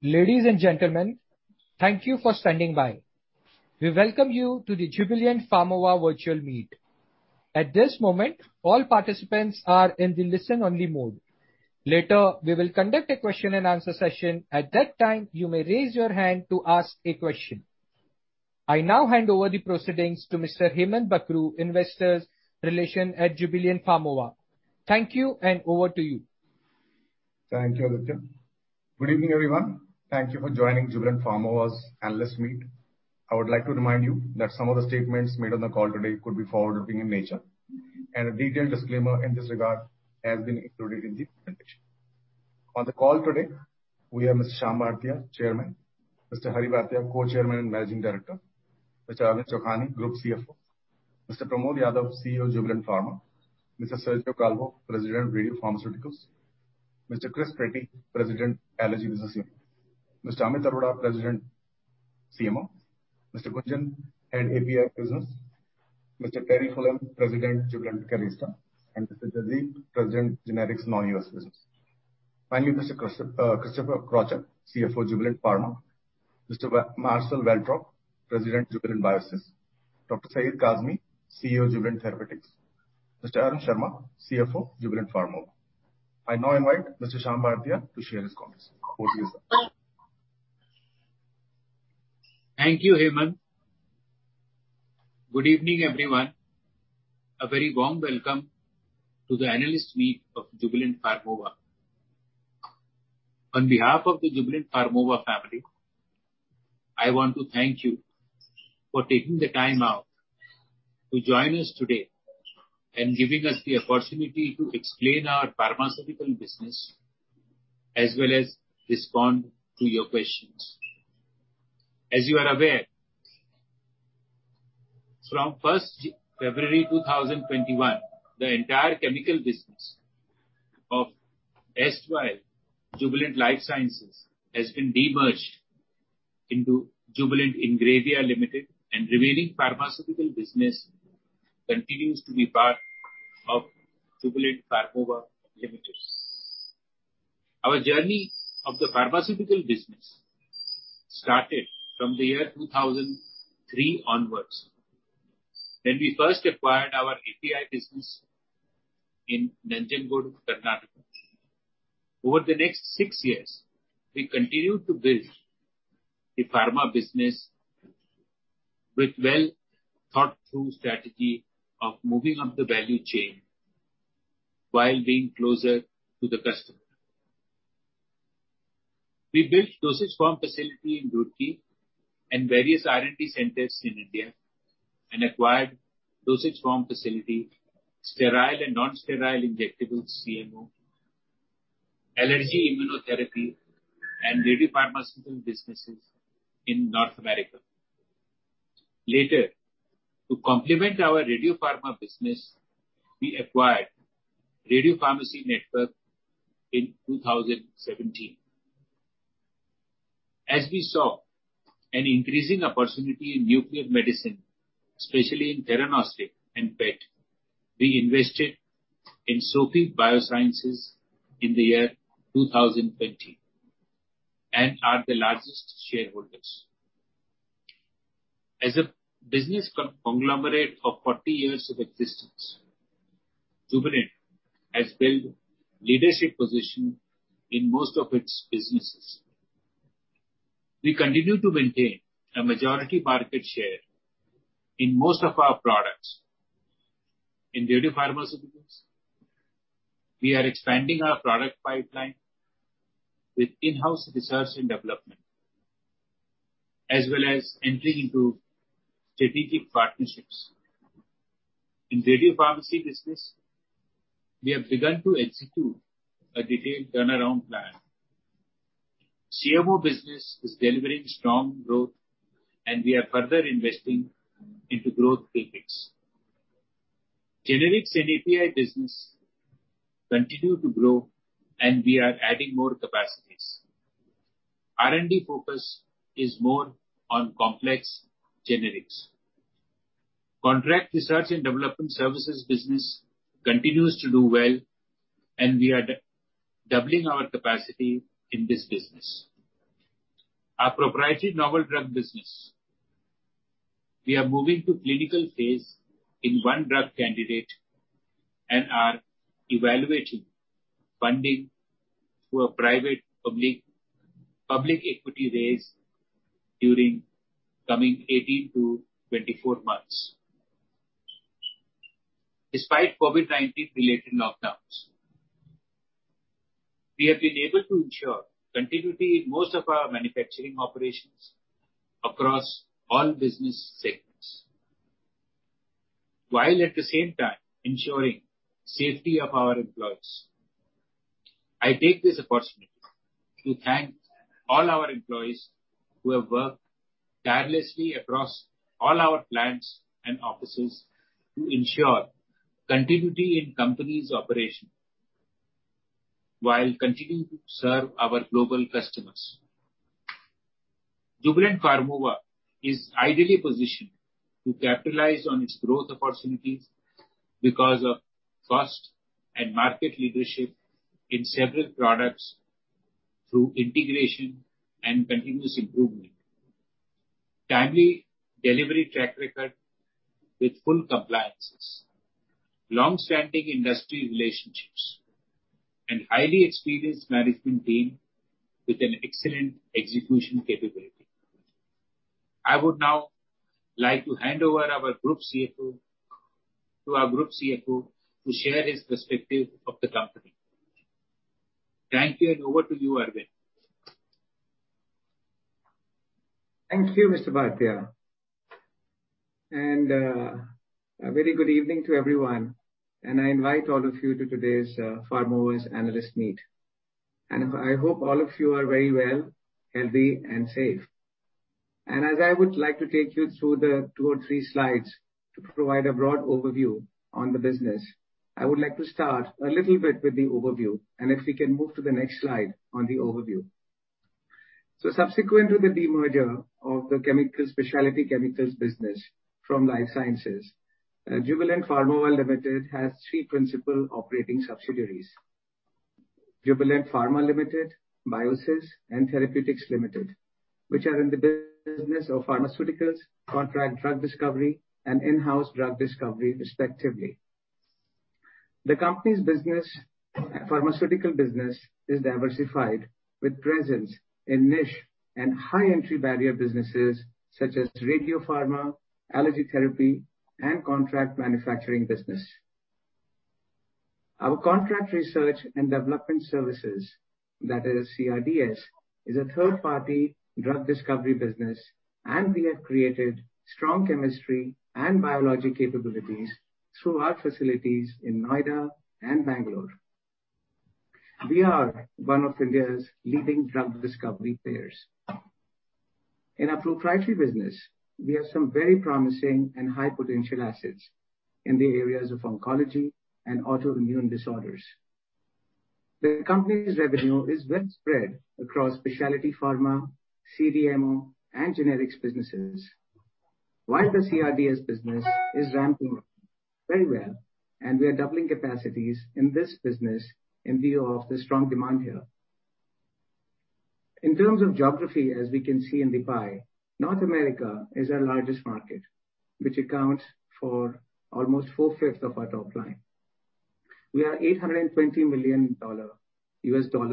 Ladies and gentlemen, thank you for standing by. We welcome you to the Jubilant Pharmova Virtual Meet. At this moment, all participants are in the listen-only mode. Later, we will conduct a question and answer session. At that time, you may raise your hand to ask a question. I now hand over the proceedings to Mr. Hemant Bakhru, Investors Relations at Jubilant Pharmova. Thank you, and over to you. Thank you, Aditi. Good evening, everyone. Thank you for joining Jubilant Pharmova's analyst meet. I would like to remind you that some of the statements made on the call today could be forward-looking in nature, and a detailed disclaimer in this regard has been included in the presentation. On the call today, we have Mr. Shyam Bhartia, Chairman; Mr. Hari Bhartia, Co-Chairman and Managing Director; Mr. Arvind Chokhany, Group CFO; Mr. Pramod Yadav, CEO, Jubilant Pharma; Mr. Sergio Calvo, President, Radiopharmaceuticals; Mr. Chris Preti, President, Allergy and Respirology; Mr. Amit Arora, President, CMO; Mr. Gunjan Singh, Head, API Business; Mr. Terry Fullem, President, Jubilant Cadista; and Mr. Jasdeep, President, Generics and Non-U.S. Business. Finally, Mr. Christopher Krawtschuk, CFO, Jubilant Pharma; Mr. Marcel Velterop, President, Jubilant Biosys; Dr. Syed Kazmi, CEO, Jubilant Therapeutics; Mr. Arun Kumar Sharma, CFO, Jubilant Pharmova. I now invite Mr. Shyam Bhartia to share his comments. Over to you, sir. Thank you, Hemant. Good evening, everyone. A very warm welcome to the analyst meet of Jubilant Pharmova. On behalf of the Jubilant Pharmova family, I want to thank you for taking the time out to join us today and giving us the opportunity to explain our pharmaceutical business as well as respond to your questions. As you are aware, from February 1st, 2021, the entire chemical business of Jubilant Life Sciences, has been de-merged into Jubilant Ingrevia Limited, and the remaining pharmaceutical business continues to be part of Jubilant Pharmova Limited. Our journey of the pharmaceutical business started from the year 2003 onwards when we first acquired our API business in Nanjangud, Karnataka. Over the next six years, we continued to build the pharma business with a well-thought-through strategy of moving up the value chain while being closer to the customer. We built dosage form facility in Roorkee and various R&D centers in India and acquired dosage form facility, Sterile and Non-Sterile Injectable CMO, Allergy Immunotherapy, and Radiopharmaceutical businesses in North America. Later, to complement our Radiopharma business, we acquired Radiopharmacy Network in 2017. As we saw an increasing opportunity in nuclear medicine, especially in theranostics and PET, we invested in SOFIE Biosciences in the year 2020 and are the largest shareholders. As a business conglomerate of 40 years of existence, Jubilant has built a leadership position in most of its businesses. We continue to maintain a majority market share in most of our products. In Radiopharmaceuticals, we are expanding our product pipeline with in-house research and development as well as entering into strategic partnerships. In Radiopharmacy business, we have begun to execute a detailed turnaround plan. CMO business is delivering strong growth, and we are further investing into growth CapEx. Generics and API business continue to grow, and we are adding more capacities. R&D focus is more on complex generics. Contract Research and Development Services business continues to do well, and we are doubling our capacity in this business. Our Proprietary Novel Drug business, we are moving to clinical phase in one drug candidate and are evaluating funding through a private public equity raise during coming 18-24 months. Despite COVID-19-related lockdowns, we have been able to ensure continuity in most of our manufacturing operations across all business segments while at the same time ensuring safety of our employees. I take this opportunity to thank all our employees who have worked tirelessly across all our plants and offices to ensure continuity in company's operation while continuing to serve our global customers. Jubilant Pharmova is ideally positioned to capitalize on its growth opportunities because of cost and market leadership in several products through integration and continuous improvement, timely delivery track record with full compliances, longstanding industry relationships and highly experienced management team with an excellent execution capability. I would now like to hand over to our Group CFO to share his perspective of the company. Thank you. Over to you, Arvind. Thank you, Mr. Bhartia. A very good evening to everyone, and I invite all of you to today's Jubilant Pharmova's analyst meet. I hope all of you are very well, healthy and safe. As I would like to take you through the two or three slides to provide a broad overview on the business, I would like to start a little bit with the overview and if we can move to the next slide on the overview. Subsequent to the demerger of the chemical specialty chemicals business from Jubilant Life Sciences, Jubilant Pharmova Limited has three principal operating subsidiaries: Jubilant Pharma Limited, Jubilant Biosys and Jubilant Therapeutics, which are in the business of pharmaceuticals, contract drug discovery and in-house drug discovery respectively. The company's pharmaceutical business is diversified with presence in niche and high entry barrier businesses such as Radiopharma, allergy therapy and contract manufacturing business. Our Contract Research and Development Services, that is CRDS, is a third-party drug discovery business and we have created strong chemistry and biology capabilities through our facilities in Noida and Bangalore. We are one of India's leading drug discovery players. In our proprietary business, we have some very promising and high potential assets in the areas of oncology and autoimmune disorders. The company's revenue is well spread across specialty pharma, CDMO and generics businesses, while the CRDS business is ramping up very well and we are doubling capacities in this business in view of the strong demand here. In terms of geography, as we can see in the pie, North America is our largest market which accounts for almost 4/5 of our top line. We are $820 million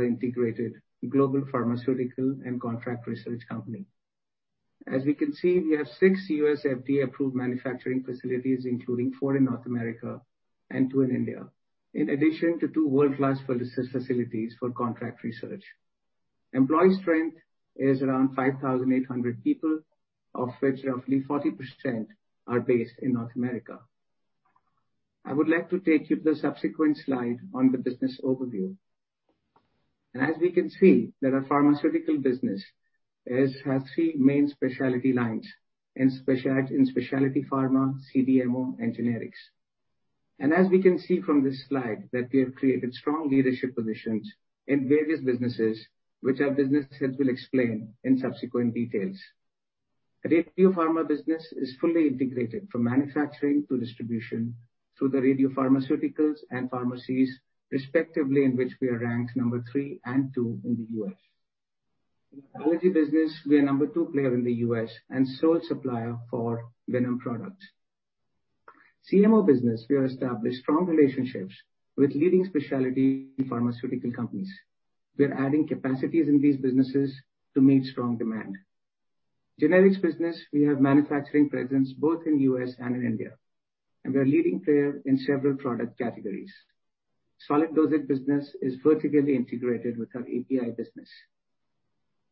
integrated global pharmaceutical and contract research company. As you can see, we have 6 U.S. FDA-approved manufacturing facilities including four in North America and two in India, in addition to two world-class facilities for contract research. Employee strength is around 5,800 people, of which roughly 40% are based in North America. I would like to take you to the subsequent slide on the business overview. We can see that our pharmaceutical business has three main specialty lines in Specialty Pharma, CDMO and Generics. We can see from this slide that we have created strong leadership positions in various businesses which our businesses will explain in subsequent details. Radiopharma business is fully integrated from manufacturing to distribution through the radiopharmaceuticals and pharmacies respectively, in which we are ranked number three and two in the U.S. In allergy business, we are number two player in the U.S. and sole supplier for venom products. CMO business, we have established strong relationships with leading specialty pharmaceutical companies. We're adding capacities in these businesses to meet strong demand. Generics business, we have manufacturing presence both in the U.S. and in India, we are leading player in several product categories. Solid dosage business is vertically integrated with our API business.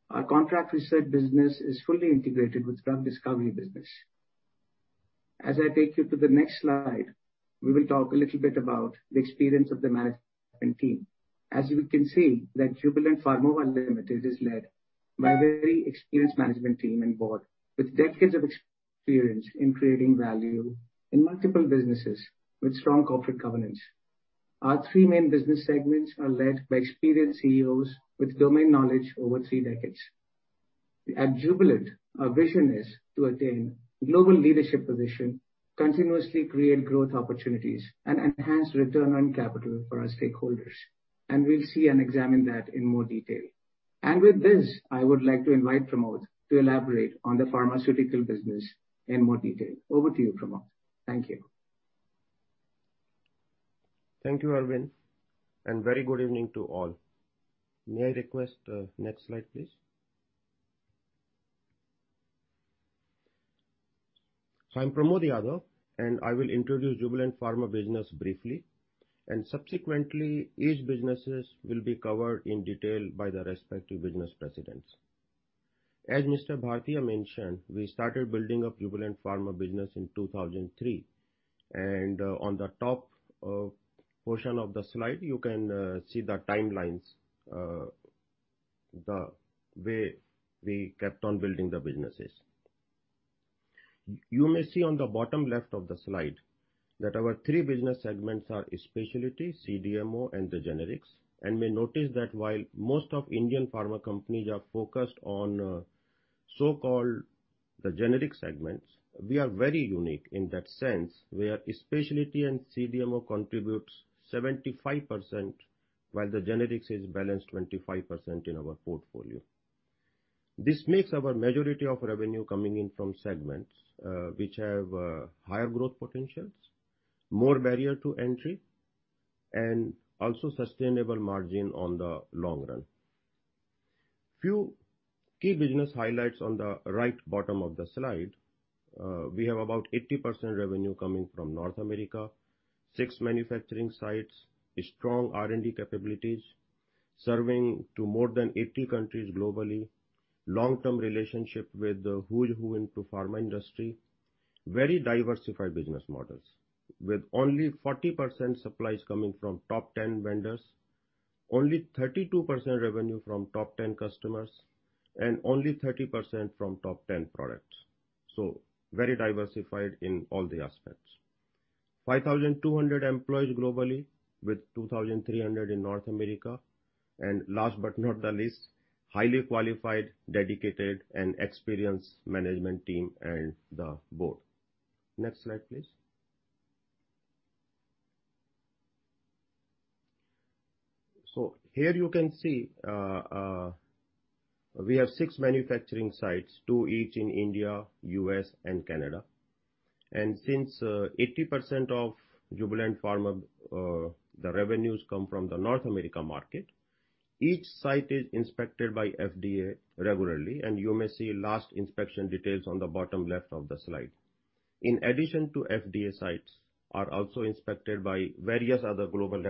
Our Contract Research business is fully integrated with our discovery business. As I take you to the next slide, we will talk a little bit about the experience of the management team. As we can see that Jubilant Pharmova Limited is led by a very experienced management team and board with decades of experience in creating value in multiple businesses with strong corporate governance. Our three main business segments are led by experienced CEOs with domain knowledge over three decades. At Jubilant, our vision is to attain global leadership position, continuously create growth opportunities and enhance return on capital for our stakeholders, and we'll see and examine that in more detail. With this, I would like to invite Pramod to elaborate on the pharmaceutical business in more detail. Over to you, Pramod. Thank you. Thank you, Arvind. Very good evening to all. May I request next slide, please. I'm Pramod Yadav. I will introduce Jubilant Pharma business briefly and subsequently each businesses will be covered in detail by the respective business presidents. As Mr. Bhartia mentioned, we started building up Jubilant Pharma business in 2003. On the top portion of the slide you can see the timelines, the way we kept on building the businesses. You may see on the bottom left of the slide that our three business segments are Specialty, CDMO, the generics. may notice that while most of Indian pharma companies are focused on so-called the generic segments, we are very unique in that sense, where specialty and CDMO contributes 75%, the generics is balanced 25% in our portfolio. This makes our majority of revenue coming in from segments which have higher growth potentials, more barrier to entry, and also sustainable margin on the long run. Few key business highlights on the right bottom of the slide. We have about 80% revenue coming from North America, six manufacturing sites, strong R&D capabilities, serving to more than 80 countries globally, long-term relationship with the who's who in pharma industry, very diversified business models with only 40% supplies coming from top 10 vendors, only 32% revenue from top 10 customers, and only 30% from top 10 products. Very diversified in all the aspects. 5,200 employees globally with 2,300 in North America. Last but not the least, highly qualified, dedicated, and experienced management team and the board. Next slide, please. Here you can see we have six manufacturing sites, two each in India, U.S., and Canada. Since 80% of Jubilant Pharma's revenues come from the North America market, each site is inspected by FDA regularly, and you may see last inspection details on the bottom left of the slide. In addition to FDA sites, are also inspected by various other global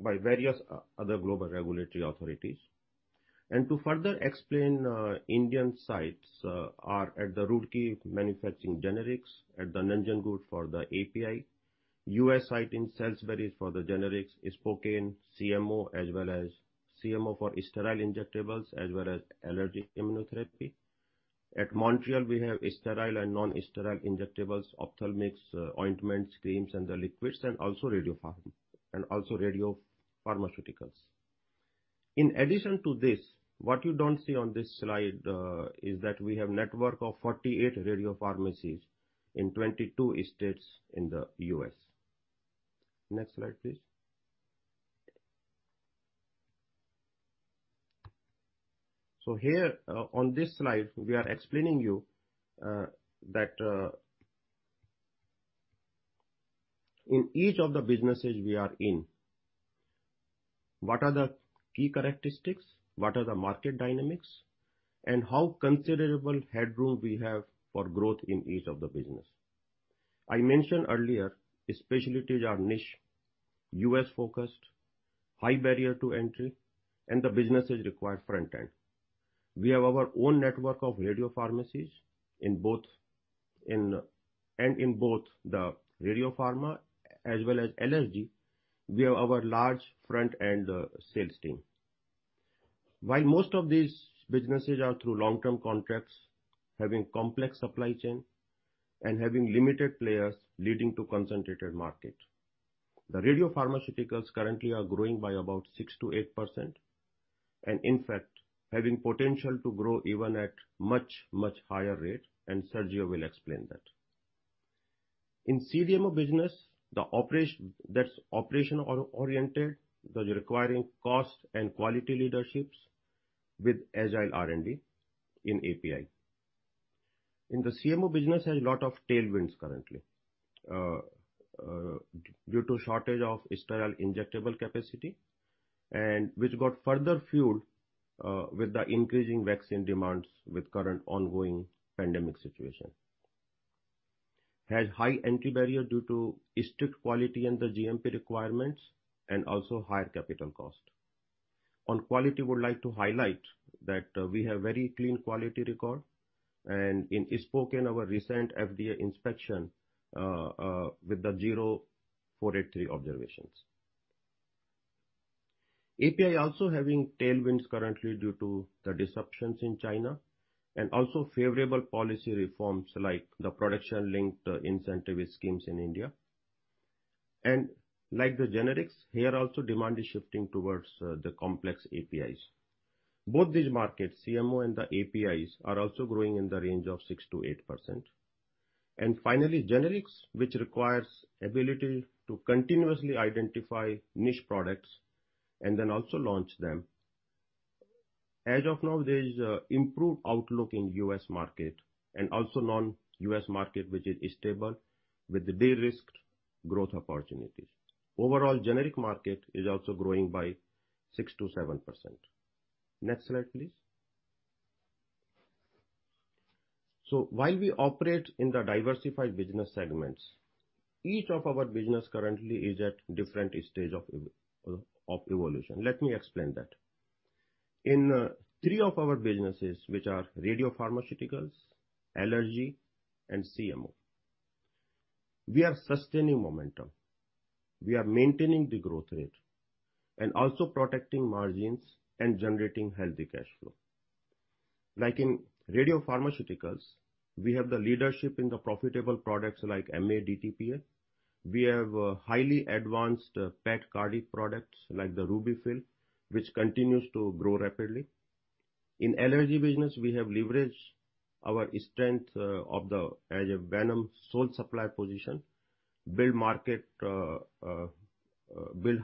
regulatory authorities. To further explain Indian sites are at the Roorkee manufacturing generics, at the Nanjangud for the API, U.S. site in Salisbury is the generics, spokane CMO, as well as CMO for sterile injectables, as well as allergy immunotherapy. At Montreal, we have sterile and non-sterile injectables, ophthalmics, ointments, creams and the liquids, and also radiopharmaceuticals. In addition to this, what you don't see on this slide is that we have network of 48 radiopharmacies in 22 states in the U.S. Next slide, please. Here on this slide, we are explaining you that in each of the businesses we are in, what are the key characteristics, what are the market dynamics, and how considerable headroom we have for growth in each of the business. I mentioned earlier, specialties are niche, U.S.-focused, high barrier to entry, and the businesses require front end. We have our own network of radiopharmacies and in both the Radiopharma as well as Allergy, we have our large front-end sales team. While most of these businesses are through long-term contracts, having complex supply chain and having limited players leading to concentrated market. The Radiopharmaceuticals currently are growing by about 6%-8%, and in fact, having potential to grow even at much, much higher rate, and Sergio will explain that. In CDMO business, that's operation-oriented, requiring cost and quality leaderships with agile R&D in API. In the CMO business there's a lot of tailwinds currently due to shortage of sterile injectable capacity, and which got further fueled with the increasing vaccine demands with current ongoing pandemic situation. Has high entry barrier due to strict quality and the GMP requirements and also high capital cost. On quality, would like to highlight that we have very clean quality record and in Spokane our recent FDA inspection with the zero Form 483 observations. API also having tailwinds currently due to the disruptions in China and also favorable policy reforms like the Production Linked Incentive schemes in India. the generics, here also demand is shifting towards the complex APIs. Both these markets, CMO and the APIs, are also growing in the range of 6%-8%. Finally, generics, which requires ability to continuously identify niche products and then also launch them. As of now, there is improved outlook in U.S. market and also non-U.S. market, which is stable with the de-risked growth opportunities. Overall generic market is also growing by 6%-7%. Next slide, please. While we operate in the diversified business segments, each of our business currently is at different stage of evolution. Let me explain that. In 3 of our businesses, which are Radiopharmaceuticals, Allergy, and CMO, we are sustaining momentum. We are maintaining the growth rate and also protecting margins and generating healthy cash flow. Like in Radiopharmaceuticals, we have the leadership in the profitable products like MAA-DTPA. We have highly advanced PET cardiac products like the RUBY-FILL, which continues to grow rapidly. In Allergy business, we have leveraged our strength of the allergy venom sole supply position, build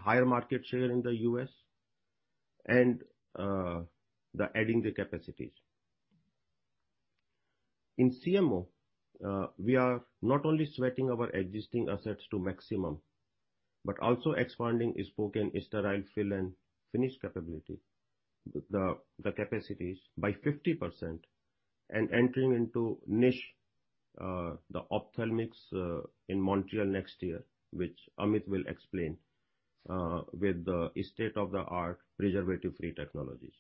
higher market share in the U.S., and adding the capacities. In CMO, we are not only sweating our existing assets to maximum, but also expanding Spokane sterile fill and finish capability, the capacities by 50%, and entering into niche, the ophthalmics in Montreal next year, which Amit will explain with the state-of-the-art preservative-free technologies.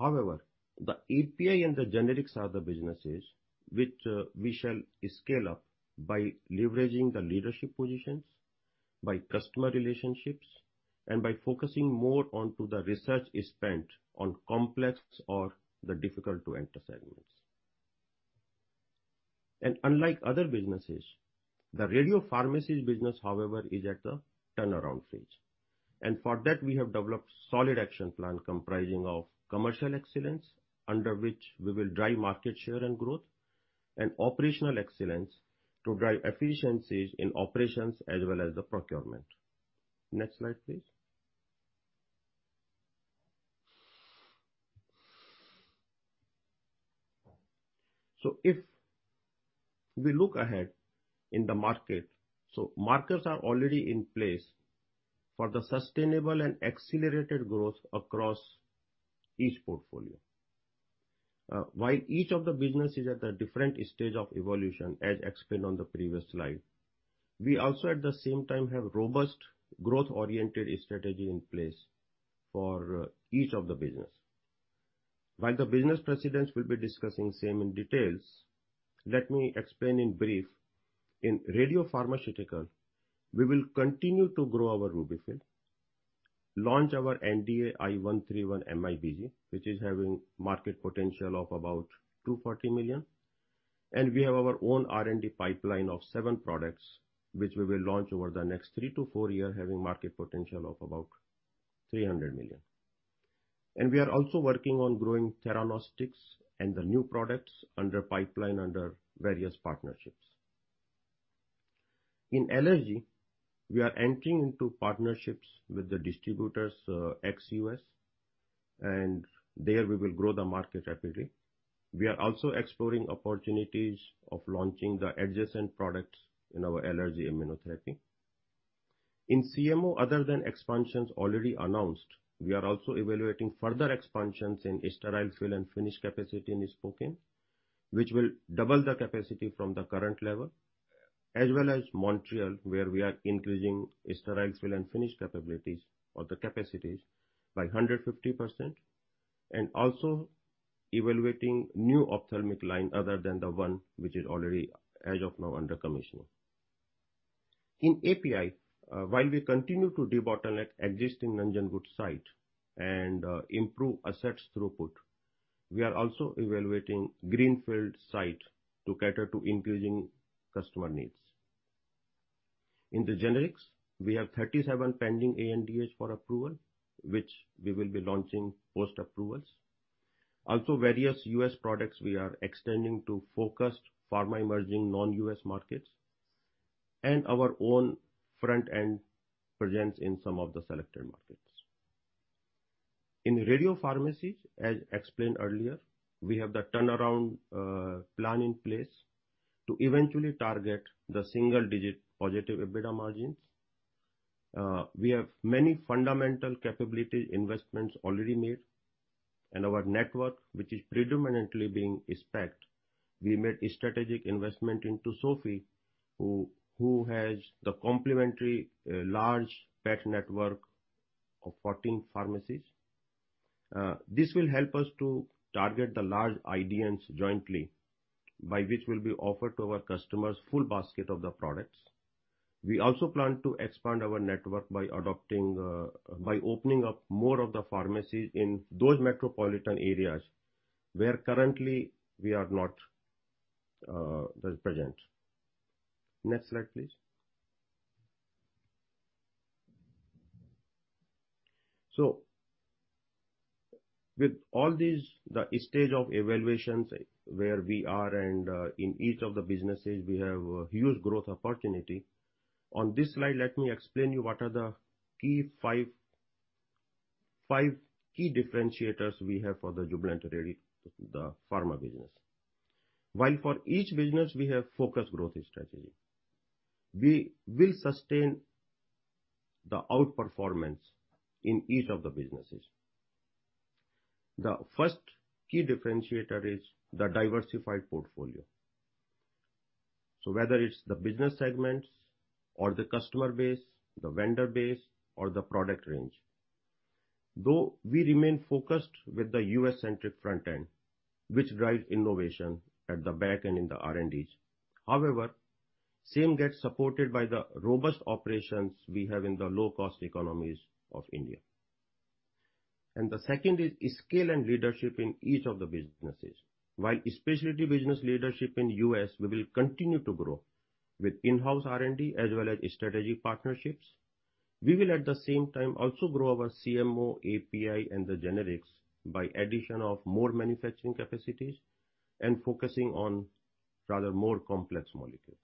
However, the API the generics are the businesses which we shall scale up by leveraging the leadership positions, by customer relationships, and by focusing more onto the research spent on complex or the difficult to enter segments. Unlike other businesses, the Radiopharmaceuticals business, however, is at a turnaround phase. For that, we have developed solid action plan comprising of commercial excellence, under which we will drive market share and growth, and operational excellence to drive efficiencies in operations as well as the procurement. Next slide, please. If we look ahead in the market, markets are already in place for the sustainable and accelerated growth across each portfolio. Each of the business is at a different stage of evolution, as explained on the previous slide, we also at the same time have robust growth-oriented strategy in place for each of the business. The business presidents will be discussing same in details, let me explain in brief. In Radiopharmaceutical, we will continue to grow our RUBY-FILL, launch our NDA I-131 MIBG, which is having market potential of about $240 million. We have our own R&D pipeline of seven products, which we will launch over the next three to four years, having market potential of about $300 million. We are also working on growing theranostics and the new products under pipeline under various partnerships. In Allergy, we are entering into partnerships with the distributors ex-U.S., and there we will grow the market rapidly. We are also exploring opportunities of launching the adjacent products in our allergy immunotherapy. In CMO, other than expansions already announced, we are also evaluating further expansions in sterile fill and finish capacity in Spokane, which will double the capacity from the current level, as well as Montreal, where we are increasing sterile fill and finish capabilities or the capacities by 150%, and also evaluating new ophthalmic line other than the one which is already as of now under commission. In API, while we continue to debottleneck existing Nanjangud site and improve assets throughput, we are also evaluating greenfield site to cater to increasing customer needs. the generics, we have 37 pending ANDAs for approval, which we will be launching post-approvals. Various U.S. products we are extending to focused pharma emerging non-U.S. markets and our own front-end presence in some of the selected markets. In Radiopharmaceuticals, as explained earlier, we have the turnaround plan in place to eventually target the single-digit positive EBITDA margins. We have many fundamental capability investments already made in our network, which is predominantly being SPECT. We made strategic investment into SOFIE Biosciences, who has the complementary large PET network of 14 pharmacies. This will help us to target the large IDNs jointly, by which will be offered to our customers full basket of the products. We plan to expand our network by opening up more of the pharmacies in those metropolitan areas where currently we are not present. Next slide, please. With all these, the stage of evaluations where we are and in each of the businesses, we have a huge growth opportunity. On this slide, let me explain you what are the five key differentiators we have for the Jubilant Pharmova business. While for each business we have focused growth strategy, we will sustain the outperformance in each of the businesses. The first key differentiator is the diversified portfolio. Whether it's the business segments or the customer base, the vendor base or the product range. Though we remain focused with the U.S.-centric front end, which drives innovation at the back and in the R&Ds. However, same gets supported by the robust operations we have in the low-cost economies of India. The second is scale and leadership in each of the businesses. While Specialty business leadership in U.S. will continue to grow with in-house R&D as well as strategic partnerships, we will at the same time also grow our CMO, API, the generics by addition of more manufacturing capacities and focusing on rather more complex molecules.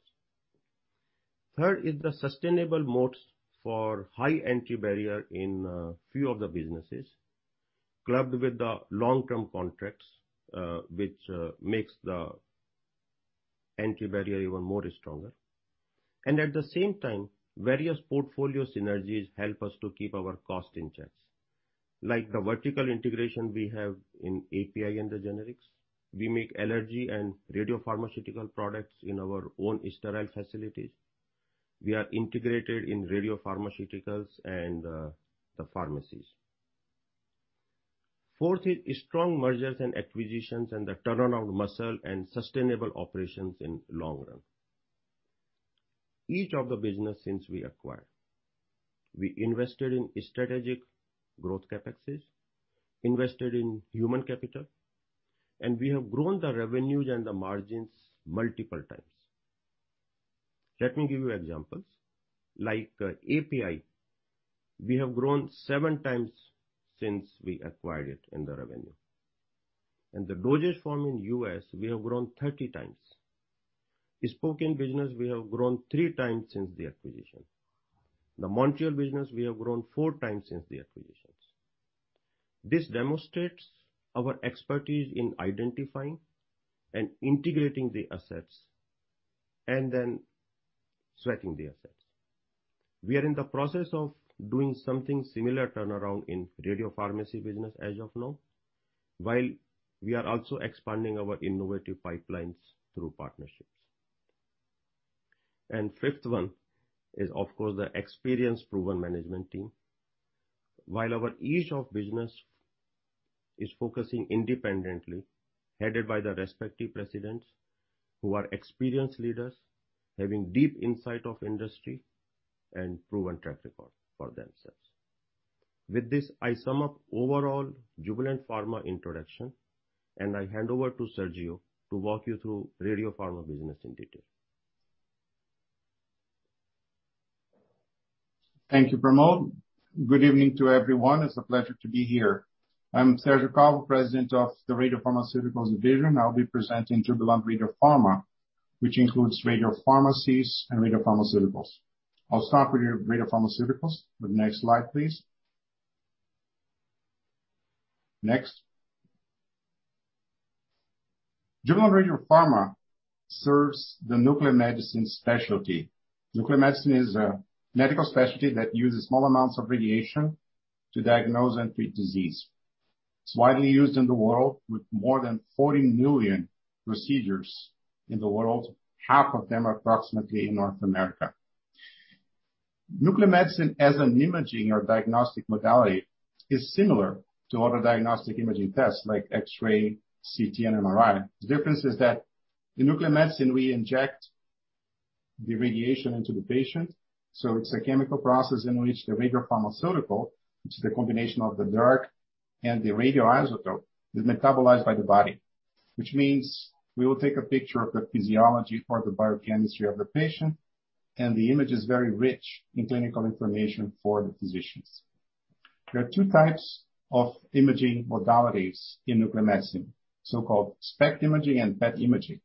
Third is the sustainable moats for high entry barrier in a few of the businesses, clubbed with the long-term contracts, which makes the entry barrier even more stronger. At the same time, various portfolio synergies help us to keep our cost in checks. Like the vertical integration we have in API the generics. we make energy and radiopharmaceutical products in our own sterile facilities. We are integrated in radiopharmaceuticals and the pharmacies. Fourth is strong mergers and acquisitions and the turnaround muscle and sustainable operations in long run. Each of the business since we acquired, we invested in strategic growth CapEx, invested in human capital, we have grown the revenues and the margins multiple times. Let me give you examples. Like API, we have grown 7x since we acquired it in the revenue. In the dosage form in U.S., we have grown 30x. The Spokane business we have grown 3x since the acquisition. The Montreal business we have grown 4x since the acquisitions. This demonstrates our expertise in identifying and integrating the assets and then sweating the assets. We are in the process of doing something similar turnaround in Radiopharmacy business as of now, while we are also expanding our innovative pipelines through partnerships. Fifth one is, of course, the experience-proven management team. While our each of business is focusing independently, headed by the respective presidents who are experienced leaders having deep insight of industry and proven track record for themselves. With this, I sum up overall Jubilant Pharma introduction, and I hand over to Sergio to walk you through Radiopharma business in detail. Thank you, Pramod. Good evening to everyone. It's a pleasure to be here. I'm Sergio Calvo, President of the Radiopharmaceuticals Division. I'll be presenting Jubilant Radiopharma, which includes radiopharmacies and radiopharmaceuticals. I'll start with Radiopharmaceuticals with next slide, please. Next. Jubilant Radiopharma serves the nuclear medicine specialty. Nuclear medicine is a medical specialty that uses small amounts of radiation to diagnose and treat disease. It's widely used in the world with more than 40 million procedures in the world, half of them approximately in North America. Nuclear medicine as an imaging or diagnostic modality is similar to other diagnostic imaging tests like X-ray, CT, and MRI. The difference is that in nuclear medicine we inject the radiation into the patient, so it's a chemical process in which the radiopharmaceutical, which is the combination of the drug and the radioisotope, is metabolized by the body. Which means we will take a picture of the physiology or the biochemistry of the patient, and the image is very rich in clinical information for the physicians. There are two types of imaging modalities in nuclear medicine, so-called SPECT imaging and PET imaging.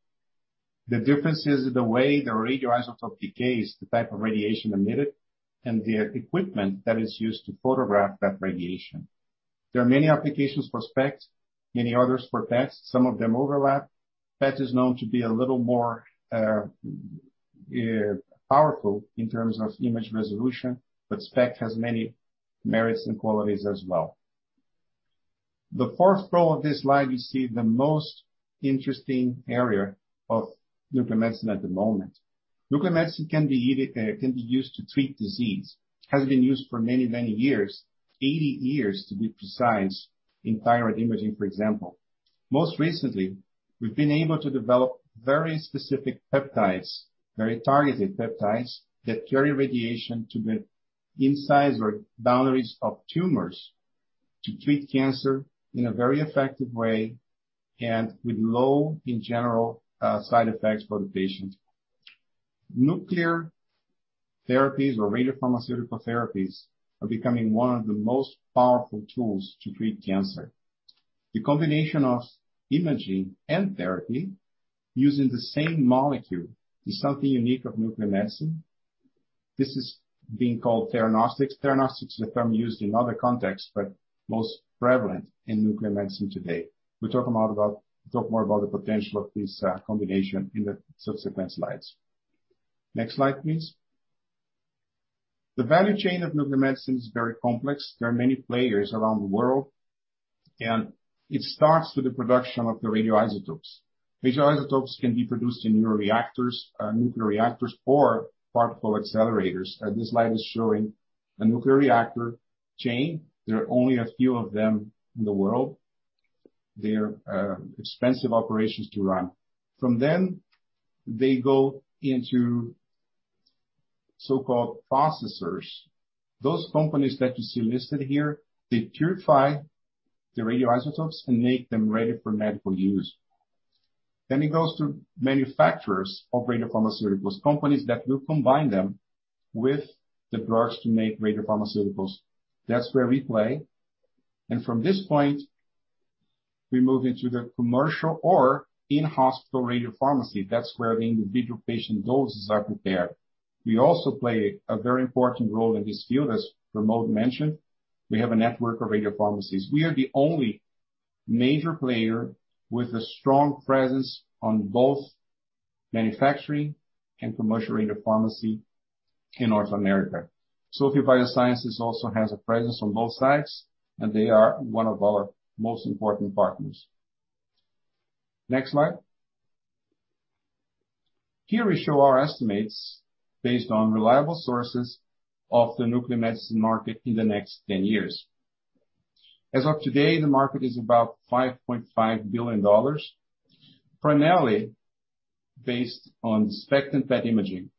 The difference is the way the radioisotope decays, the type of radiation emitted, and the equipment that is used to photograph that radiation. There are many applications for SPECT, many others for PET, some of them overlap. PET is known to be a little more powerful in terms of image resolution, but SPECT has many merits and qualities as well. The fourth row of this slide, you see the most interesting area of nuclear medicine at the moment. Nuclear medicine can be used to treat disease. It has been used for many, many years, 80 years to be precise, in thyroid imaging, for example. Most recently, we've been able to develop very specific peptides, very targeted peptides that carry radiation to the insides or boundaries of tumors to treat cancer in a very effective way and with low, in general, side effects for the patient. Nuclear therapies or radiopharmaceutical therapies are becoming one of the most powerful tools to treat cancer. The combination of imaging and therapy using the same molecule is something unique of nuclear medicine. This is being called theranostics. Theranostics is a term used in other contexts, but most prevalent in nuclear medicine today. We'll talk more about the potential of this combination in the subsequent slides. Next slide, please. The value chain of nuclear medicine is very complex. There are many players around the world. It starts with the production of the radioisotopes. Radioisotopes can be produced in nuclear reactors or particle accelerators. This slide is showing a nuclear reactor chain. There are only a few of them in the world. They're expensive operations to run. From them, they go into so-called processors. Those companies that you see listed here, they purify the radioisotopes and make them ready for medical use. It goes to manufacturers of radiopharmaceuticals, companies that will combine them with the drugs to make radiopharmaceuticals. That's where we play. From this point, we move into the commercial or in-hospital radiopharmacy. That's where the individual patient doses are prepared. We also play a very important role in this field, as Pramod Yadav mentioned. We have a network of radiopharmacies. We are the only major player with a strong presence on both manufacturing and commercial radiopharmacy in North America. SOFIE Biosciences also has a presence on both sides, and they are one of our most important partners. Next slide. Here we show our estimates based on reliable sources of the nuclear medicine market in the next 10 years. As of today, the market is about $5.5 billion. Primarily based on SPECT and PET imaging.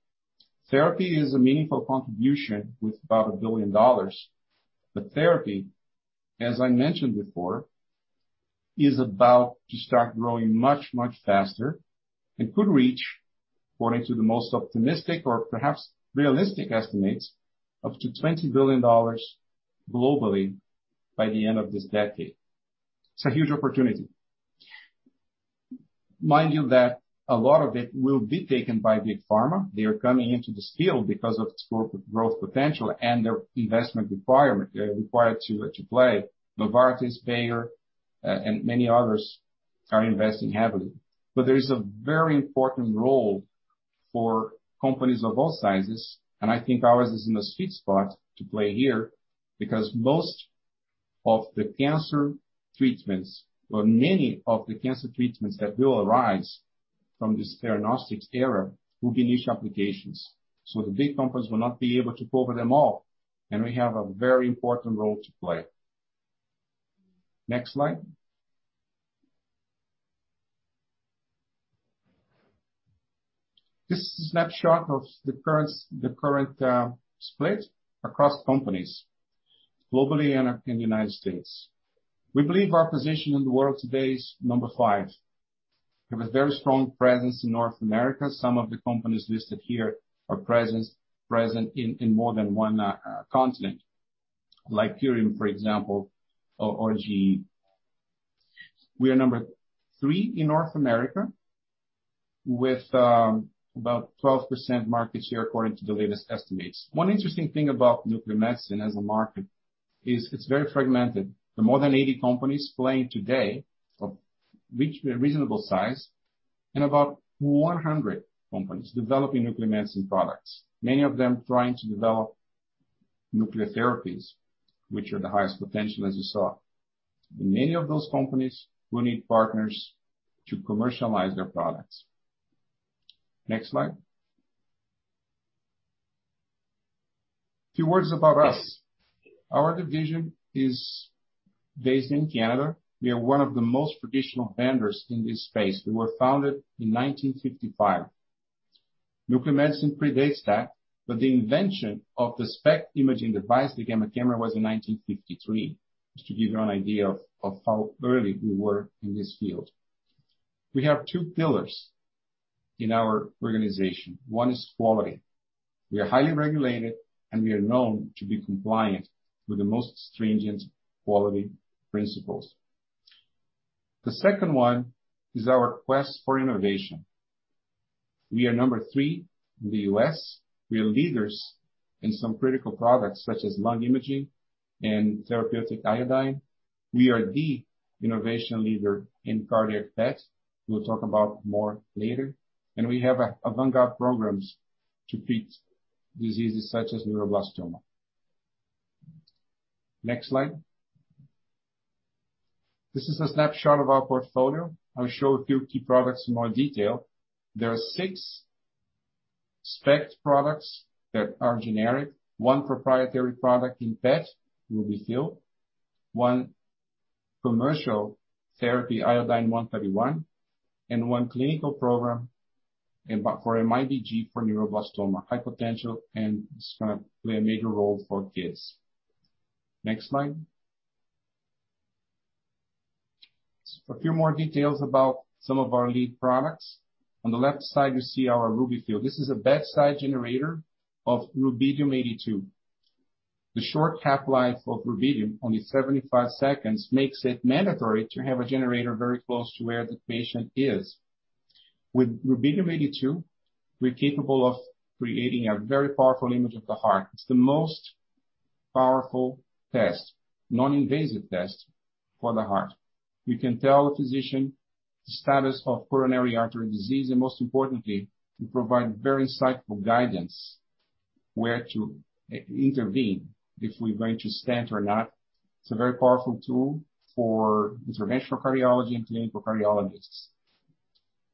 Therapy is a meaningful contribution with about $1 billion. Therapy, as I mentioned before, is about to start growing much, much faster and could reach, according to the most optimistic or perhaps realistic estimates, up to $20 billion globally by the end of this decade. It is a huge opportunity. Mind you that a lot of it will be taken by Big Pharma. They are coming into this field because of its growth potential and their investment requirement. They are required to play. Novartis, Bayer, and many others are investing heavily. There is a very important role for companies of all sizes, and I think ours is in a sweet spot to play here because most of the cancer treatments or many of the cancer treatments that will arise from this theranostics era will be niche applications. The big companies will not be able to cover them all, and we have a very important role to play. Next slide. This is a snapshot of the current split across companies globally and in the U.S. We believe our position in the world today is number five. We have a very strong presence in North America. Some of the companies listed here are present in more than one continent, like Curium, for example, or GE. We are number three in North America with about 12% market share, according to the latest estimates. One interesting thing about nuclear medicine as a market is it's very fragmented. There are more than 80 companies playing today of reasonable size and about 100 companies developing nuclear medicine products, many of them trying to develop nuclear therapies, which are the highest potential, as you saw. Many of those companies will need partners to commercialize their products. Next slide. A few words about us. Our division is based in Canada. We are one of the most traditional vendors in this space. We were founded in 1955. Nuclear medicine predates that, but the invention of the SPECT imaging device, the gamma camera, was in 1953. Just to give you an idea of how early we were in this field. We have two pillars in our organization. One is quality. We are highly regulated, and we are known to be compliant with the most stringent quality principles. The second one is our quest for innovation. We are number three in the U.S. We are leaders in some critical products such as lung imaging and therapeutic iodine. We are the innovation leader in cardiac PET. We'll talk about more later. We have avant-garde programs to treat diseases such as neuroblastoma. Next slide. This is a snapshot of our portfolio. I'll show a few key products in more detail. There are six SPECT products that are generic, one proprietary product in PET, RUBY-FILL, one commercial therapy, iodine-131, and one clinical program for MIBG for neuroblastoma, high potential, and it's going to play a major role for kids. Next slide. A few more details about some of our lead products. On the left side, you see our RUBY-FILL. This is a bedside generator of rubidium-82. The short half-life of rubidium, only 75 seconds, makes it mandatory to have a generator very close to where the patient is. With rubidium-82, we're capable of creating a very powerful image of the heart. It's the most powerful test, non-invasive test for the heart. We can tell a physician the status of coronary artery disease, and most importantly, we provide very insightful guidance where to intervene if we're going to stent or not. It's a very powerful tool for interventional cardiology and clinical cardiologists.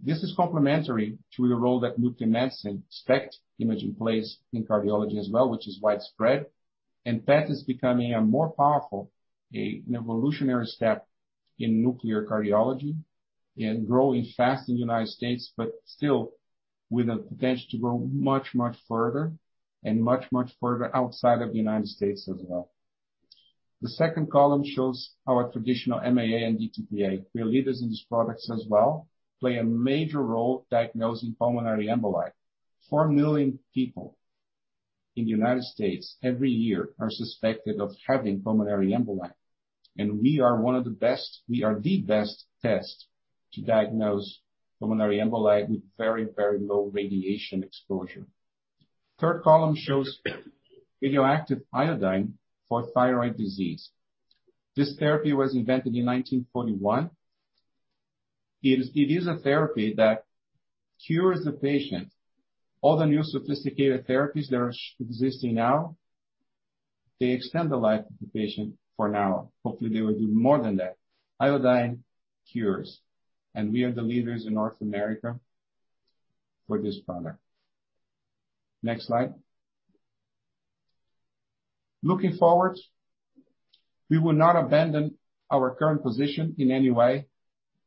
This is complementary to the role that nuclear medicine SPECT imaging plays in cardiology as well, which is widespread, and PET is becoming a more powerful, an evolutionary step in nuclear cardiology and growing fast in the United States, but still with a potential to grow much, much further and much, much further outside of the United States as well. The second column shows how our traditional MAA and DTPA, we are leaders in these products as well, play a major role in diagnosing pulmonary emboli. 4 million people in the U.S. every year are suspected of having pulmonary emboli, we are the best test to diagnose pulmonary emboli with very, very low radiation exposure. Third column shows radioactive iodine for thyroid disease. This therapy was invented in 1941. It is a therapy that cures the patient. All the new sophisticated therapies that are existing now, they extend the life of the patient, for now. Hopefully, they will do more than that. iodine cures, we are the leaders in North America for this product. Next slide. Looking forward, we will not abandon our current position in any way,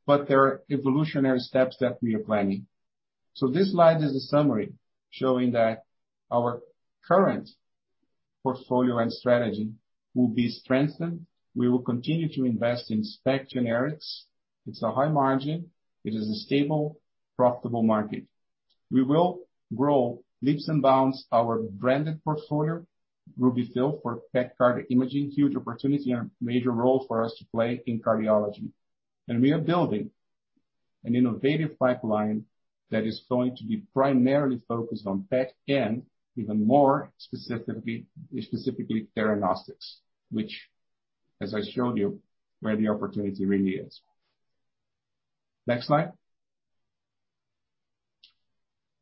there are evolutionary steps that we are planning. This slide is a summary showing that our current portfolio and strategy will be strengthened. We will continue to invest in SPECT generics. It's a high margin. It is a stable, profitable market. We will grow leaps and bounds our branded portfolio, RUBY-FILL for PET cardiac imaging, huge opportunity and a major role for us to play in cardiology. We are building an innovative pipeline that is going to be primarily focused on PET and even more specifically diagnostics, which, as I showed you, where the opportunity really is. Next slide.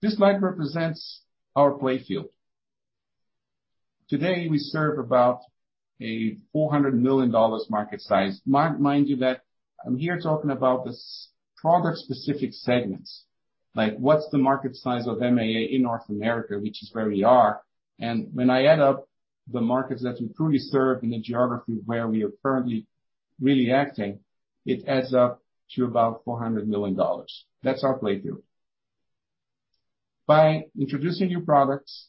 This slide represents our playfield. Today, we serve about a $400 million market size. Mind you that I'm here talking about the product specific segments, like what's the market size of MAA in North America, which is where we are. When I add up the markets that we currently serve in the geography where we are currently really acting, it adds up to about $400 million. That's our playfield. By introducing new products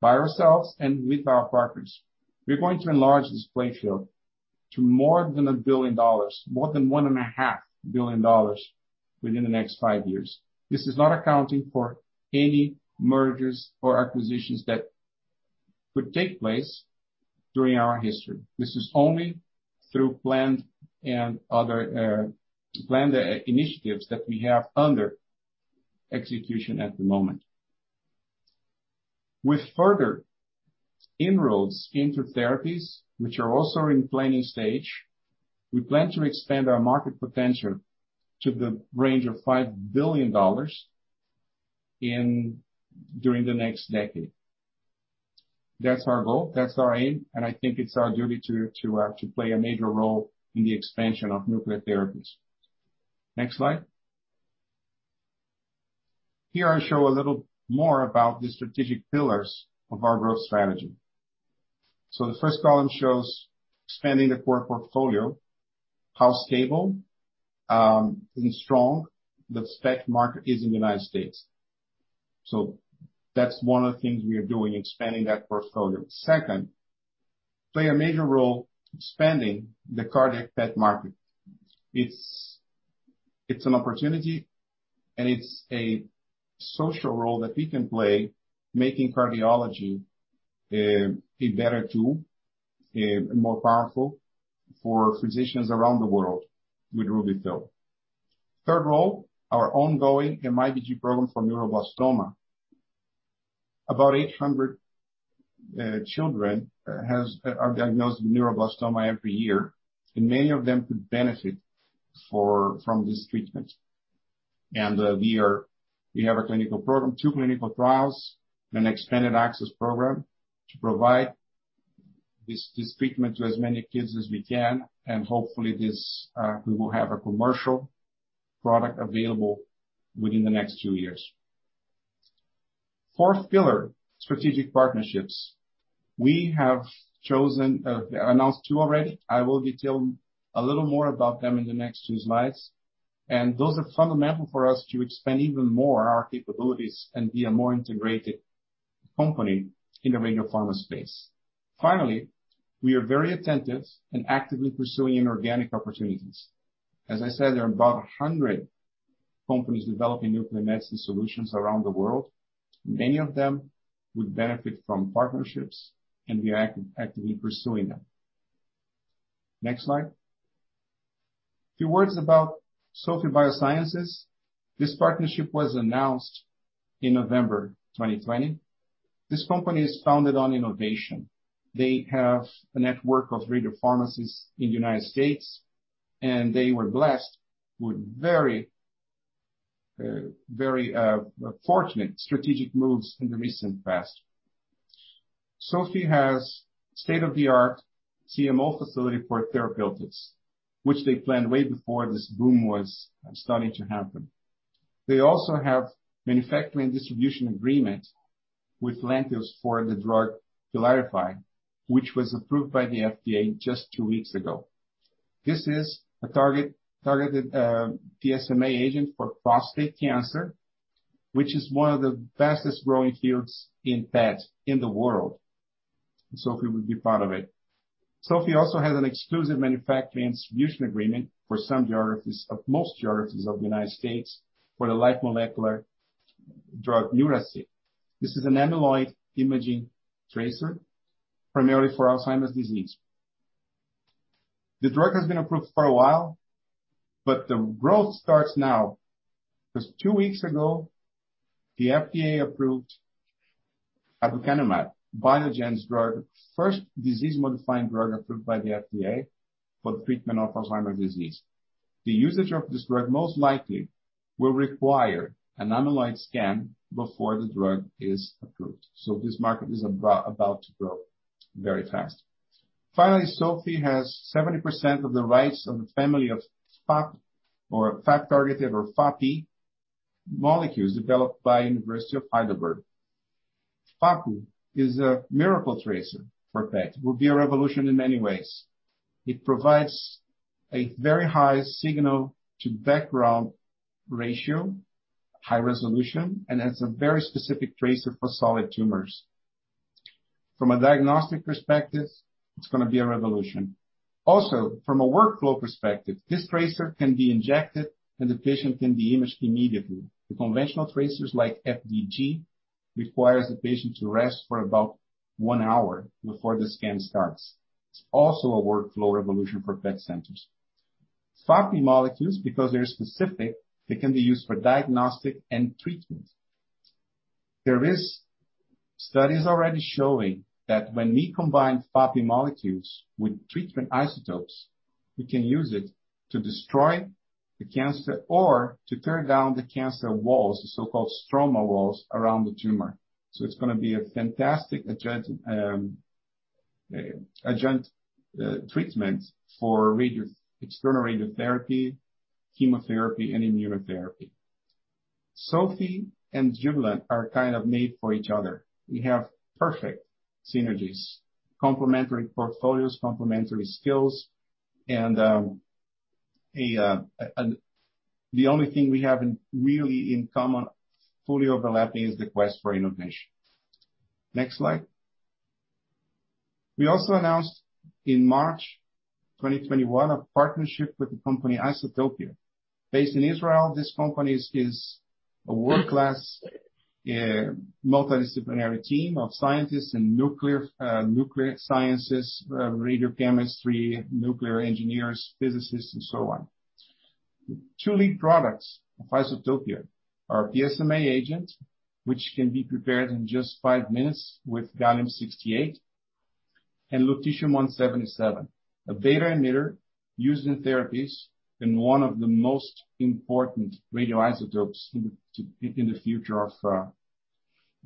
by ourselves and with our partners, we're going to enlarge this playfield to more than $1 billion, more than $1.5 billion within the next five years. This is not accounting for any mergers or acquisitions that could take place during our history. This is only through planned initiatives that we have under execution at the moment. With further inroads into therapies, which are also in planning stage, we plan to expand our market potential to the range of $5 billion during the next decade. That's our goal, that's our aim, and I think it's our duty to actually play a major role in the expansion of nuclear therapies. Next slide. Here I show a little more about the strategic pillars of our growth strategy. The first column shows expanding the core portfolio, how stable and strong the SPECT market is in the U.S. That's one of the things we are doing, expanding that portfolio. Second, play a major role expanding the cardiac PET market. It's an opportunity, and it's a social role that we can play making cardiology a better tool and more powerful for physicians around the world with RUBY-FILL. Third role, our ongoing MIBG program for neuroblastoma. About 800 children are diagnosed with neuroblastoma every year, and many of them could benefit from this treatment. We have a clinical program, two clinical trials, an expanded access program to provide this treatment to as many kids as we can, and hopefully, we will have a commercial product available within the next 2 years. Fourth pillar, strategic partnerships. We have announced two already. I will detail a little more about them in the next two slides. Those are fundamental for us to expand even more our capabilities and be a more integrated company in the radiopharma space. Finally, we are very attentive and actively pursuing inorganic opportunities. As I said, there are about 100 companies developing nuclear medicine solutions around the world. Many of them would benefit from partnerships, and we are actively pursuing them. Next slide. Few words about SOFIE Biosciences. This partnership was announced in November 2020. This company is founded on innovation. They have a network of radiopharmacies in the U.S., and they were blessed with very fortunate strategic moves in the recent past. SOFIE has state-of-the-art CMO facility for therapeutic, which they planned way before this boom was starting to happen. They also have manufacturing distribution agreement with Lantheus for the drug PYLARIFY, which was approved by the FDA just two weeks ago. This is a targeted PSMA agent for prostate cancer, which is one of the fastest-growing fields in PET in the world. SOFIE Biosciences will be part of it. SOFIE Biosciences also has an exclusive manufacturing distribution agreement for most geographies of the U.S. for the Life Molecular Imaging drug Neuraceq. This is an amyloid imaging tracer primarily for Alzheimer's disease. The drug has been approved for a while, but the road starts now because two weeks ago, the FDA approved lecanemab, Biogen's drug, first disease-modifying drug approved by the FDA for the treatment of Alzheimer's disease. The usage of this drug most likely will require an amyloid scan before the drug is approved. This market is about to grow very fast. SOFIE has 70% of the rights of the family of FAP or FAP-targeted, or FAPI molecules developed by Heidelberg University. FAP is a miracle tracer for PET. It will be a revolution in many ways. It provides a very high signal-to-background ratio, high resolution, and has a very specific tracer for solid tumors. From a diagnostic perspective, it's going to be a revolution. From a workflow perspective, this tracer can be injected, and the patient can be imaged immediately. The conventional tracers like FDG requires the patient to rest for about one hour before the scan starts. It's also a workflow revolution for PET centers. FAPI molecules, because they're specific, they can be used for diagnostic and treatment. There is studies already showing that when we combine FAPI molecules with treatment isotopes, we can use it to destroy the cancer or to tear down the cancer walls, the so-called stroma walls around the tumor. It's going to be a fantastic adjunct treatment for external radiotherapy, chemotherapy, and immunotherapy. SOFIE Biosciences and Jubilant are kind of made for each other. We have perfect synergies, complementary portfolios, complementary skills, and the only thing we have really in common, fully overlapping, is the quest for innovation. Next slide. We also announced in March 2021 a partnership with Isotopia Molecular Imaging. Based in Israel, this company is a world-class multidisciplinary team of scientists and nuclear sciences, radiochemistry, nuclear engineers, physicists and so on. Two lead products of Isotopia are a PSMA agent, which can be prepared in just five minutes with gallium-68, and lutetium-177, a beta emitter used in therapies and one of the most important radioisotopes in the future of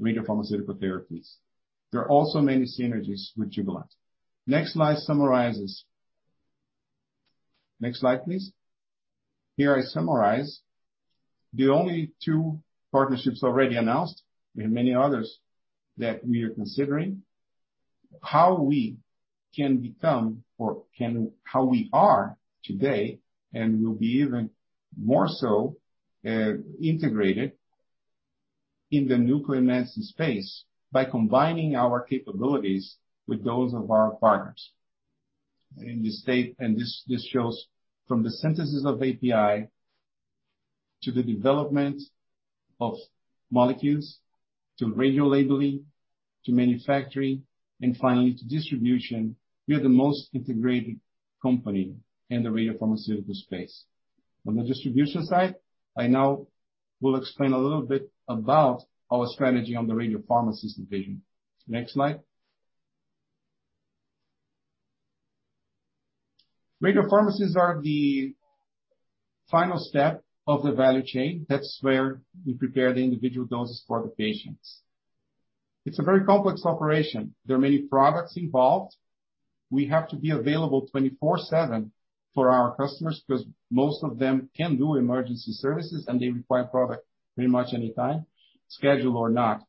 radiopharmaceutical therapies. There are also many synergies with Jubilant. Next slide summarizes. Next slide, please. Here I summarize the only two partnerships already announced. We have many others that we are considering. How we can become or how we are today and will be even more so integrated in the nuclear medicine space by combining our capabilities with those of our partners. This shows from the synthesis of API to the development of molecules, to radiolabeling, to manufacturing, and finally to distribution. We are the most integrated company in the radiopharmaceutical space. On the distribution side, I now will explain a little bit about our strategy on the Radiopharmacy division. Next slide. Radiopharmacies are the final step of the value chain. That's where we prepare the individual doses for the patients. It's a very complex operation. There are many products involved. We have to be available 24/7 for our customers because most of them can do emergency services, and they require product pretty much anytime, scheduled or not.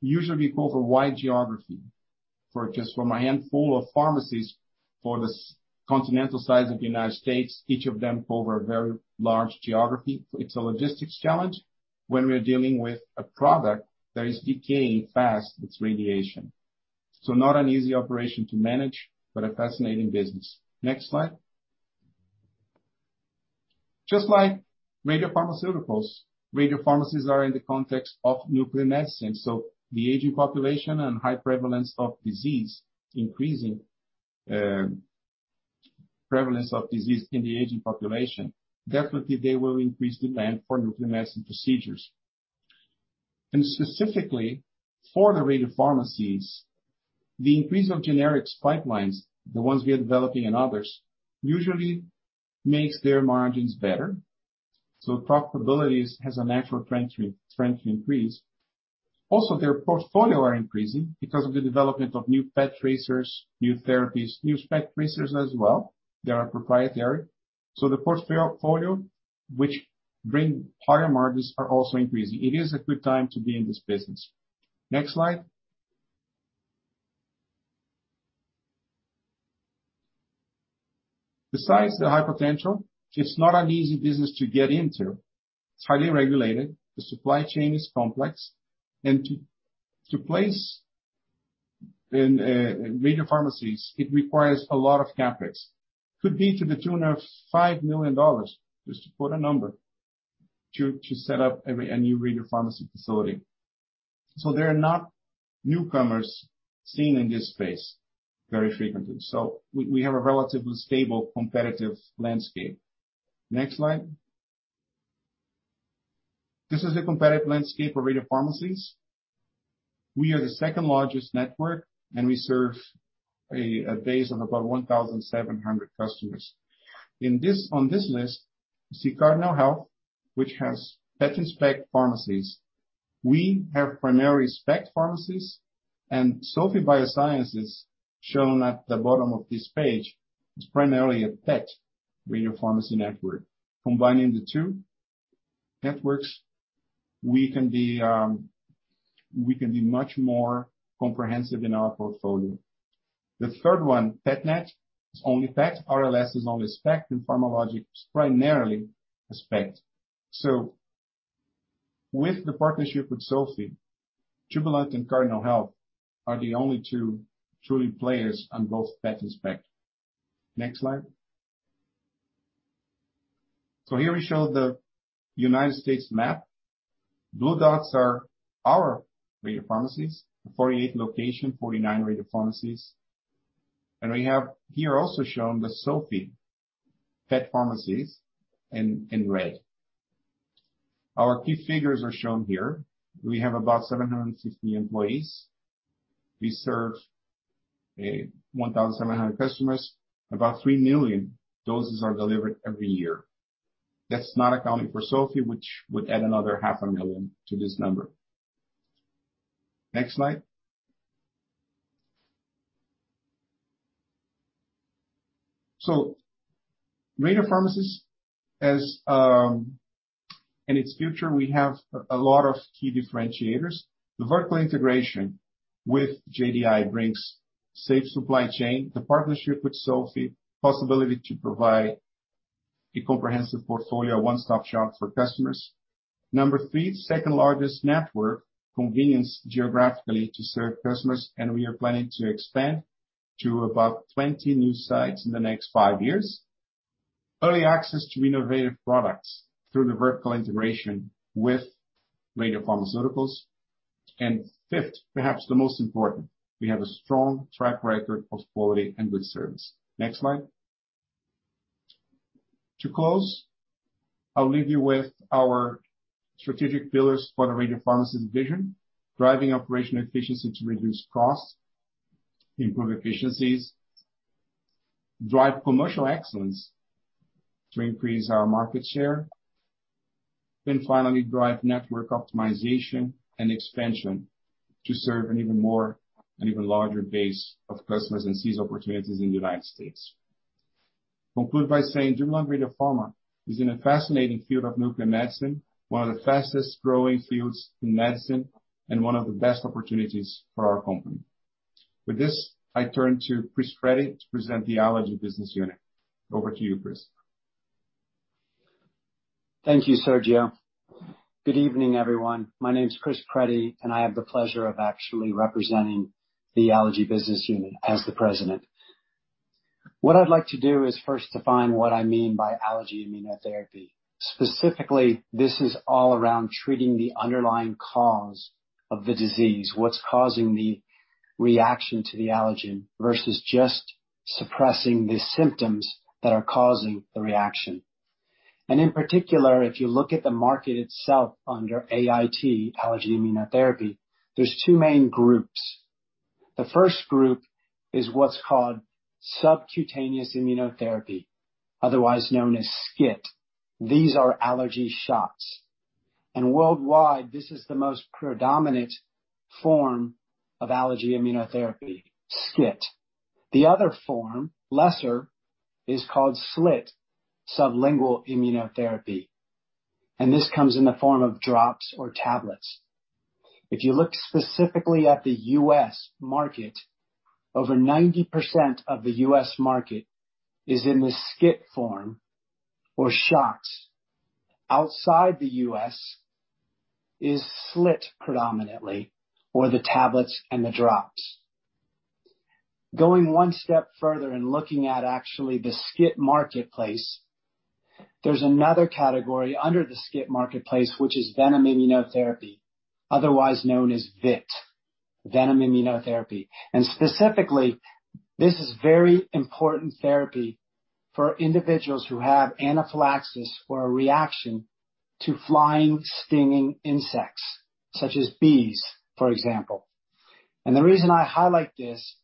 Usually, we cover a wide geography. For just for my handful of pharmacies for this continental size of the U.S., each of them cover a very large geography. It's a logistics challenge when we're dealing with a product that is decaying fast with radiation. Not an easy operation to manage, but a fascinating business. Next slide. Just like radiopharmaceuticals, radiopharmacies are in the context of nuclear medicine. The aging population and high prevalence of disease increasing, prevalence of disease in the aging population, definitely they will increase demand for nuclear medicine procedures. Specifically, for the radiopharmacies, the increase of generics pipelines, the ones we are developing and others, usually makes their margins better. Profitability has a natural trend to increase. Their portfolio are increasing because of the development of new PET tracers, new therapies, new SPECT tracers as well, that are proprietary. The portfolio, which bring higher margins, are also increasing. It is a good time to be in this business. Next slide. Besides the high potential, it's not an easy business to get into. It's highly regulated. The supply chain is complex. To place radiopharmacies, it requires a lot of CapEx. Could be to the tune of $5 million, just to put a number, to set up a new radiopharmacy facility. There are not newcomers seen in this space very frequently. We have a relatively stable competitive landscape. Next slide. This is the competitive landscape of radiopharmacies. We are the second largest network, and we serve a base of about 1,700 customers. On this list, you see Cardinal Health, which has PET and SPECT pharmacies. We have primarily SPECT pharmacies, and SOFIE Biosciences, shown at the bottom of this page, is primarily a PET radiopharmacy network. Combining the two networks, we can be much more comprehensive in our portfolio. The third one, PETNET Solutions, is only PET, RLS is only SPECT, and PharmaLogic is primarily SPECT. With the partnership with SOFIE, Jubilant and Cardinal Health are the only two truly players on both PET and SPECT. Next slide. Here we show the U.S. map. Blue dots are our radiopharmacies, 48 locations, 49 radiopharmacies. We have here also shown the SOFIE PET pharmacies in red. Our key figures are shown here. We have about 760 employees. We serve 1,700 customers. About 3 million doses are delivered every year. That is not accounting for SOFIE, which would add another half a million to this number. Next slide. Radiopharmacies, in its future, we have a lot of key differentiators. The vertical integration with JDI brings safe supply chain. The partnership with SOFIE, possibility to provide a comprehensive portfolio, one-stop shop for customers. Number three, second-largest network, convenience geographically to serve customers, and we are planning to expand to about 20 new sites in the next five years. Early access to innovative products through the vertical integration with radiopharmaceuticals. Fifth, perhaps the most important, we have a strong track record of quality and good service. Next slide. To close, I'll leave you with our strategic pillars for the Radiopharmacies vision. Driving operational efficiency to reduce costs, improve efficiencies, drive commercial excellence to increase our market share, and finally, drive network optimization and expansion to serve an even larger base of customers and seize opportunities in the U.S. I'll conclude by saying Jubilant Radiopharma is in a fascinating field of nuclear medicine, one of the fastest growing fields in medicine, and one of the best opportunities for our company. With this, I turn to Chris Preti to present the allergy business unit. Over to you, Chris. Thank you, Sergio. Good evening, everyone. My name's Chris Preti, I have the pleasure of actually representing the Allergy business unit as the President. What I'd like to do is first define what I mean by allergy immunotherapy. Specifically, this is all around treating the underlying cause of the disease, what's causing the reaction to the allergen, versus just suppressing the symptoms that are causing the reaction. In particular, if you look at the market itself under AIT, allergy immunotherapy, there's two main groups. The first group is what's called subcutaneous immunotherapy, otherwise known as SCIT. These are allergy shots. Worldwide, this is the most predominant form of allergy immunotherapy, SCIT. The other form, lesser, is called SLIT, sublingual immunotherapy, and this comes in the form of drops or tablets. If you look specifically at the U.S. market, over 90% of the U.S. market is in the SCIT form or shots. Outside the U.S. is SLIT predominantly, or the tablets and the drops. Going one step further and looking at actually the SCIT marketplace, there's another category under the SCIT marketplace, which is venom immunotherapy, otherwise known as VIT, venom immunotherapy. Specifically, this is very important therapy for individuals who have anaphylaxis or a reaction to flying, stinging insects, such as bees, for example. The reason I highlight this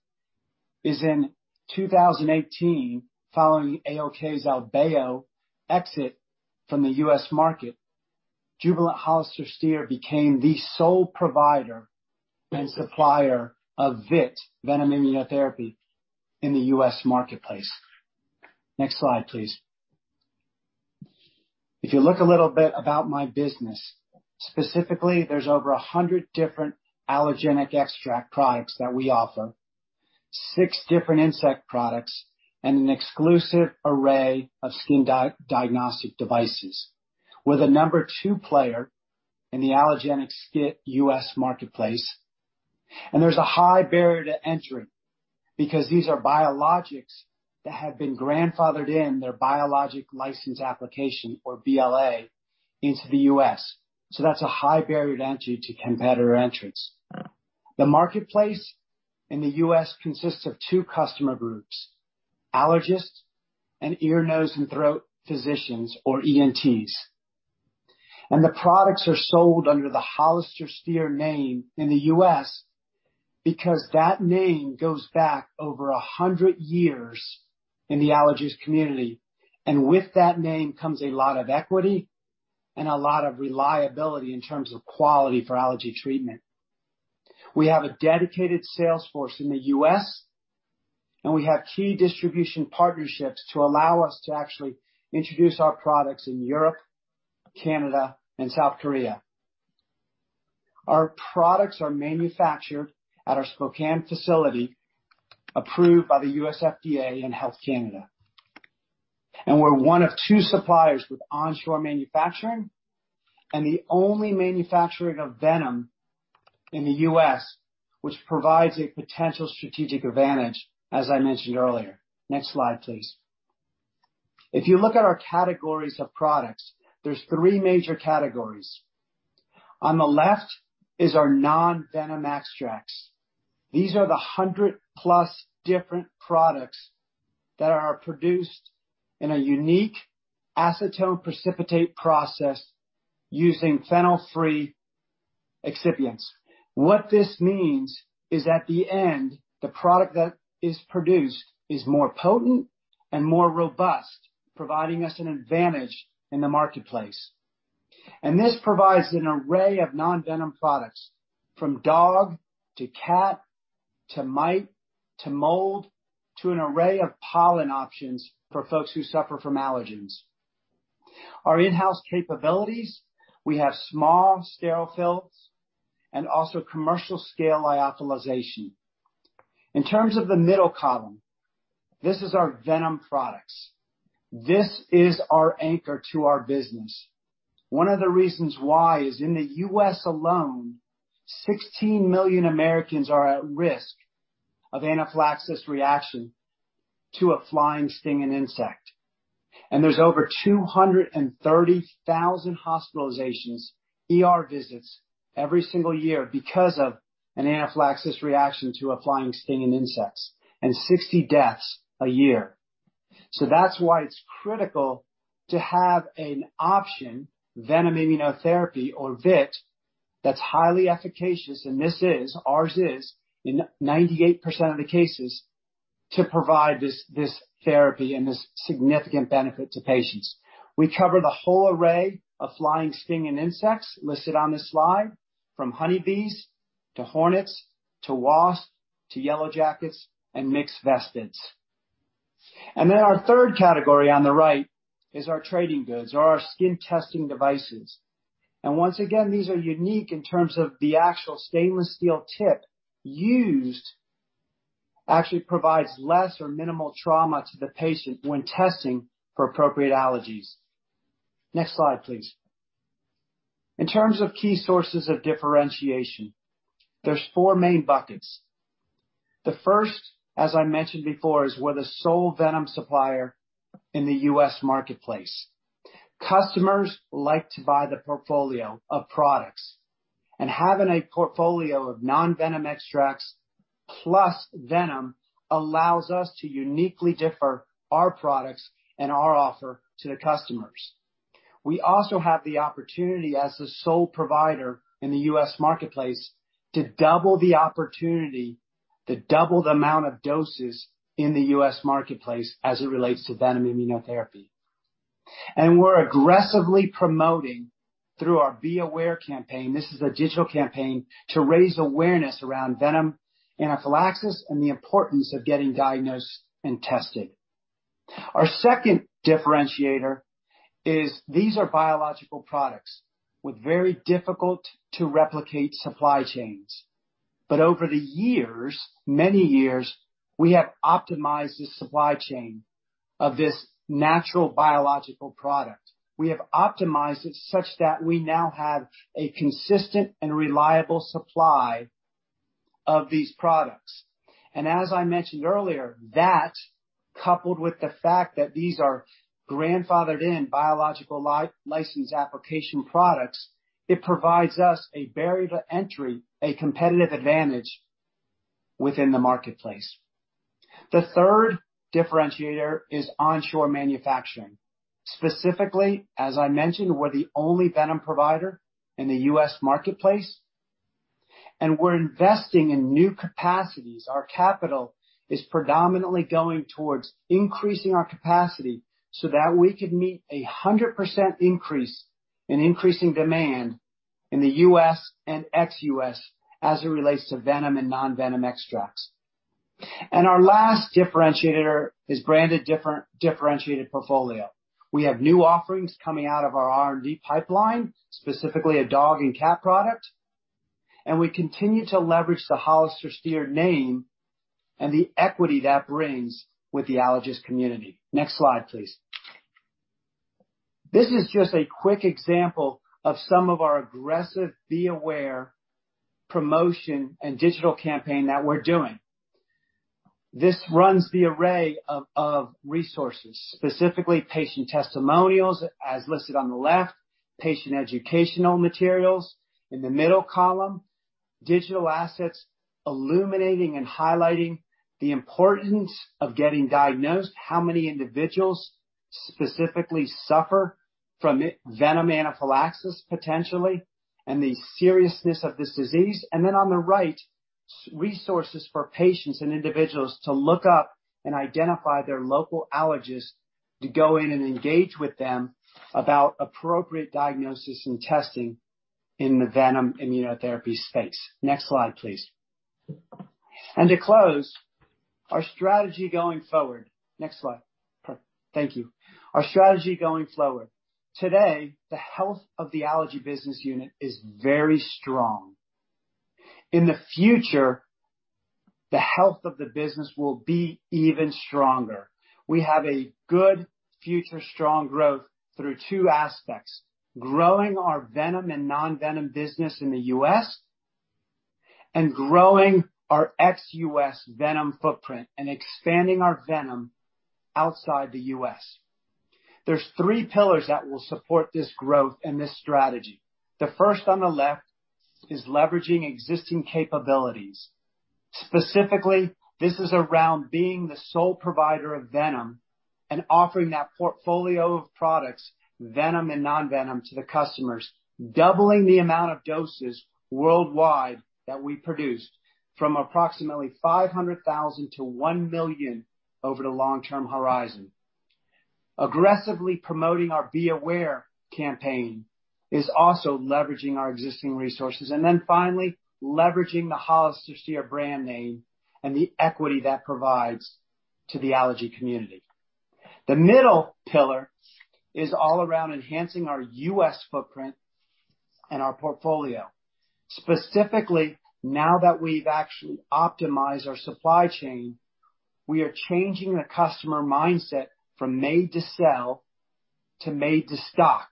is in 2018, following ALK-Abelló's exit from the U.S. market, Jubilant HollisterStier became the sole provider and supplier of VIT, venom immunotherapy, in the U.S. marketplace. Next slide, please. If you look a little bit about my business, specifically, there's over 100 different allergenic extract products that we offer, SIX different insect products, and an exclusive array of skin diagnostic devices. We're the number two player in the allergenic skin U.S. marketplace, and there's a high barrier to entry because these are biologics that have been grandfathered in their biologic license application, or BLA, into the U.S. That's a high barrier to entry to competitor entrants. The marketplace in the U.S. consists of two customer groups, allergists and ear, nose, and throat physicians, or ENTs. The products are sold under the HollisterStier name in the U.S. because that name goes back over 100 years in the allergist community. With that name comes a lot of equity and a lot of reliability in terms of quality for allergy treatment. We have a dedicated sales force in the U.S., and we have key distribution partnerships to allow us to actually introduce our products in Europe, Canada, and South Korea. Our products are manufactured at our Spokane facility, approved by the U.S. FDA and Health Canada. We're one of two suppliers with onshore manufacturing and the only manufacturer of venom in the U.S., which provides a potential strategic advantage, as I mentioned earlier. Next slide, please. If you look at our categories of products, there's three major categories. On the left is our non-venom extracts. These are the 100+ different products that are produced in a unique acetone precipitate process using phenol-free excipients. What this means is at the end, the product that is produced is more potent and more robust, providing us an advantage in the marketplace. This provides an array of non-venom products, from dog to cat to mite to mold, to an array of pollen options for folks who suffer from allergens. Our in-house capabilities, we have small scale fills and also commercial scale lyophilization. In terms of the middle column, this is our venom products. This is our anchor to our business. One of the reasons why is in the U.S. alone, 16 million Americans are at risk of anaphylaxis reaction to a flying, stinging insect. There's over 230,000 hospitalizations, ER visits every single year because of an anaphylaxis reaction to a flying, stinging insect, 60 deaths a year. That's why it's critical to have an option, venom immunotherapy or VIT, that's highly efficacious, this is, ours is, in 98% of the cases to provide this therapy and this significant benefit to patients. We cover the whole array of flying, stinging insects listed on this slide, from honeybees to hornets, to wasps, to yellow jackets, and mixed vespids. Then our third category on the right is our trading goods or our skin testing devices. Once again, these are unique in terms of the actual stainless steel tip used actually provides less or minimal trauma to the patient when testing for appropriate allergies. Next slide, please. In terms of key sources of differentiation, there's four main buckets. The first, as I mentioned before, is we're the sole venom supplier in the U.S. marketplace. Customers like to buy the portfolio of products, having a portfolio of non-venom extracts plus venom allows us to uniquely differ our products and our offer to the customers. We also have the opportunity as the sole provider in the U.S. marketplace to double the opportunity, to double the amount of doses in the U.S. marketplace as it relates to venom immunotherapy. We're aggressively promoting through our Bee Aware campaign, this is a digital campaign to raise awareness around venom anaphylaxis and the importance of getting diagnosed and tested. Our second differentiator is these are biological products with very difficult-to-replicate supply chains. Over the years, many years, we have optimized the supply chain of this natural biological product. We have optimized it such that we now have a consistent and reliable supply of these products. As I mentioned earlier, that coupled with the fact that these are grandfathered in biological license application products, it provides us a barrier to entry, a competitive advantage within the marketplace. The third differentiator is onshore manufacturing. Specifically, as I mentioned, we're the only venom provider in the U.S. marketplace, and we're investing in new capacities. Our capital is predominantly going towards increasing our capacity so that we can meet 100% increase in increasing demand in the U.S. and ex-U.S. as it relates to venom and non-venom extracts. Our last differentiator is branded differentiated portfolio. We have new offerings coming out of our R&D pipeline, specifically a dog and cat product, and we continue to leverage the HollisterStier name and the equity that brings with the allergist community. Next slide, please. This is just a quick example of some of our aggressive Be Aware promotion and digital campaign that we're doing. This runs the array of resources, specifically patient testimonials as listed on the left, patient educational materials in the middle column, digital assets illuminating and highlighting the importance of getting diagnosed, how many individuals specifically suffer from venom anaphylaxis potentially, and the seriousness of this disease. On the right, resources for patients and individuals to look up and identify their local allergists to go in and engage with them about appropriate diagnosis and testing in the venom immunotherapy space. Next slide, please. To close, our strategy going forward. Next slide. Thank you. Our strategy going forward. Today, the health of the Allergy business unit is very strong. In the future, the health of the business will be even stronger. We have a good future strong growth through two aspects, growing our venom and non-venom business in the U.S. and growing our ex-U.S. venom footprint and expanding our venom outside the U.S. There's three pillars that will support this growth and this strategy. The first on the left is leveraging existing capabilities. Specifically, this is around being the sole provider of venom and offering that portfolio of products, venom and non-venom, to the customers, doubling the amount of doses worldwide that we produce from approximately 500,000 to 1 million over the long-term horizon. Aggressively promoting our Be Aware campaign is also leveraging our existing resources. Finally, leveraging the HollisterStier brand name and the equity that provides to the allergy community. The middle pillar is all around enhancing our U.S. footprint and our portfolio. Specifically, now that we've actually optimized our supply chain, we are changing the customer mindset from made to sell to made to stock,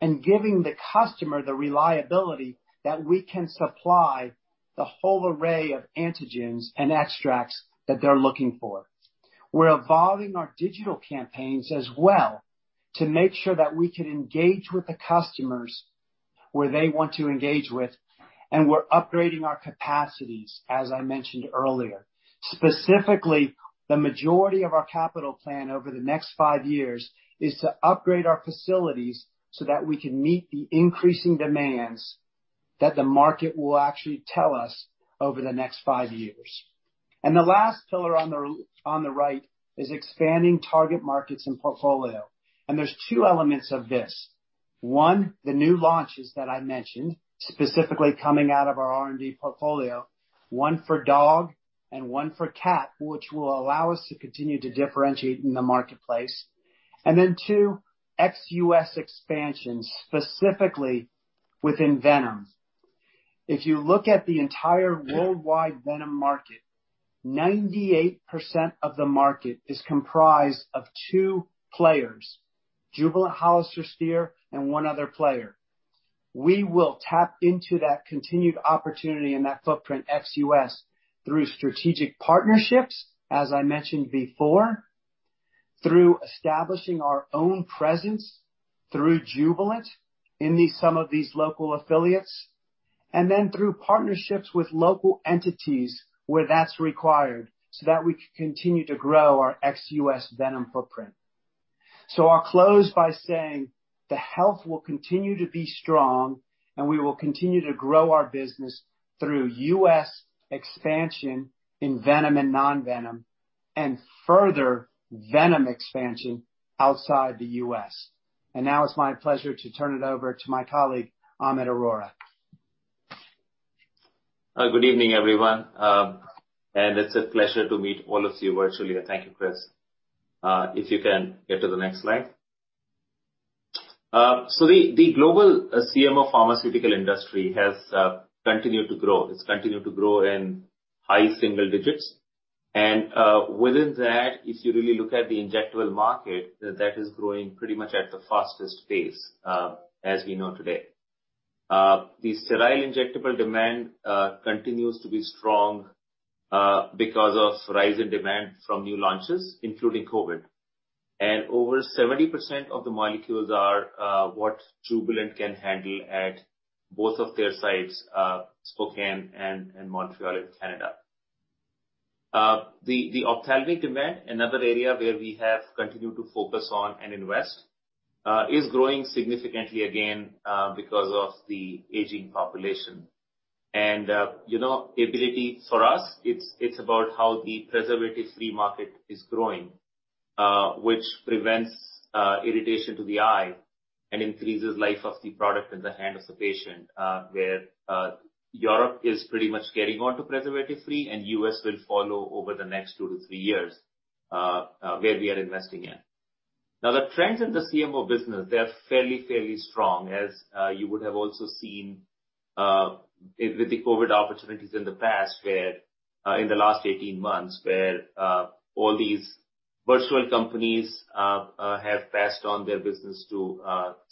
and giving the customer the reliability that we can supply the whole array of antigens and extracts that they're looking for. We're evolving our digital campaigns as well to make sure that we can engage with the customers where they want to engage with, and we're upgrading our capacities, as I mentioned earlier. Specifically, the majority of our capital plan over the next five years is to upgrade our facilities so that we can meet the increasing demands that the market will actually tell us over the next five years. The last pillar on the right is expanding target markets and portfolio. There's two elements of this. One, the new launches that I mentioned, specifically coming out of our R&D portfolio, one for dog and one for cat, which will allow us to continue to differentiate in the marketplace. Two, ex-U.S. expansion, specifically within venom. If you look at the entire worldwide venom market, 98% of the market is comprised of two players, Jubilant HollisterStier and one other player. We will tap into that continued opportunity and that footprint ex-U.S. through strategic partnerships, as I mentioned before, through establishing our own presence through Jubilant in some of these local affiliates, and then through partnerships with local entities where that's required so that we can continue to grow our ex-U.S. venom footprint. I'll close by saying the health will continue to be strong, and we will continue to grow our business through U.S. expansion in venom and non-venom, and further venom expansion outside the U.S. Now it's my pleasure to turn it over to my colleague, Amit Arora. Good evening, everyone. It's a pleasure to meet all of you virtually. Thank you, Chris. If you can get to the next slide. The global CMO pharmaceutical industry has continued to grow. It's continued to grow in high single digits. Within that, if you really look at the injectable market, that is growing pretty much at the fastest pace as we know today. The sterile injectable demand continues to be strong because of rise in demand from new launches, including COVID. Over 70% of the molecules are what Jubilant can handle at both of their sites, Spokane and Montreal in Canada. The ophthalmic demand, another area where we have continued to focus on and invest, is growing significantly again because of the aging population. Ability for us, it's about how the preservative-free market is growing, which prevents irritation to the eye and increases life of the product in the hands of the patient, where Europe is pretty much getting onto preservative-free, and U.S. will follow over the next two to three years, where we are investing in. Now, the trends in the CMO business, they're fairly strong, as you would have also seen with the COVID opportunities in the past where, in the last 18 months, where all these virtual companies have passed on their business to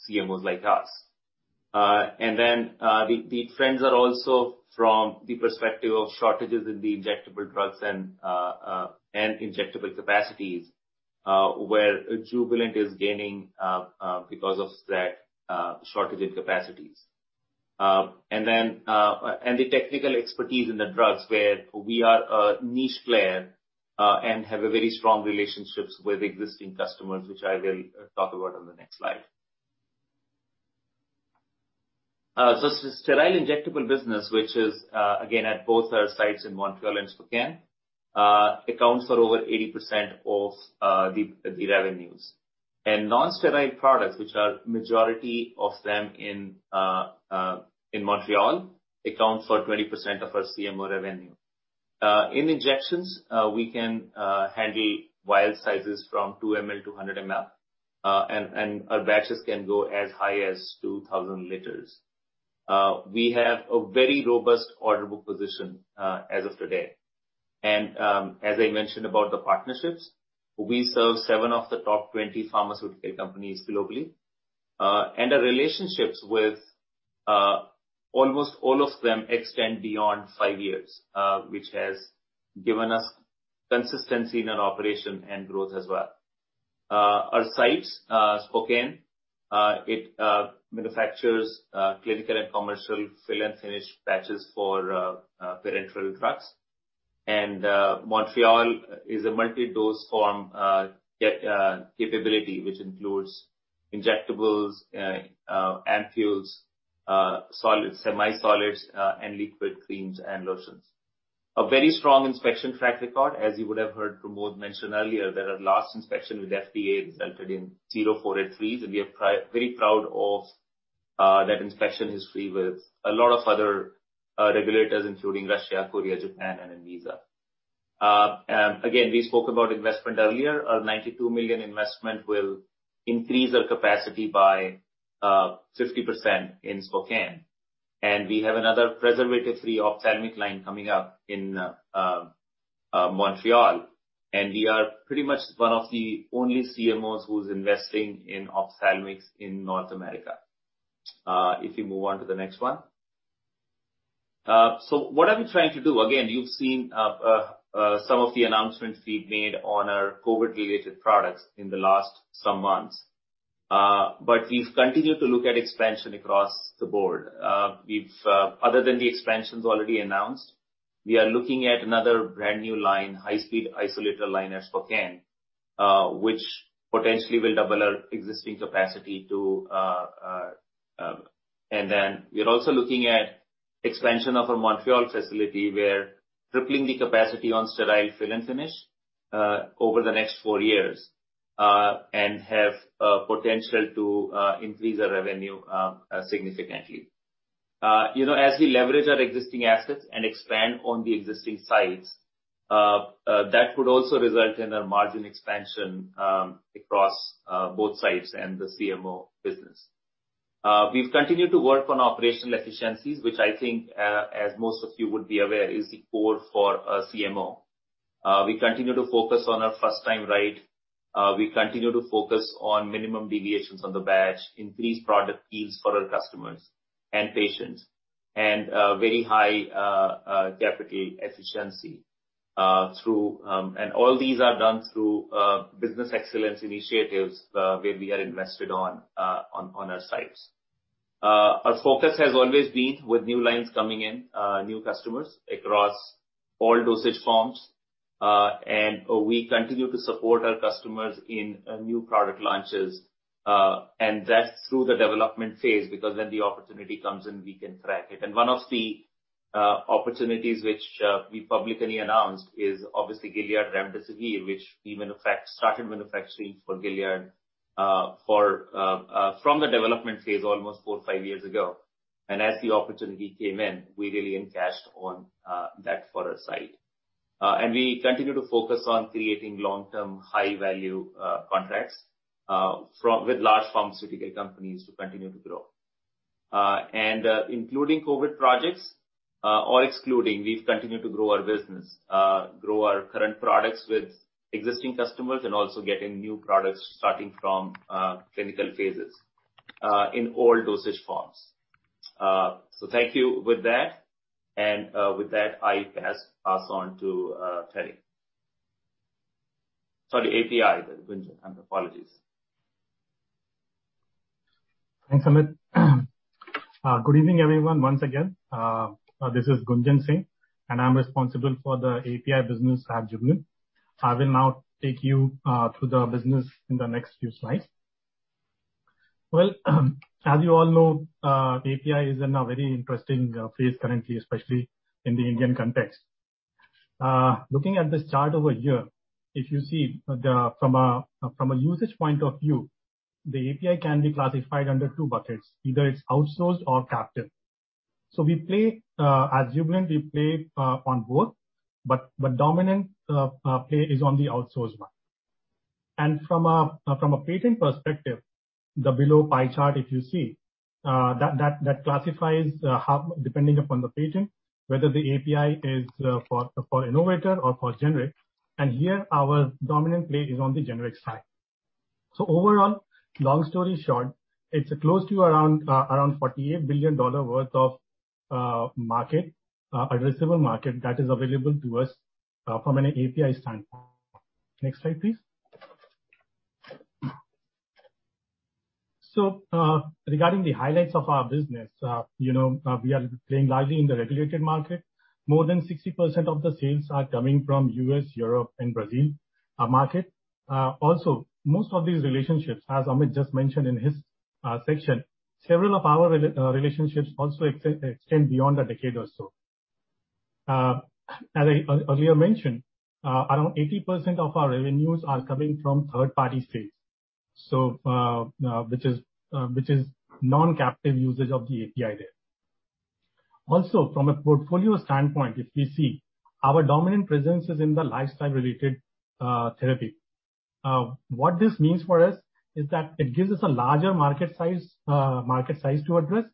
CMOs like us. The trends are also from the perspective of shortages in the injectable drugs and injectable capacities, where Jubilant is gaining because of that shortage in capacities. The technical expertise in the drugs where we are a niche player and have very strong relationships with existing customers, which I will talk about on the next slide. Sterile injectable business, which is again at both our sites in Montreal and Spokane, accounts for over 80% of the revenues. Non-sterile products, which are majority of them in Montreal, account for 20% of our CMO revenue. In injections, we can handle vial sizes from 2 mL-100 mL, and our batches can go as high as 2,000 liters. We have a very robust order book position as of today. As I mentioned about the partnerships, we serve seven of the top 20 pharmaceutical companies globally. Our relationships with almost all of them extend beyond five years, which has given us consistency in our operation and growth as well. Our sites, Spokane, it manufactures clinical and commercial fill-and-finish batches for parenteral drugs. Montreal is a multi-dose form capability, which includes injectables, ampoules, solids, semi-solids, and liquid creams and lotions. A very strong inspection track record, as you would have heard Pramod mention earlier, that our last inspection with FDA resulted in zero 483s, and we are very proud of that inspection history with a lot of other regulators, including Russia, Korea, Japan, and ANVISA. Again, we spoke about investment earlier. Our $92 million investment will increase our capacity by 50% in Spokane. We have another preservative-free ophthalmic line coming up in Montreal, and we are pretty much one of the only CMOs who's investing in ophthalmics in North America. If we move on to the next one. What I'm trying to do, again, you've seen some of the announcements we've made on our COVID-related products in the last some months. We've continued to look at expansion across the board. Other than the expansions already announced, we are looking at another brand-new line, high-speed isolator line at Spokane, which potentially will double our existing capacity to. We're also looking at expansion of our Montreal facility, where tripling the capacity on sterile fill-and-finish over the next four years, and have potential to increase our revenue significantly. As we leverage our existing assets and expand on the existing sites, that would also result in a margin expansion across both sites and the CMO business. We've continued to work on operational efficiencies, which I think, as most of you would be aware, is the core for a CMO. We continue to focus on our first time right. We continue to focus on minimum deviations on the batch, increased product yields for our customers and patients, and very high capital efficiency through business excellence initiatives where we are invested on our sites. Our focus has always been with new lines coming in, new customers across all dosage forms. We continue to support our customers in new product launches and that's through the development phase, because then the opportunity comes in, we can track it. One of the opportunities which we publicly announced is obviously Gilead remdesivir, which we started manufacturing for Gilead from the development phase almost four to five years ago. As the opportunity came in, we really encashed on that for our site. We continue to focus on creating long-term, high-value contracts with large pharmaceutical companies to continue to grow. Including COVID projects. All excluding, we continue to grow our business, grow our current products with existing customers and also getting new products starting from clinical phases in all dosage forms. Thank you with that. With that, I pass on to Terry. Sorry, API. Gunjan. Apologies. Thanks, Amit. Good evening, everyone, once again. This is Gunjan Singh, and I am responsible for the API business at Jubilant. I will now take you through the business in the next few slides. Well, as you all know, API is in a very interesting phase currently, especially in the Indian context. Looking at this chart over here, if you see from a usage point of view, the API can be classified under two buckets, either it is outsourced or captive. At Jubilant, we play on both, but the dominant play is on the outsourced one. From a patent perspective, the below pie chart if you see, that classifies depending upon the patent, whether the API is for innovator or for generic. Here our dominant play is on the generic side. Overall, long story short, it's close to around $48 billion worth of addressable market that is available to us from an API standpoint. Next slide, please. Regarding the highlights of our business. We are playing largely in the regulated market. More than 60% of the sales are coming from U.S., Europe, and Brazil market. Also, most of these relationships, as Amit just mentioned in his section, several of our relationships also extend beyond a decade or so. As I earlier mentioned, around 80% of our revenues are coming from third-party sales, which is non-captive usage of the API. Also, from a portfolio standpoint if you see, our dominant presence is in the lifestyle-related therapy. What this means for us is that it gives us a larger market size to address.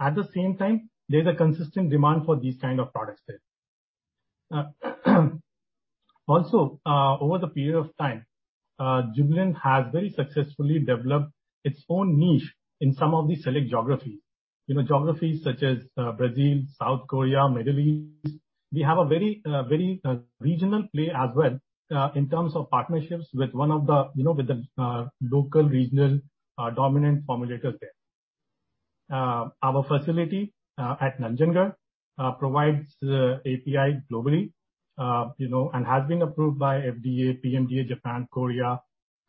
At the same time, there's a consistent demand for these kind of products there. Over the period of time, Jubilant has very successfully developed its own niche in some of the select geographies. Geographies such as Brazil, South Korea, Middle East. We have a very regional play as well, in terms of partnerships with the local regional dominant formulators there. Our facility at Nanjangud provides API globally and has been approved by FDA, PMDA, Japan, Korea,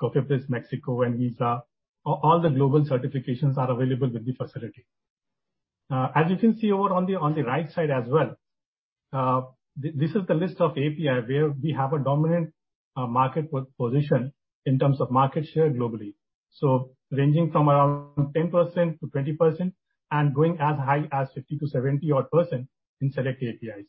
COFEPRIS, Mexico, and [GSA]. All the global certifications are available with the facility. As you can see over on the right side as well, this is the list of API where we have a dominant market position in terms of market share globally. Ranging from around 10%-20% and going as high as 50%-70% odd in select APIs.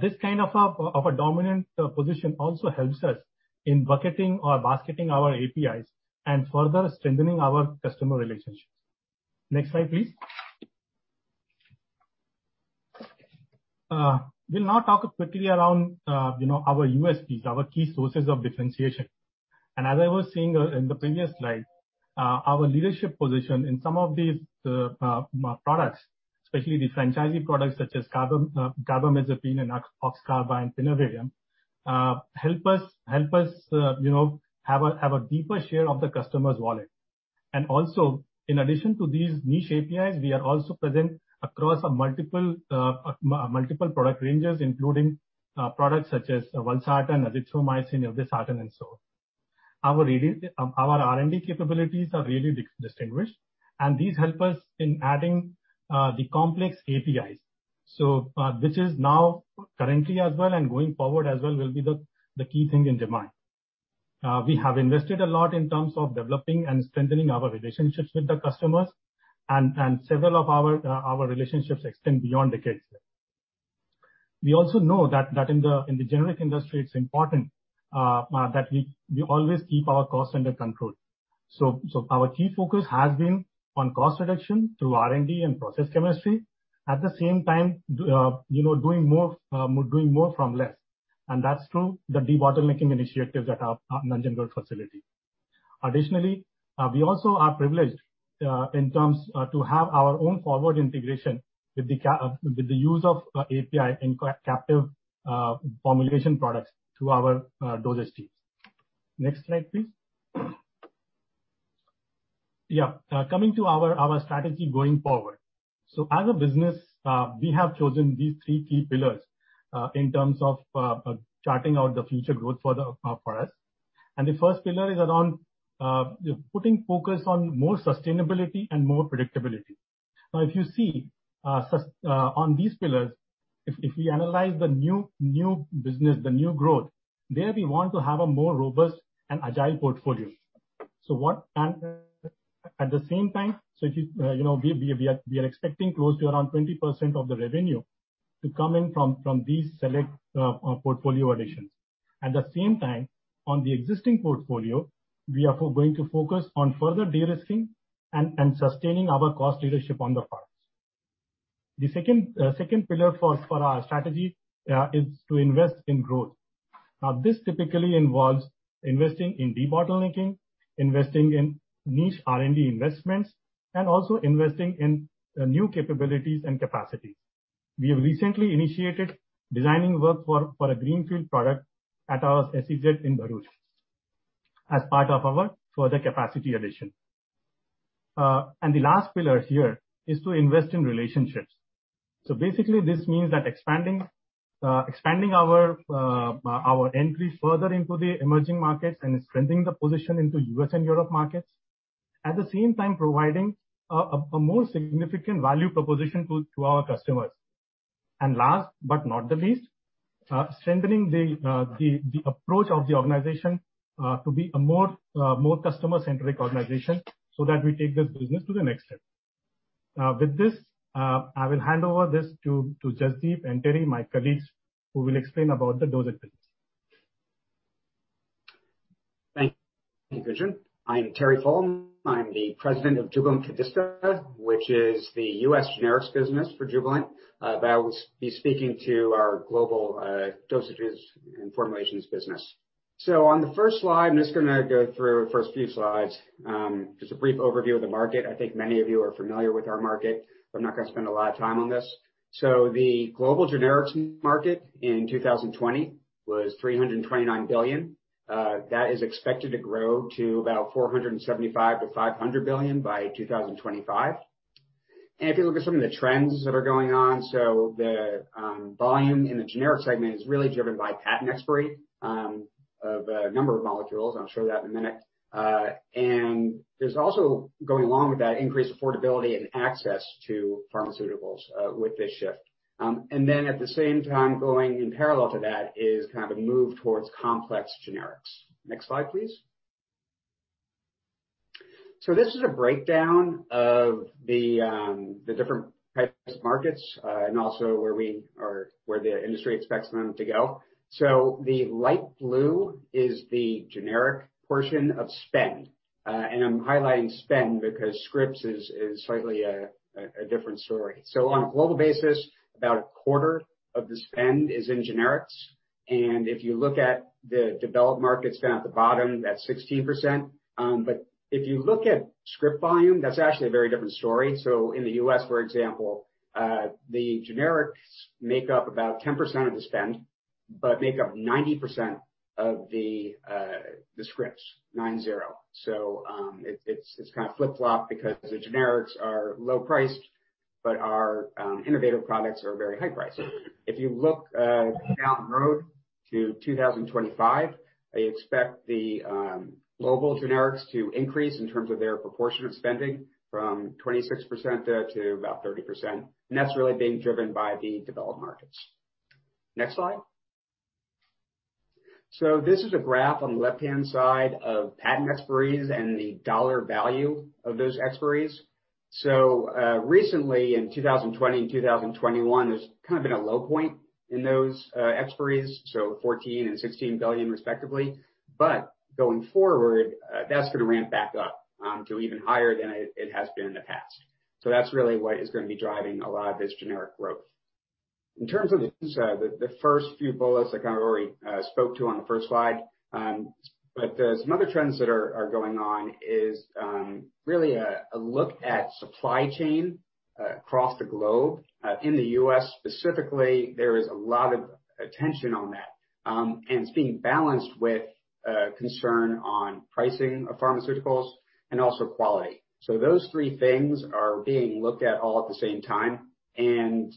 This kind of a dominant position also helps us in bucketing or basketing our APIs and further strengthening our customer relationships. Next slide, please. We'll now talk quickly around our USPs, our key sources of differentiation. As I was saying in the previous slide, our leadership position in some of these products, especially the franchise products such as carbamazepine and oxcarbazepine, innovative, help us have a deeper share of the customer's wallet. Also, in addition to these niche APIs, we are also present across multiple product ranges, including products such as valsartan, azithromycin, irbesartan, and so on. Our R&D capabilities are really distinguished, and these help us in adding the complex APIs. Which is now currently as well and going forward as well will be the key thing in demand. We have invested a lot in terms of developing and strengthening our relationships with the customers, and several of our relationships extend beyond decades there. We also know that in the generic industry, it's important that we always keep our costs under control. Our key focus has been on cost reduction through R&D and process chemistry. At the same time, doing more from less. That's through the water-making initiative that our Nanjangud facility. Additionally, we also are privileged to have our own forward integration with the use of API in captive formulation products through our dosage teams. Next slide, please. Coming to our strategy going forward. As a business, we have chosen these three key pillars in terms of charting out the future growth for us. The first pillar is around putting focus on more sustainability and more predictability. If you see on these pillars, if we analyze the new business, the new growth, there we want to have a more robust and agile portfolio. At the same time, we are expecting close to around 20% of the revenue to come in from these select portfolio additions. At the same time, on the existing portfolio, we are going to focus on further de-risking and sustaining our cost leadership on the products. The second pillar for our strategy is to invest in growth. This typically involves investing in debottlenecking, investing in niche R&D investments, and also investing in new capabilities and capacities. We have recently initiated designing work for a greenfield product at our SEZ in Bharuch as part of our further capacity addition. The last pillar here is to invest in relationships. Basically, this means that expanding our entry further into the emerging markets and strengthening the position into U.S. and Europe markets. At the same time providing a more significant value proposition to our customers. Last but not the least, strengthening the approach of the organization to be a more customer-centric organization so that we take this business to the next step. With this, I will hand over this to Jasdeep and Terry, my colleagues, who will explain about the dosage business. Thank you, Gunjan Singh. I am Terry Fullem. I am the President of Jubilant Cadista, which is the U.S. Generics business for Jubilant. I will be speaking to our global dosages and formulations business. On the first slide, I am just going to go through the first few slides, just a brief overview of the market. I think many of you are familiar with our market, but I am not going to spend a lot of time on this. The global generics market in 2020 was 329 billion. That is expected to grow to about 475 billion-500 billion by 2025. If you look at some of the trends that are going on, the volume in the generic segment is really driven by patent expiry of a number of molecules, and I will show that in a minute. There's also, going along with that, increased affordability and access to pharmaceuticals with this shift. At the same time, going in parallel to that is a move towards complex generics. Next slide, please. This is a breakdown of the different types of markets and also where the industry expects them to go. The light blue is the generic portion of spend. I'm highlighting spend because scripts is slightly a different story. On a global basis, about a quarter of the spend is in Generics, and if you look at the developed markets down at the bottom, that's 16%. If you look at script volume, that's actually a very different story. In the U.S., for the generics make up about 10% of the spend, but make up 90% of the scripts. 90. It's kind of flip-flopped the generics are low priced, but our innovative products are very high priced. If you look down the road to 2025, I expect the global generics to increase in terms of their proportion of spending from 26% to about 30%. That's really being driven by the developed markets. Next slide. This is a graph on the left-hand side of patent expiries and the dollar value of those expiries. Recently in 2020 and 2021, there's kind of been a low point in those expiries, 14 billion and 16 billion respectively. Going forward, that's going to ramp back up to even higher than it has been in the past. That's really what is going to be driving a lot of this generic growth. In terms of the first few bullets I kind of already spoke to on the first slide, but some other trends that are going on is really a look at supply chain across the globe. In the U.S. specifically, there is a lot of attention on that, and it's being balanced with concern on pricing of pharmaceuticals and also quality. Those three things are being looked at all at the same time, and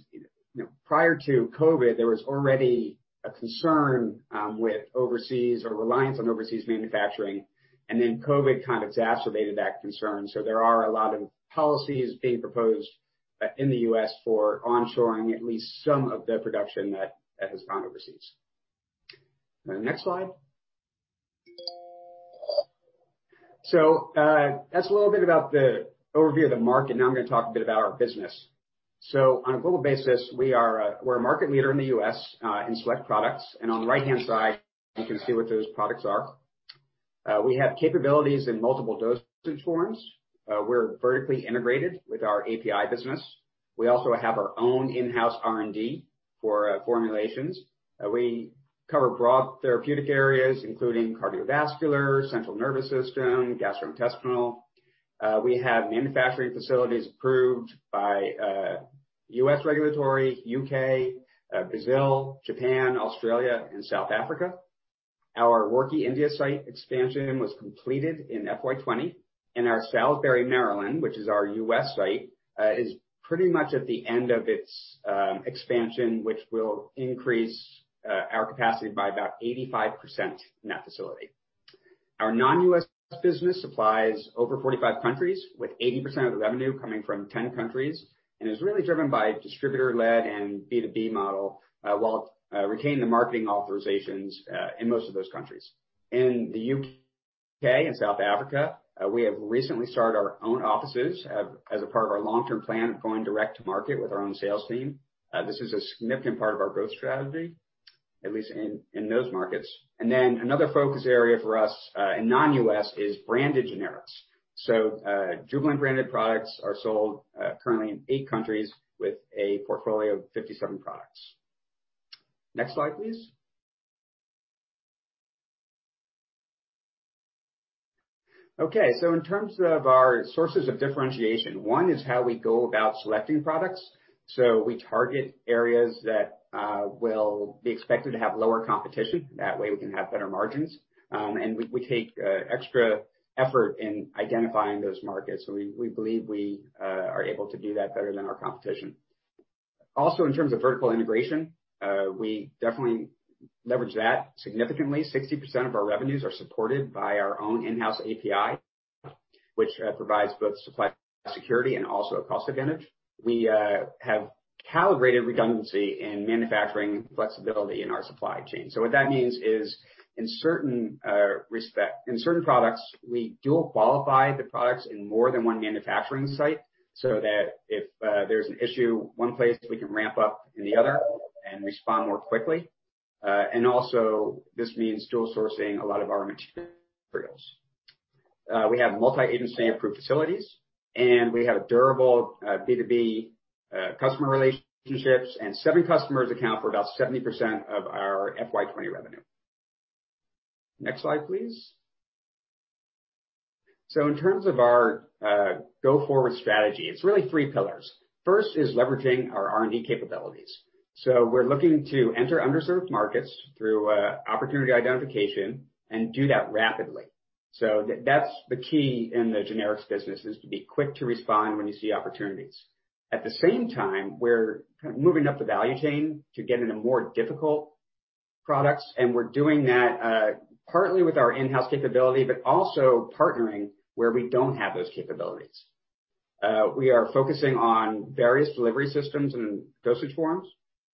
prior to COVID, there was already a concern with overseas or reliance on overseas manufacturing, and then COVID kind of exacerbated that concern. There are a lot of policies being proposed in the U.S. for onshoring at least some of the production that has gone overseas. Next slide. That's a little bit about the overview of the market. Now I'm going to talk a bit about our business. On a global basis, we're a market leader in the U.S. in select products. On the right-hand side, you can see what those products are. We have capabilities in multiple dosage forms. We're vertically integrated with our API business. We also have our own in-house R&D for formulations. We cover broad therapeutic areas, including cardiovascular, central nervous system, gastrointestinal. We have manufacturing facilities approved by U.S. regulatory, U.K., Brazil, Japan, Australia, and South Africa. Our Roorkee, India site expansion was completed in FY 2020, and our Salisbury, Maryland, which is our U.S. site, is pretty much at the end of its expansion, which will increase our capacity by about 85% in that facility. Our non-U.S. business supplies over 45 countries with 80% of the revenue coming from 10 countries and is really driven by distributor-led and B2B model, while retaining the marketing authorizations in most of those countries. In the U.K. In South Africa, we have recently started our own offices as a part of our long-term plan of going direct to market with our own sales team. This is a significant part of our growth strategy, at least in those markets. Another focus area for us in non-U.S. is branded generics. Jubilant branded products are sold currently in eight countries with a portfolio of 57 products. Next slide, please. In terms of our sources of differentiation, one is how we go about selecting products. We target areas that will be expected to have lower competition. That way, we can have better margins. We take extra effort in identifying those markets. We believe we are able to do that better than our competition. Also, in terms of vertical integration, we definitely leverage that significantly. 60% of our revenues are supported by our own in-house API, which provides both supply security and also cost advantage. We have calibrated redundancy and manufacturing flexibility in our supply chain. What that means is, in certain products, we dual qualify the products in more than one manufacturing site, so that if there's an issue one place, we can ramp up in the other and respond more quickly. Also, this means dual sourcing a lot of our materials. We have multi-agency approved facilities, and we have durable B2B customer relationships, and seven customers account for about 70% of our FY 2020 revenue. Next slide, please. In terms of our go-forward strategy, it's really three pillars. First is leveraging our R&D capabilities. We're looking to enter underserved markets through opportunity identification and do that rapidly. That's the key the generics business, is to be quick to respond when you see opportunities. At the same time, we're moving up the value chain to get into more difficult products, and we're doing that partly with our in-house capability, but also partnering where we don't have those capabilities. We are focusing on various delivery systems and dosage forms,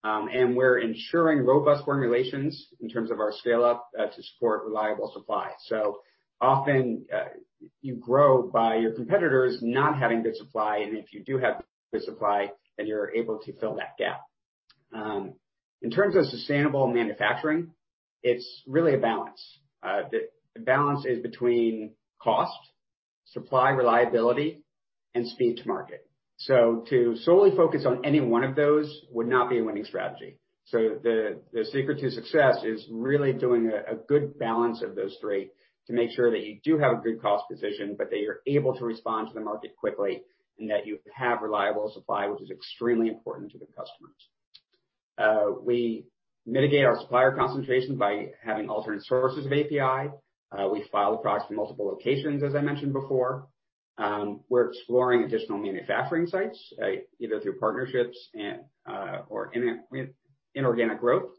and we're ensuring robust formulations in terms of our scale-up to support reliable supply. Often, you grow by your competitors not having good supply, and if you do have good supply, then you're able to fill that gap. In terms of sustainable manufacturing, it's really a balance. The balance is between cost, supply reliability, and speed to market. To solely focus on any one of those would not be a winning strategy. The secret to success is really doing a good balance of those three to make sure that you do have a good cost position, but that you're able to respond to the market quickly and that you have reliable supply, which is extremely important to the customers. We mitigate our supplier concentration by having alternate sources of API. We file across multiple locations, as I mentioned before. We're exploring additional manufacturing sites, either through partnerships or inorganic growth.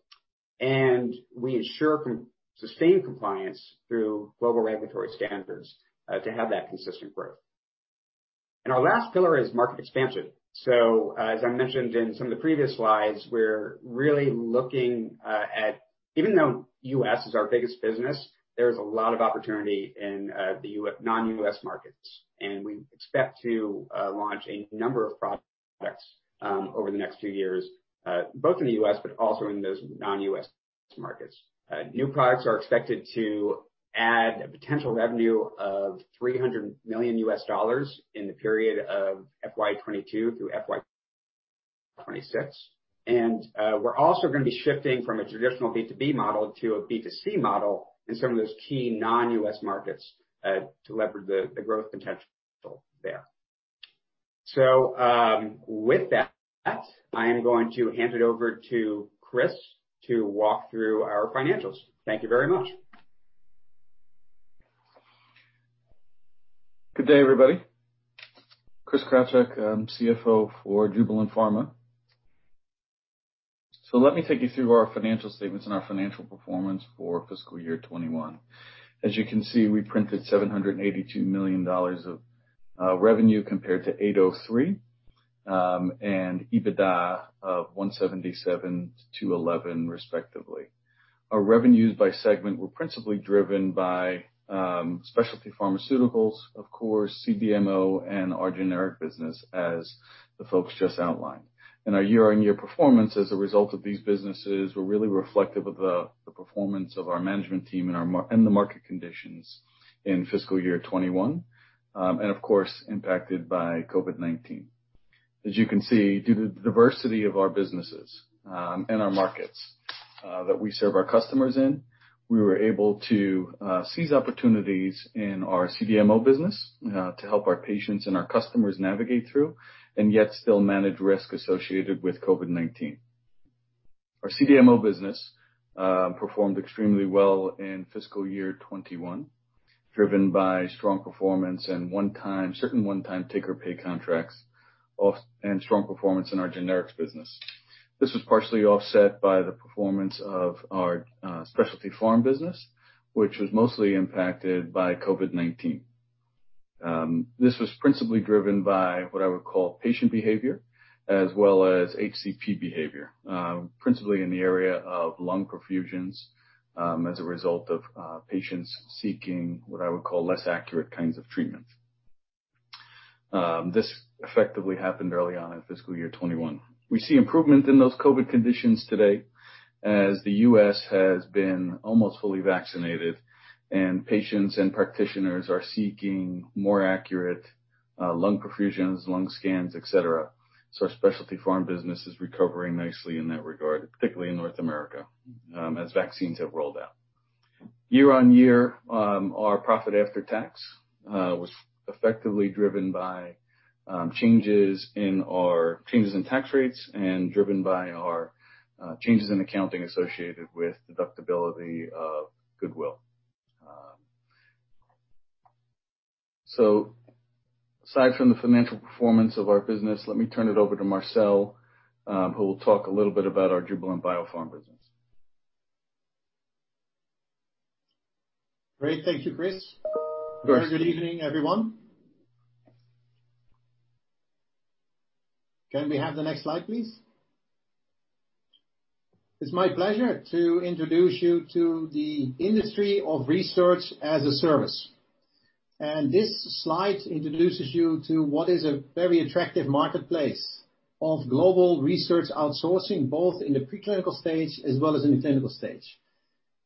We ensure sustained compliance through global regulatory standards to have that consistent growth. Our last pillar is market expansion. As I mentioned in some of the previous slides, even though U.S. is our biggest business, there's a lot of opportunity in the non-U.S. markets, and we expect to launch a number of products over the next few years, both in the U.S. but also in those non-U.S. markets. New products are expected to add a potential revenue of $300 million in the period of FY 2022 through FY 2026. We're also going to be shifting from a traditional B2B model to a B2C model in some of those key non-U.S. markets to leverage the growth potential there. With that, I am going to hand it over to Chris to walk through our financials. Thank you very much. Good day, everybody. Christopher Krawtschuk, I'm CFO for Jubilant Pharma. Let me take you through our financial statements and our financial performance for fiscal year 2021. As you can see, we printed $782 million of revenue compared to $803 million, and EBITDA of $177 million to $11 million, respectively. Our revenues by segment were principally driven by specialty pharmaceuticals, of course, CDMO and our generic business as the folks just outlined. Our year-on-year performance as a result of these businesses were really reflective of the performance of our management team and the market conditions in fiscal year 2021, and of course, impacted by COVID-19. As you can see, due to the diversity of our businesses and our markets that we serve our customers in, we were able to seize opportunities in our CDMO business to help our patients and our customers navigate through, and yet still manage risk associated with COVID-19. Our CDMO business performed extremely well in FY 2021, driven by strong performance and certain one-time take-or-pay contracts and strong performance in our generics business. Was partially offset by the performance of our Specialty Pharma business, which was mostly impacted by COVID-19. Was principally driven by what I would call patient behavior as well as HCP behavior. Principally in the area of lung perfusions, as a result of patients seeking what I would call less accurate kinds of treatments. Effectively happened early on in FY 2021. We see improvement in those COVID conditions today as the U.S. has been almost fully vaccinated, and patients and practitioners are seeking more accurate lung perfusions, lung scans, et cetera. Our specialty pharma business is recovering nicely in that regard, particularly in North America, as vaccines have rolled out. Year-on-year, our profit after tax was effectively driven by changes in tax rates and driven by our changes in accounting associated with deductibility of goodwill. Aside from the financial performance of our business, let me turn it over to Marcel, who will talk a little bit about our Jubilant Biosys business. Great. Thank you, Chris. Good evening, everyone. Can we have the next slide, please? It's my pleasure to introduce you to the industry of research as a service. This slide introduces you to what is a very attractive marketplace of global research outsourcing, both in the preclinical stage as well as in the clinical stage.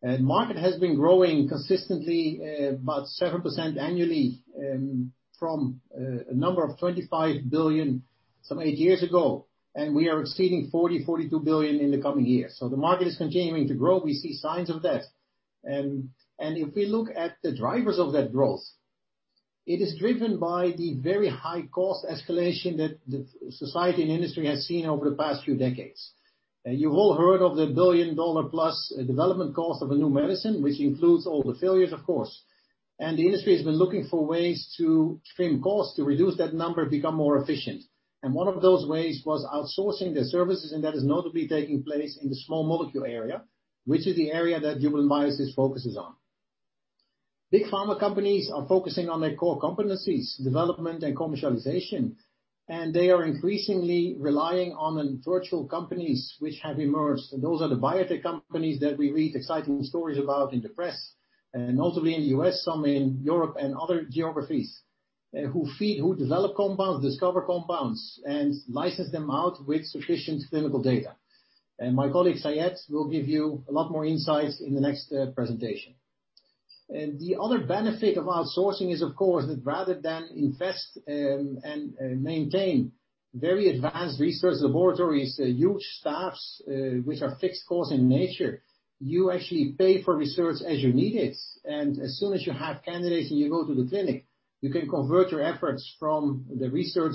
Market has been growing consistently about 7% annually from a number of 25 billion so many years ago. We are exceeding 40 billion-42 billion in the coming years. The market is continuing to grow. We see signs of that. If we look at the drivers of that growth, it is driven by the very high-cost escalation that society and industry has seen over the past few decades. You've all heard of the billion-dollar plus development cost of a new medicine, which includes all the failures, of course. The industry has been looking for ways to trim costs to reduce that number and become more efficient. One of those ways was outsourcing their services, and that is notably taking place in the small molecule area, which is the area that Jubilant Biosys focuses on. Big pharma companies are focusing on their core competencies, development, and commercialization, and they are increasingly relying on virtual companies which have emerged. Those are the biotech companies that we read exciting stories about in the press, notably in the U.S., some in Europe and other geographies, who feed, who develop compounds, discover compounds, and license them out with sufficient clinical data. My colleague Syed will give you a lot more insights in the next presentation. The other benefit of outsourcing is, of course, that rather than invest and maintain very advanced research laboratories, huge staffs, which are fixed costs in nature, you actually pay for research as you need it. As soon as you have candidates and you go to the clinic, you can convert your efforts from the research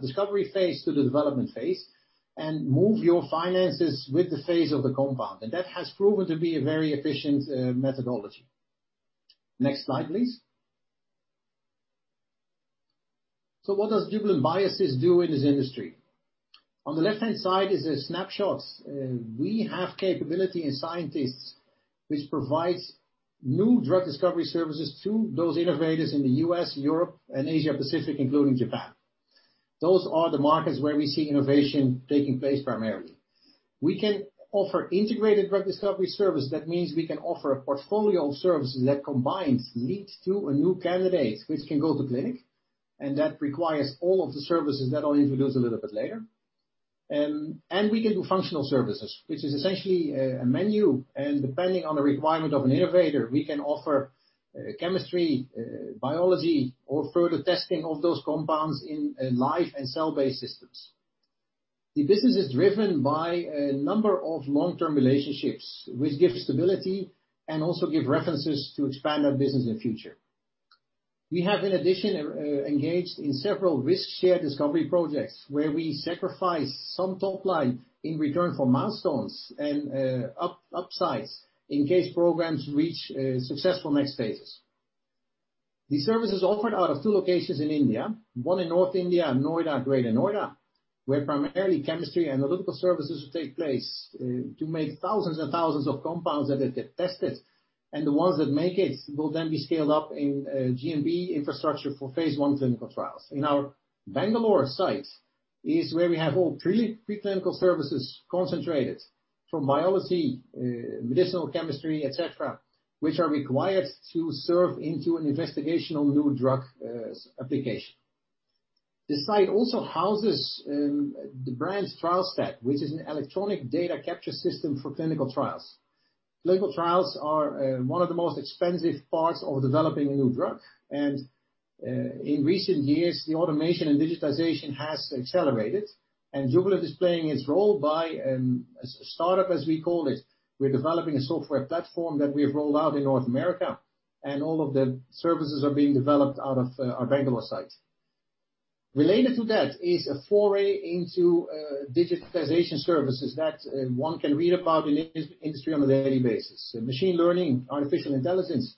discovery phase to the development phase and move your finances with the phase of the compound. That has proven to be a very efficient methodology. Next slide, please. What does Jubilant Biosys do in this industry? On the left-hand side is the snapshots. We have capability and scientists, which provides new drug discovery services to those innovators in the U.S., Europe, and Asia Pacific, including Japan. Those are the markets where we see innovation taking place primarily. We can offer integrated drug discovery service. That means we can offer a portfolio of services that combines leads to a new candidate, which can go to clinic, and that requires all of the services that I'll introduce a little bit later. We can do functional services, which is essentially a menu, and depending on the requirement of an innovator, we can offer chemistry, biology, or further testing of those compounds in live and cell-based systems. The business is driven by a number of long-term relationships which give stability and also give references to expand our business in the future. We have, in addition, engaged in several risk-share discovery projects where we sacrifice some top line in return for milestones and upsides in case programs reach successful next phases. These services offered out of two locations in India, one in North India, Noida, Greater Noida, where primarily chemistry analytical services take place to make thousands and thousands of compounds that get tested. The ones that make it will then be scaled up in Jubilant Biosys infrastructure for phase I clinical trials. Our Bangalore site is where we have all preclinical services concentrated from biology, medicinal chemistry, et cetera, which are required to serve into an investigational new drug application. The site also houses the brand TrialStat, which is an electronic data capture system for clinical trials. Clinical trials are one of the most expensive parts of developing a new drug. In recent years, the automation and digitization has accelerated. Jubilant is playing its role by a startup, as we call it. We're developing a software platform that we've rolled out in North America, and all of the services are being developed out of our Bangalore site. Related to that is a foray into digitization services that one can read about in the industry on a daily basis. Machine learning, artificial intelligence,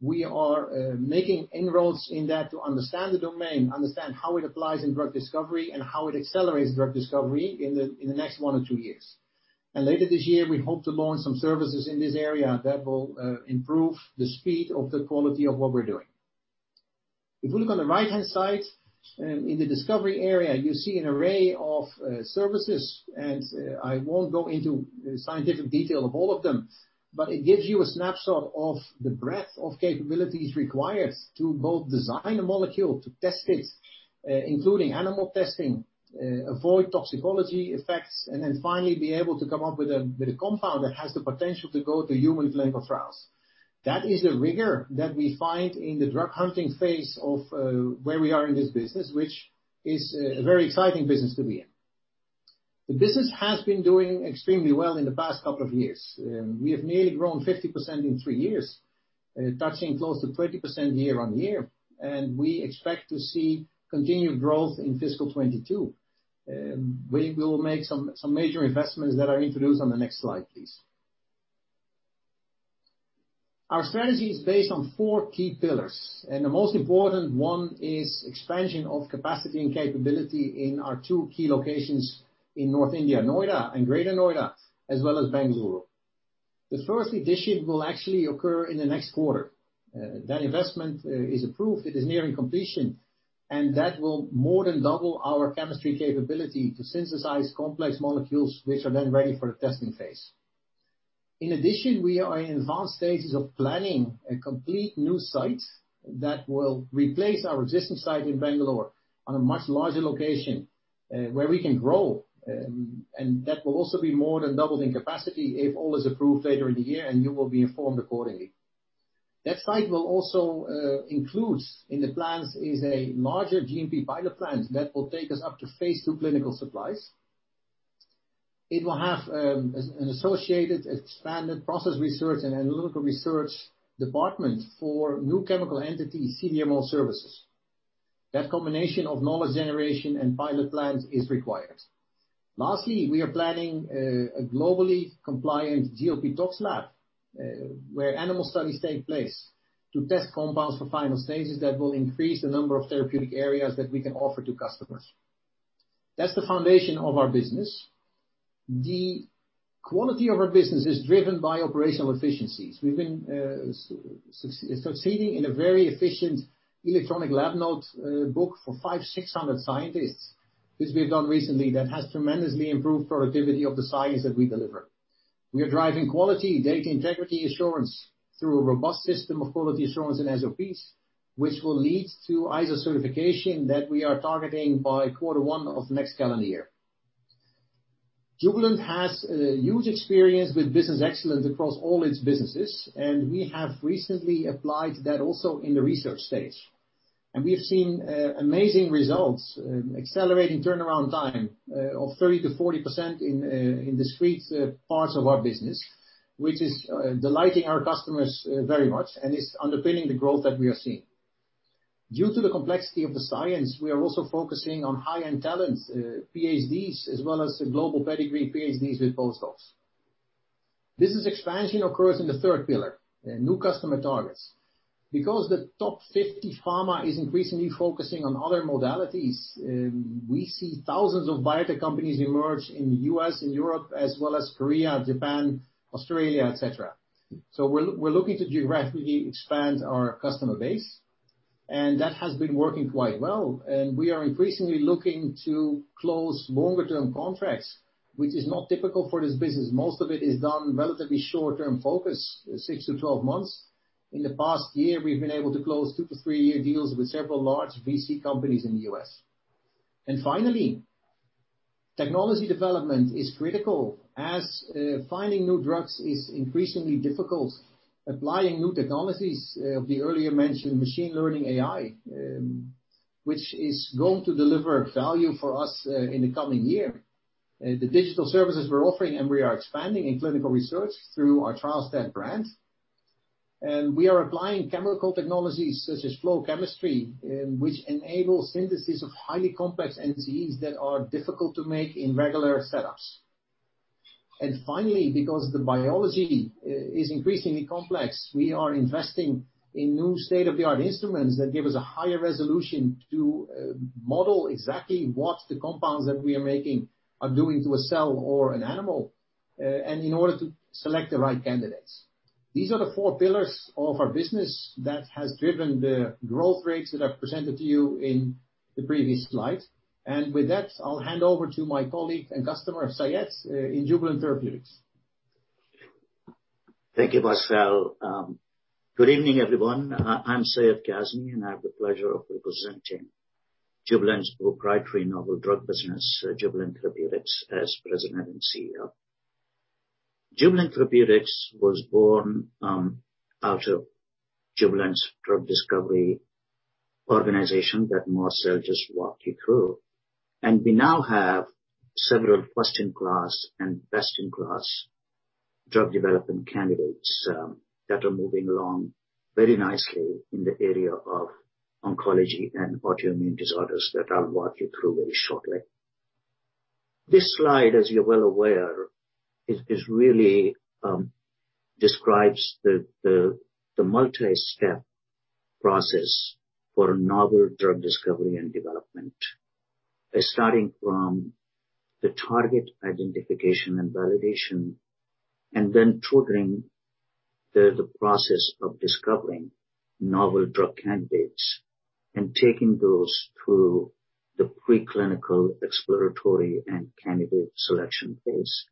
we are making inroads in that to understand the domain, understand how it applies in drug discovery, and how it accelerates drug discovery in the next one or two years. Later this year, we hope to launch some services in this area that will improve the speed of the quality of what we're doing. If we look on the right-hand side, in the discovery area, you'll see an array of services. I won't go into scientific detail of all of them. It gives you a snapshot of the breadth of capabilities required to both design a molecule, to test it, including animal testing, avoid toxicology effects. Then finally be able to come up with a compound that has the potential to go to human clinical trials. That is a rigor that we find in the drug hunting phase of where we are in this business, which is a very exciting business to be in. The business has been doing extremely well in the past couple of years. We have nearly grown 50% in three years, touching close to 20% year-over-year. We expect to see continued growth in FY 2022. We will make some major investments that are introduced on the next slide, please. Our strategy is based on four key pillars. The most important one is expansion of capacity and capability in our two key locations in North India, Noida and Greater Noida, as well as Bangalore. The first addition will actually occur in the next quarter. That investment is approved. It is nearing completion. That will more than double our chemistry capability to synthesize complex molecules, which are then ready for the testing phase. In addition, we are in advanced stages of planning a complete new site that will replace our existing site in Bangalore on a much larger location where we can grow. That will also be more than doubling capacity if all is approved later in the year. You will be informed accordingly. That site will also includes in the plans is a larger GMP pilot plant that will take us up to phase II clinical supplies. It will have an associated expanded process research and analytical research department for new chemical entities CDMO services. That combination of knowledge generation and pilot plans is required. Lastly, we are planning a globally compliant GLP tox lab, where animal studies take place to test compounds for final stages that will increase the number of therapeutic areas that we can offer to customers. That's the foundation of our business. The quality of our business is driven by operational efficiencies. We've been succeeding in a very efficient electronic lab notes book for 500-600 scientists, which we've done recently that has tremendously improved productivity of the science that we deliver. We are driving quality, data integrity assurance through a robust system of quality assurance and SOPs, which will lead to ISO certification that we are targeting by quarter one of next calendar year. Jubilant has huge experience with business excellence across all its businesses. We have recently applied that also in the research stage. We've seen amazing results, accelerating turnaround time of 30%-40% in the sweet spot of our business, which is delighting our customers very much and is underpinning the growth that we are seeing. Due to the complexity of the science, we are also focusing on high-end talents, PhDs, as well as global pedigree PhDs with postdocs. Business expansion occurs in the third pillar, new customer targets. Because the top 50 pharma is increasingly focusing on other modalities, we see thousands of biotech companies emerge in U.S. and Europe, as well as Korea, Japan, Australia, et cetera. We're looking to geographically expand our customer base, and that has been working quite well. We are increasingly looking to close longer-term contracts, which is not typical for this business. Most of it is done relatively short-term focus, 6-12 months. In the past year, we've been able to close two to three year deals with several large VC companies in the U.S. Finally, technology development is critical as finding new drugs is increasingly difficult. Applying new technologies, the earlier-mentioned machine learning AI, which is going to deliver value for us in the coming year. The digital services we're offering, and we are expanding in clinical research through our TrialStat brand. We are applying chemical technologies such as flow chemistry, which enable synthesis of highly complex entities that are difficult to make in regular setups. Finally, because the biology is increasingly complex, we are investing in new state-of-the-art instruments that give us a higher resolution to model exactly what the compounds that we are making are doing to a cell or an animal in order to select the right candidates. These are the four pillars of our business that has driven the growth rates that I've presented to you in the previous slide. With that, I'll hand over to my colleague and customer, Syed, in Jubilant Therapeutics. Thank you, Marcel. Good evening, everyone. I'm Syed Kazmi, and I have the pleasure of representing Jubilant Pharmova's proprietary novel drug business, Jubilant Therapeutics, as President and CEO. Jubilant Therapeutics was born out of Jubilant Pharmova's drug discovery organization that Marcel just walked you through. We now have several first-in-class and best-in-class drug development candidates that are moving along very nicely in the area of oncology and autoimmune disorders that I'll walk you through very shortly. This slide, as you're well aware, really describes the multi-step process for novel drug discovery and development, starting from the target identification and validation, then through the process of discovering novel drug candidates and taking those through the preclinical exploratory and candidate selection phase.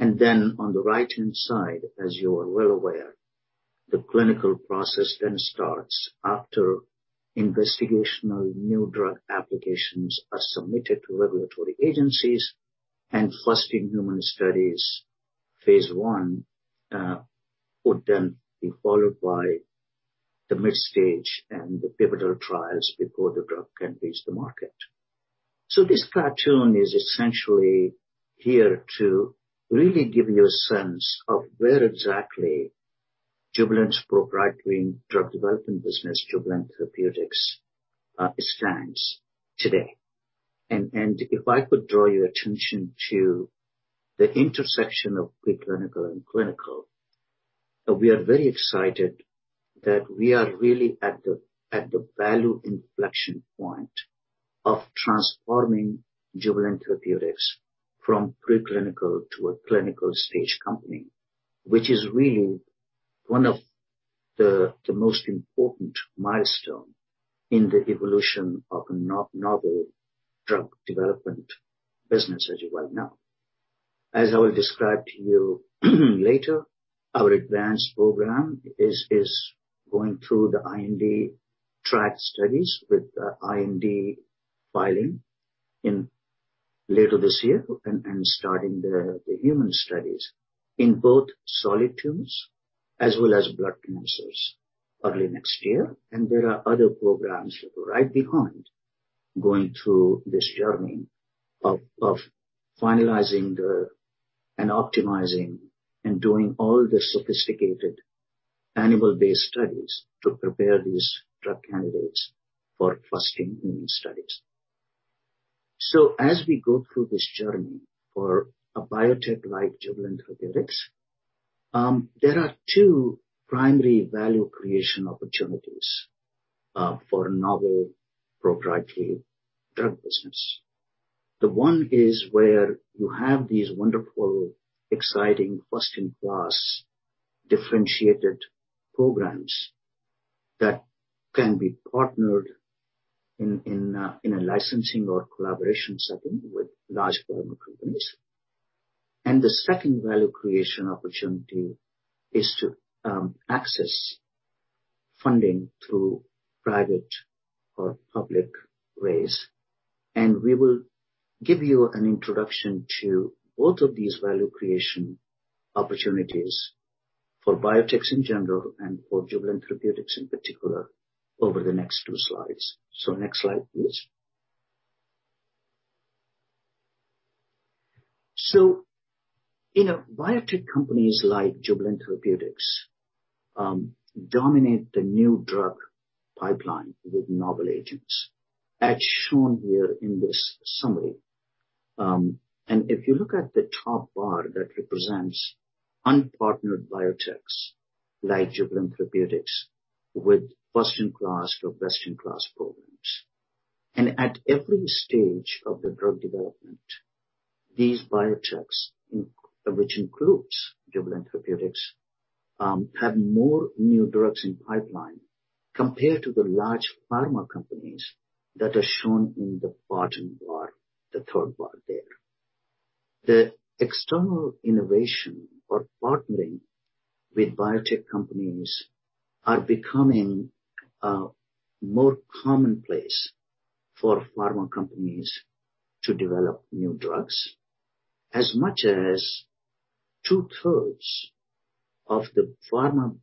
On the right-hand side, as you are well aware, the clinical process then starts after investigational new drug applications are submitted to regulatory agencies, and first-in-human studies phase I would then be followed by the mid-stage and the pivotal trials before the drug can reach the market. This cartoon is essentially here to really give you a sense of where exactly Jubilant's proprietary drug development business, Jubilant Therapeutics, stands today. If I could draw your attention to the intersection of preclinical and clinical, we are very excited that we are really at the value inflection point of transforming Jubilant Therapeutics from preclinical to a clinical-stage company, which is really one of the most important milestone in the evolution of a novel drug development business, as you well know. As I will describe to you later, our advanced program is going through the IND track studies with the IND filing later this year and starting the human studies in both solid tumors as well as blood cancers early next year. There are other programs right behind going through this journey of finalizing and optimizing and doing all the sophisticated animal-based studies to prepare these drug candidates for first-in-human studies. As we go through this journey for a biotech like Jubilant Therapeutics, there are two primary value creation opportunities for a novel proprietary drug business. The one is where you have these wonderful, exciting, first-in-class differentiated programs that can be partnered in a licensing or collaboration setting with large pharma companies. The second value creation opportunity is to access funding through private or public ways. We will give you an introduction to both of these value creation opportunities for biotechs in general and for Jubilant Therapeutics in particular over the next two slides. Next slide, please. Biotech companies like Jubilant Therapeutics dominate the new drug pipeline with novel agents, as shown here in this summary. If you look at the top bar that represents unpartnered biotechs like Jubilant Therapeutics with first-in-class or best-in-class programs. At every stage of the drug development, these biotechs, which includes Jubilant Therapeutics, have more new drugs in pipeline compared to the large pharma companies that are shown in the bottom bar, the third bar there. The external innovation or partnering with biotech companies are becoming more commonplace for pharma companies to develop new drugs. As much as 2/3 of the pharma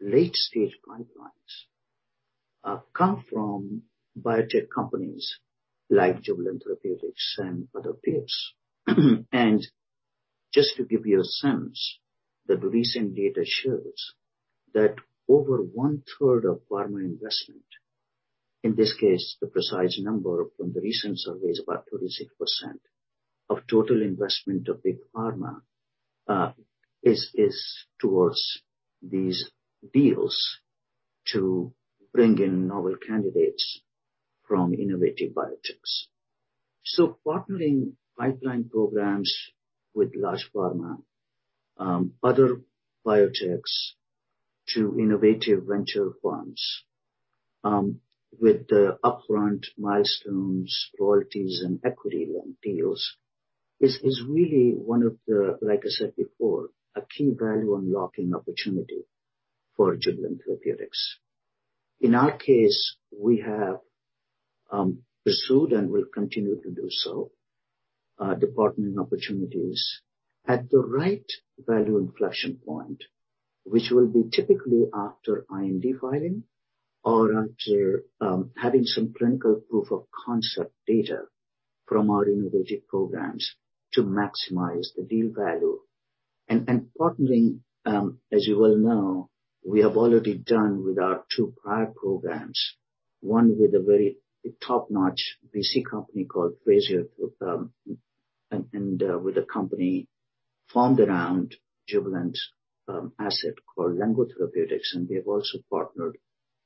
late-stage pipelines come from biotech companies like Jubilant Therapeutics and other peers. Just to give you a sense, the recent data shows that over 1/3 of pharma investment, in this case, the precise number from the recent survey is about 36%, of total investment of big pharma is towards these deals to bring in novel candidates from innovative biotechs. Partnering pipeline programs with large pharma, other biotechs to innovative venture funds with the upfront milestones, royalties, and equity deals is really one of the, like I said before, a key value unlocking opportunity for Jubilant Therapeutics. In our case, we have pursued and will continue to do so, the partnering opportunities at the right value inflection point, which will be typically after IND filing or after having some clinical proof of concept data from our innovative programs to maximize the deal value. Partnering, as you well know, we have already done with our two prior programs, one with a very top-notch VC company called Frazier, and with a company formed around Jubilant's asset called Lengo Therapeutics, and they've also partnered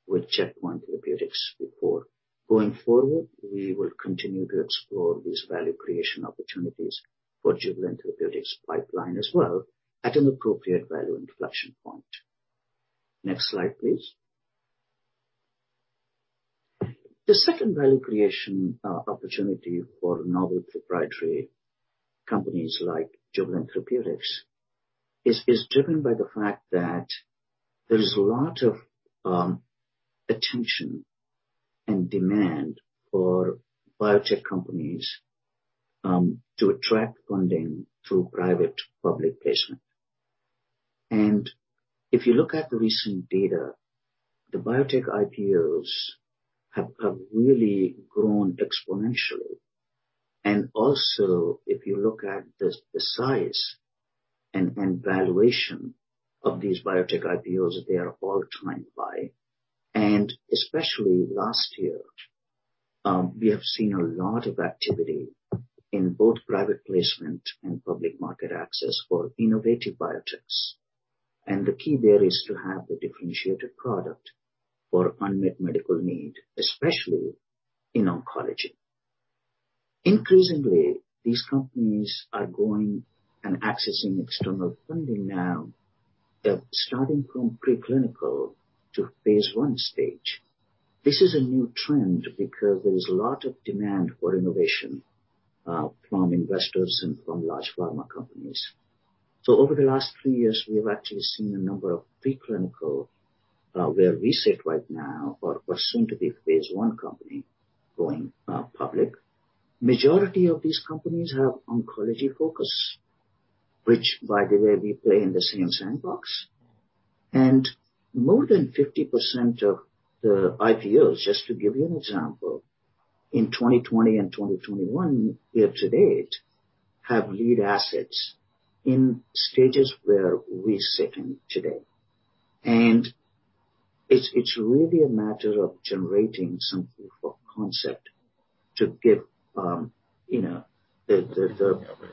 with Checkpoint Therapeutics before. Going forward, we will continue to explore these value creation opportunities for Jubilant Therapeutics pipeline as well at an appropriate value [inflection] point. Next slide, please. The second value creation opportunity for novel proprietary companies like Jubilant Therapeutics is driven by the fact that there is a lot of attention and demand for biotech companies to attract funding through private-public placement. If you look at the recent data, the biotech IPOs have really grown exponentially. Also, if you look at the size and valuation of these biotech IPOs, they are all driven by, and especially last year, we have seen a lot of activity in both private placement and public market access for innovative biotechs. The key there is to have a differentiated product for unmet medical need, especially in oncology. Increasingly, these companies are going and accessing external funding now that starting from preclinical to phase I stage. This is a new trend because there is a lot of demand for innovation from investors and from large pharma companies. Over the last three years, we've actually seen a number of preclinical, where we sit right now or soon to be phase I company going public. Majority of these companies have oncology focus, which by the way, we play in the same sandbox. More than 50% of the IPOs, just to give you an example, in 2020 and 2021 year to date, have lead assets in stages where we sit in today. It's really a matter of generating some proof of concept to give the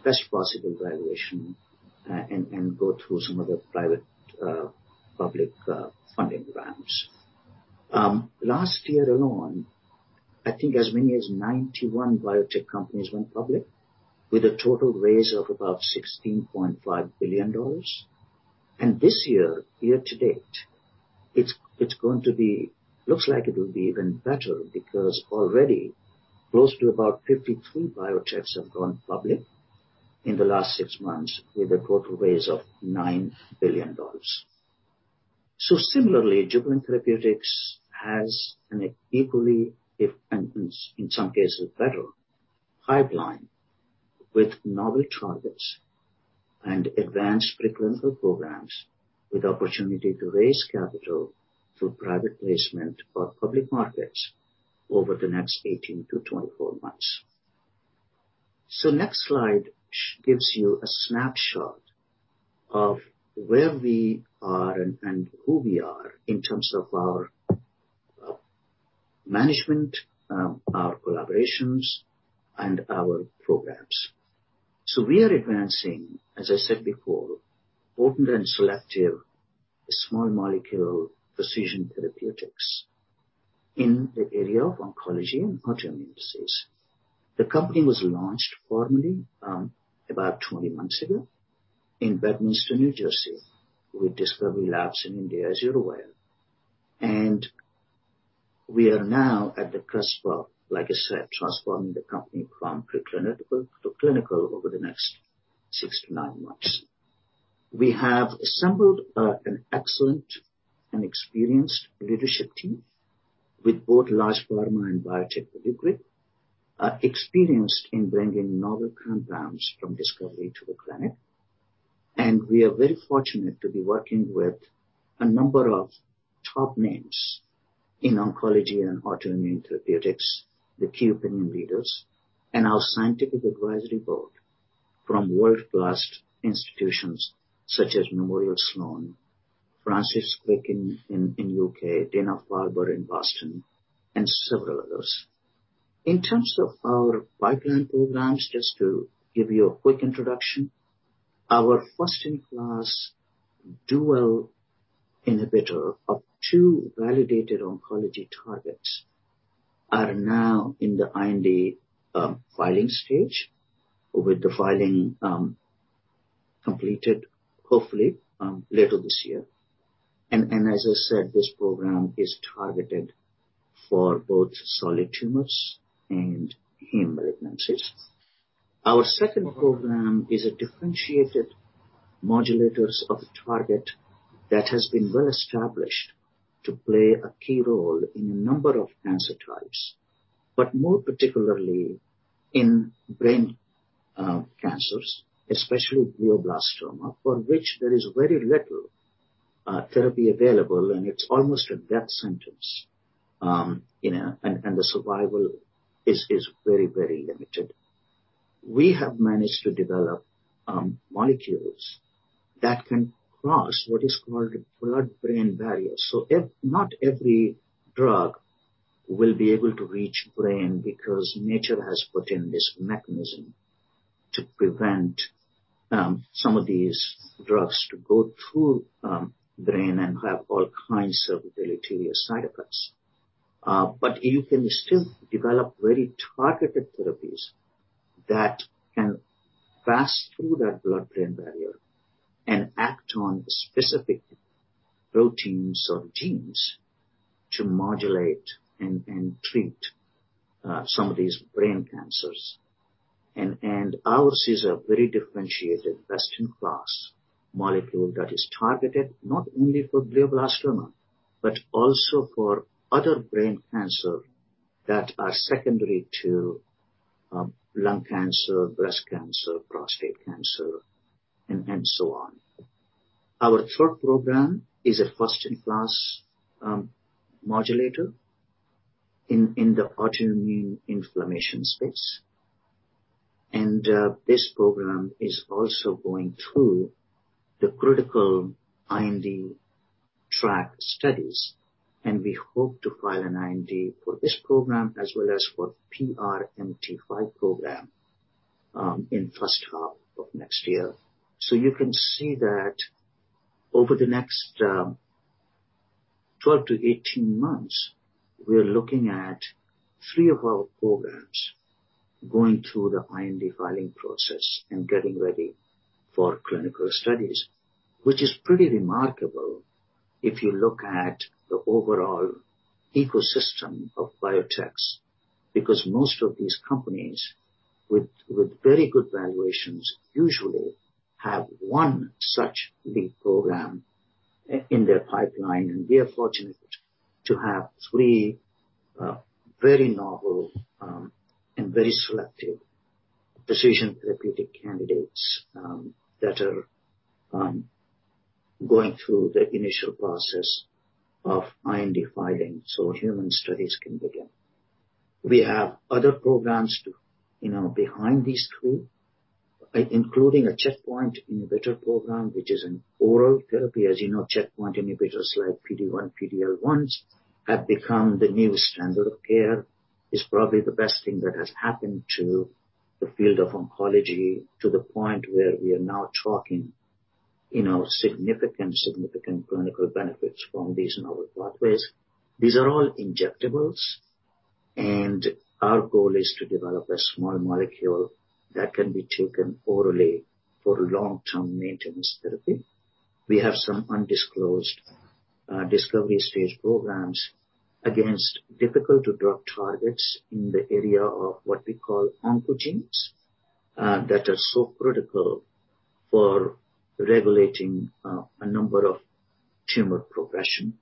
best possible valuation, and go through some of the private public funding rounds. Last year alone, I think as many as 91 biotech companies went public with a total raise of about $16.5 billion. This year to date, it looks like it will be even better because already close to about 53 biotechs have gone public in the last 6 months with a total raise of $9 billion. Similarly, Jubilant Therapeutics has an equally, if in some cases better, pipeline with novel targets and advanced preclinical programs with opportunity to raise capital through private placement or public markets over the next 18-24 months. Next slide gives you a snapshot of where we are and who we are in terms of our management, our collaborations, and our programs. We are advancing, as I said before, open and selective small molecule precision therapeutics in the area of oncology and autoimmune disease. The company was launched formally about 20 months ago in Bedminster, New Jersey, with discovery labs in India as well. We are now at the cusp of, like I said, transforming the company from preclinical to clinical over the next six to nine months. We have assembled an excellent and experienced leadership team with both large pharma and biotech pedigree, experienced in bringing novel compounds from discovery to the clinic. We are very fortunate to be working with a number of top names in oncology and autoimmune therapeutics, the key opinion leaders, and our scientific advisory board from world-class institutions such as Memorial Sloan Kettering, Francis Crick Institute in the U.K., Dana-Farber Cancer Institute in Boston, and several others. In terms of our pipeline programs, just to give you a quick introduction, our first-in-class dual inhibitor of two validated oncology targets are now in the IND filing stage, with the filing completed hopefully later this year. As I said, this program is targeted for both solid tumors and heme malignancies. Our second program is a differentiated modulator of a target that has been well-established to play a key role in a number of cancer types, but more particularly in brain cancers, especially glioblastoma, for which there is very little therapy available, and it's almost a death sentence. The survival is very limited. We have managed to develop molecules that can cross what is called a blood-brain barrier. Not every drug will be able to reach brain because nature has put in this mechanism to prevent some of these drugs to go through brain and have all kinds of deleterious side effects. You can still develop very targeted therapies that can pass through that blood-brain barrier and act on specific proteins or genes to modulate and treat some of these brain cancers. Ours is a very differentiated best-in-class molecule that is targeted not only for glioblastoma but also for other brain cancer that are secondary to lung cancer, breast cancer, prostate cancer, and so on. Our third program is a first-in-class modulator in the autoimmune inflammation space. This program is also going through the critical IND track studies, and we hope to file an IND for this program as well as for PRMT5 program in first half of next year. You can see that over the next 12-18 months, we are looking at three of our programs going through the IND filing process and getting ready for clinical studies, which is pretty remarkable if you look at the overall ecosystem of biotechs, because most of these companies with very good valuations usually have one such lead program in their pipeline, and we are fortunate to have three very novel and very selective precision therapeutic candidates that are going through the initial process of IND filing so human studies can begin. We have other programs behind these three, including a checkpoint inhibitor program, which is an oral therapy. As you know, checkpoint inhibitors like PD-1, PD-L1 have become the new standard of care. It's probably the best thing that has happened to the field of oncology to the point where we are now talking significant clinical benefits from these novel pathways. These are all injectables. Our goal is to develop a small molecule that can be taken orally for long-term maintenance therapy. We have some undisclosed discovery stage programs against difficult to drug targets in the area of what we call oncogenes that are so critical for regulating a number of tumor progression.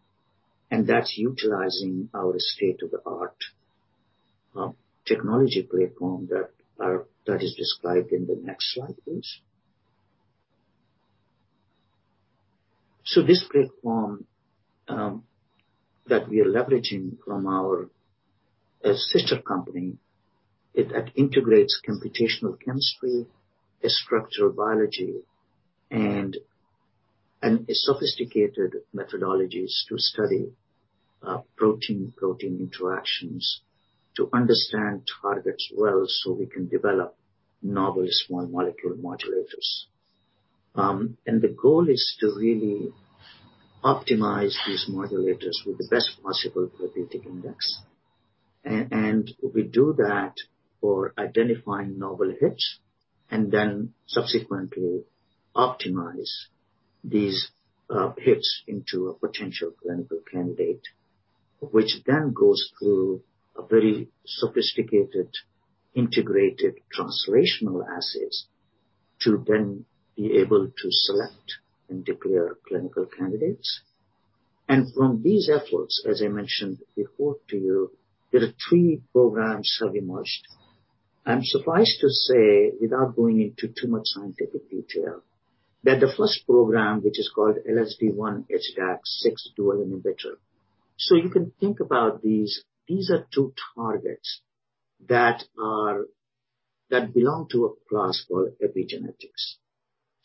That's utilizing our state-of-the-art technology platform that is described in the next slide, please. This platform that we are leveraging from our sister company, it integrates computational chemistry, structural biology, and sophisticated methodologies to study protein-protein interactions to understand targets well so we can develop novel small molecule modulators. The goal is to really optimize these modulators with the best possible therapeutic index. We do that for identifying novel hits and then subsequently optimize these hits into a potential clinical candidate, which then goes through a very sophisticated integrated translational assays to then be able to select and declare clinical candidates. From these efforts, as I mentioned before to you, there are three programs that emerged. I'm surprised to say, without going into too much scientific detail, that the first program, which is called LSD-1/HDAC6 dual inhibitor. You can think about these. These are two targets that belong to a class called epigenetics.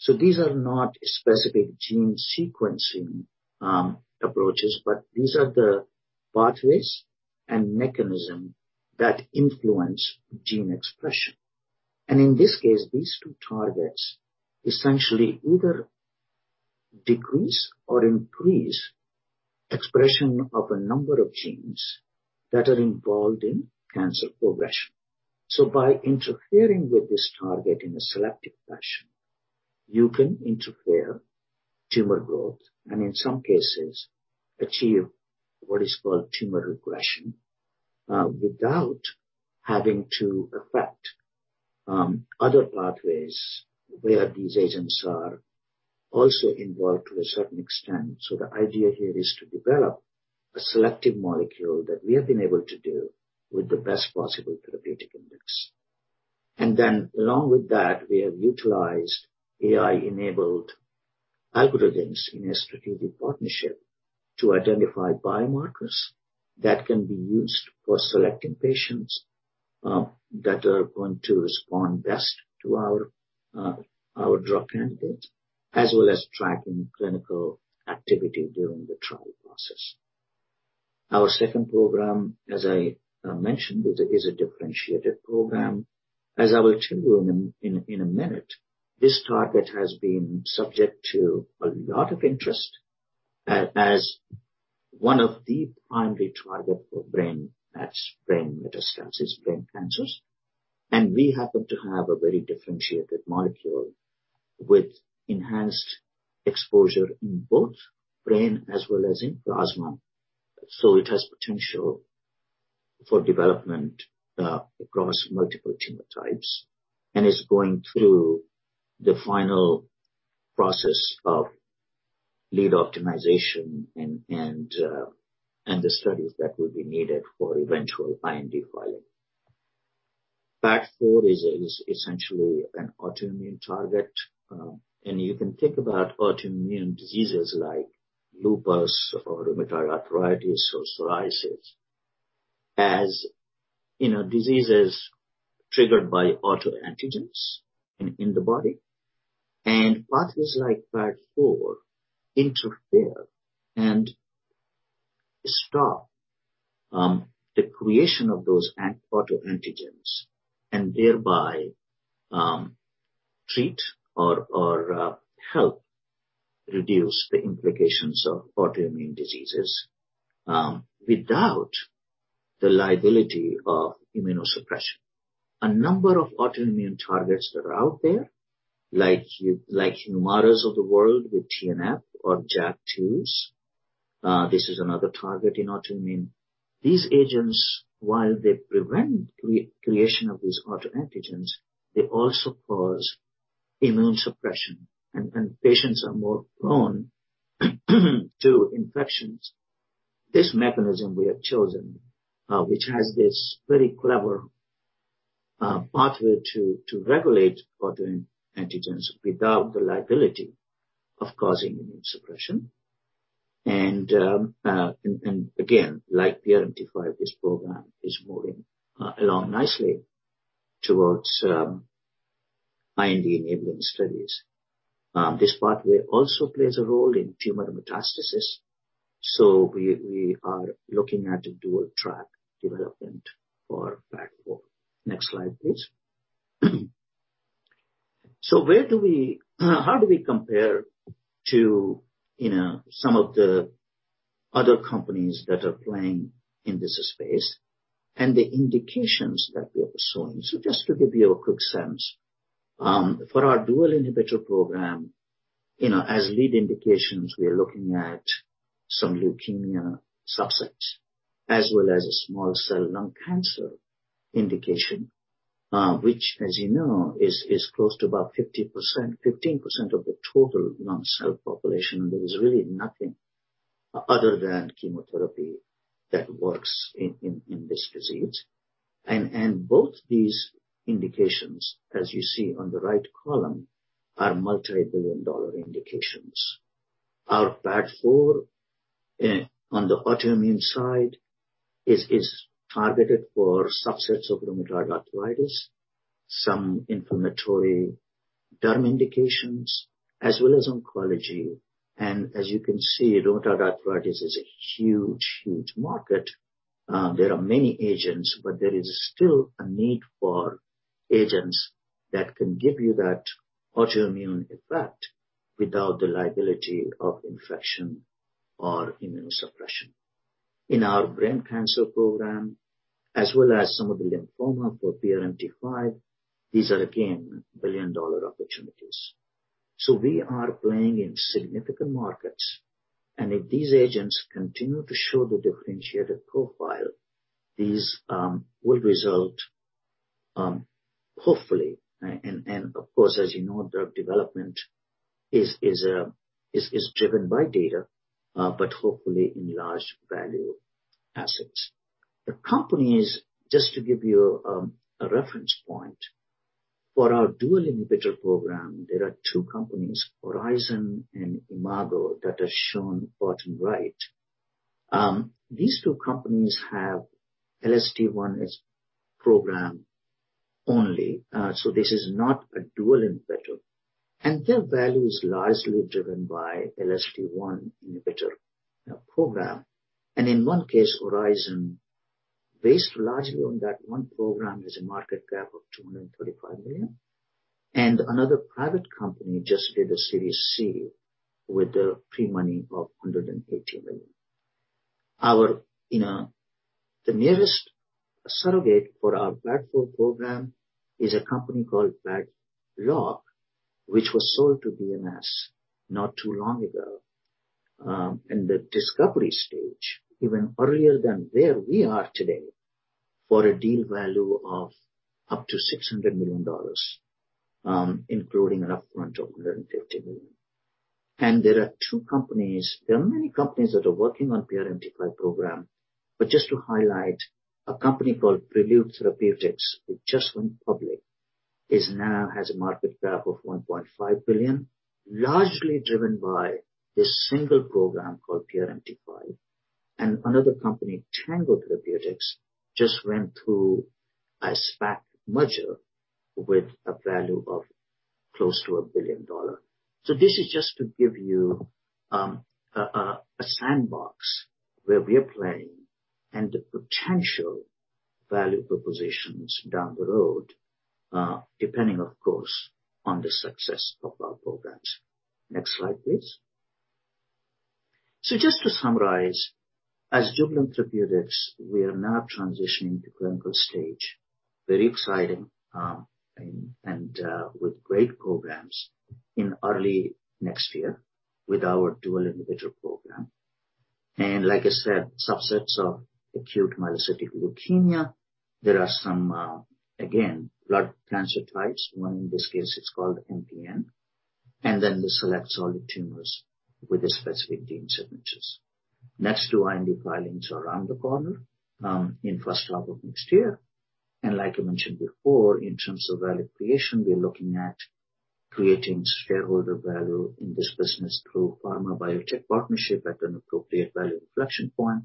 These are not specific gene sequencing approaches, but these are the pathways and mechanism that influence gene expression. In this case, these two targets essentially either decrease or increase expression of a number of genes that are involved in cancer progression. By interfering with this target in a selective fashion, you can interfere tumor growth and in some cases achieve what is called tumor regression without having to affect other pathways where these agents are also involved to a certain extent. The idea here is to develop a selective molecule that we have been able to do with the best possible therapeutic index. Then along with that, we have utilized AI-enabled algorithms in a strategic partnership to identify biomarkers that can be used for selecting patients that are going to respond best to our drug candidate, as well as tracking clinical activity during the trial process. Our second program, as I mentioned, is a differentiated program. As I will show you in a minute, this target has been subject to a lot of interest as one of the primary targets for brain metastasis, brain cancers. We happen to have a very differentiated molecule with enhanced exposure in both brain as well as in plasma. It has potential for development across multiple tumor types and is going through the final process of lead optimization and the studies that will be needed for eventual IND filing. PAD4 is essentially an autoimmune target. You can think about autoimmune diseases like lupus or rheumatoid arthritis or psoriasis as diseases triggered by autoantigens in the body. Pathways like PAD4 interfere and stop the creation of those autoantigens and thereby treat or help reduce the implications of autoimmune diseases without the liability of immunosuppression. A number of autoimmune targets are out there, like Humiras of the world with TNF or JAK2. This is another target in autoimmune. These agents, while they prevent creation of these autoantigens, they also cause immunosuppression, and patients are more prone to infections. This mechanism we have chosen, which has this very clever pathway to regulate autoantigens without the liability of causing immunosuppression. Again, like PRMT5, this program is moving along nicely towards IND-enabling studies. This pathway also plays a role in tumor metastasis, so we are looking at a dual track development for PAD4. Next slide, please. How do we compare to some of the other companies that are playing in this space and the indications that we are showing? Just to give you a quick sense. For our dual inhibitor program, as lead indications, we are looking at some leukemia subsets as well as a small cell lung cancer indication, which as you know is close to about 15% of the total lung cell population. There is really nothing other than chemotherapy that works in this disease. Both these indications, as you see on the right column, are multi-billion-dollar indications. Our PAD4 on the autoimmune side is targeted for subsets of rheumatoid arthritis, some inflammatory gut indications, as well as oncology. As you can see, rheumatoid arthritis is a huge market. There are many agents, but there is still a need for agents that can give you that autoimmune effect without the liability of infection or immunosuppression. In our brain cancer program, as well as some of the lymphoma for PRMT5, these are again billion-dollar opportunities. We are playing in significant markets, and if these agents continue to show the differentiated profile, these will result, hopefully, and of course, as you know, drug development is driven by data, but hopefully in large value assets. The companies, just to give you a reference point, for our dual inhibitor program, there are two companies, Oryzon and Imago, that are shown bottom right. These two companies have LSD-1 as program only. This is not a dual inhibitor. Their value is largely driven by LSD-1 inhibitor program. In one case, Oryzon, based largely on that one program, has a market cap of $235 million, and another private company just did a Series C with a pre-money of $180 million. The nearest surrogate for our PAD4 program is a company called Padlock, which was sold to BMS not too long ago in the discovery stage, even earlier than where we are today, for a deal value of up to $600 million, including upfront of $150 million. There are many companies that are working on PRMT5 program, but just to highlight a company called Prevail Therapeutics, which just went public. Now has a market cap of $1.5 billion, largely driven by this single program called [PR-001] and another company, Tango Therapeutics, just went through a SPAC merger with a value of close to $1 billion. This is just to give you a sandbox where we're playing and the potential value propositions down the road, depending, of course, on the success of our programs. Next slide, please. Just to summarize, as Jubilant Therapeutics, we are now transitioning to clinical stage, very exciting, and with great programs in early next year with our dual inhibitor program. Like I said, subsets of acute myelocytic leukemia, there are some, again, blood cancer types. One in this case, it's called MPN, then the select solid tumors with the specific gene signatures. Next, we will be filing for NDA around the corner, in first half of next year. Like I mentioned before, in terms of value creation, we're looking at creating shareholder value in this business through pharma biotech partnership at an appropriate value reflection point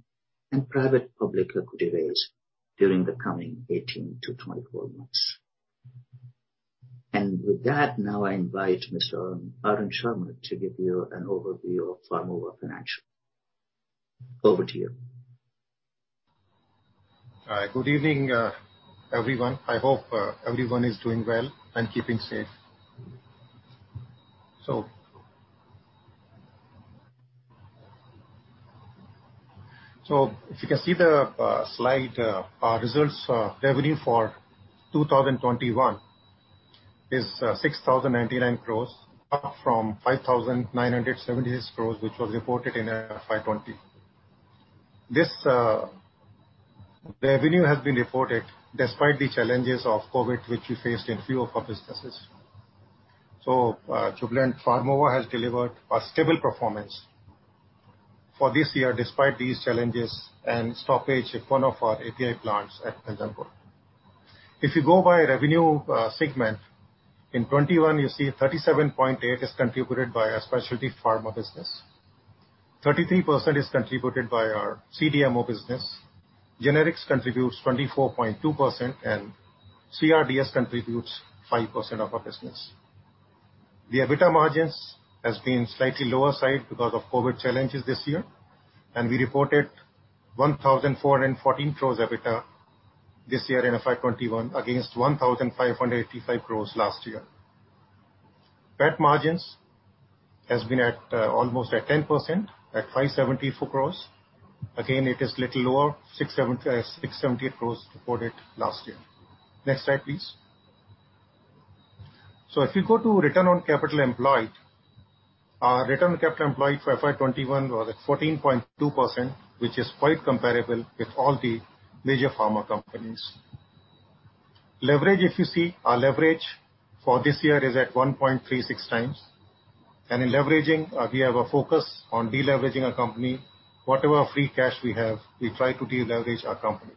and private public equity raise during the coming 18-24 months. With that, now I invite Mr. Arun Sharma to give you an overview of Pharmova Financials. Over to you. Good evening, everyone. I hope everyone is doing well and keeping safe. If you can see the slide, our results revenue for 2021 is 6,099 crore, up from 5,976 crore, which was reported in FY 2020. This revenue has been reported despite the challenges of COVID, which we faced in few of our businesses. Jubilant Pharmova has delivered a stable performance for this year despite these challenges and stoppage at one of our API plants at Pithampur. If you go by revenue segment, in 2021, you see 37.8% is contributed by our Specialty Pharma business. 33% is contributed by our CDMO business. Generics contributes 24.2%, and CRDS contributes 5% of our business. The EBITDA margins has been slightly lower side because of COVID challenges this year. We reported 1,414 crore EBITDA this year in FY 2021 against 1,585 crore last year. PAT margins has been at almost at 10% at 574 crore. Again, it is little lower, 670 crore reported last year. Next slide, please. If you go to return on capital employed, our return on capital employed for FY 2021 was at 14.2%, which is quite comparable with all the major pharma companies. Leverage, if you see our leverage for this year is at 1.36x. In leveraging, we have a focus on de-leveraging our company. Whatever free cash we have, we try to de-leverage our company.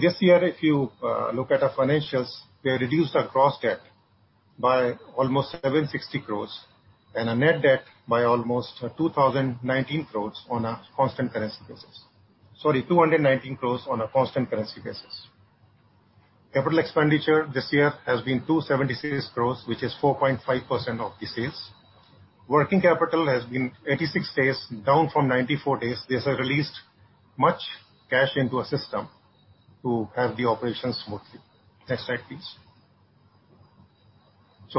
This year, if you look at our financials, we have reduced our gross debt by almost 760 crore and our net debt by almost 2,019 crore on a constant currency basis. Sorry, 219 crore on a constant currency basis. Capital expenditure this year has been 276 crore, which is 4.5% of the sales. Working capital has been 86 days, down from 94 days. These have released much cash into our system to have the operations smoothly. Next slide, please.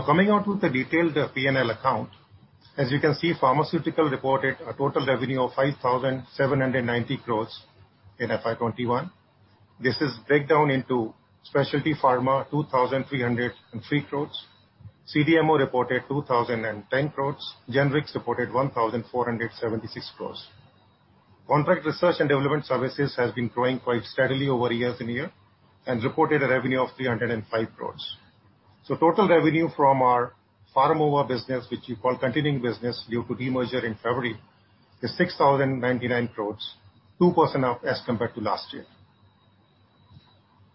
Coming on to the detailed P&L account. As you can see, pharmaceutical reported a total revenue of 5,790 crore in FY 2021. This is breakdown into Specialty Pharma, 2,303 crore. CDMO reported 2,010 crore. Generics reported 1,476 crore. Contract Research and Development Services has been growing quite steadily over years and year and reported a revenue of 305 crore. Total revenue from our Pharmova business, which we call continuing business due to demerger in February, is 6,099 crore, 2% up as compared to last year.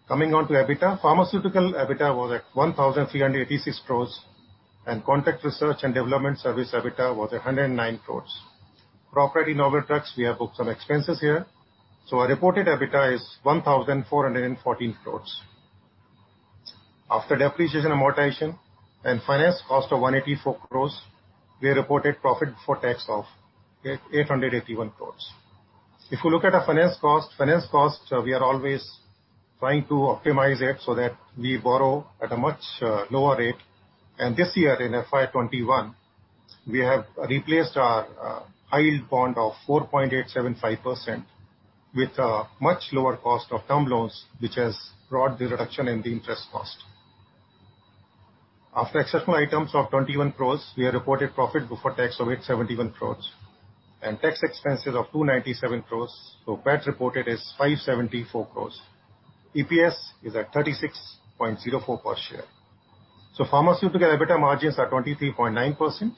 Coming on to EBITDA. Pharmaceutical EBITDA was at 1,386 crore, and Contract Research and Development Service EBITDA was 109 crore. Property, plant and equipment, we have booked some expenses here, so our reported EBITDA is 1,414 crore. After depreciation and amortization and finance cost of 184 crore, we reported profit before tax of 881 crore. If you look at our finance cost, finance cost, we are always trying to optimize it so that we borrow at a much lower rate. This year in FY 2021, we have replaced our high-yield bond of 4.875% with a much lower cost of term loans, which has brought the reduction in the interest cost. After exceptional items of 21 crore, we have reported profit before tax of 871 crore and tax expenses of 297 crore, PAT reported is 574 crore. EPS is at 36.04 per share. Pharmaceutical EBITDA margins are 23.9%.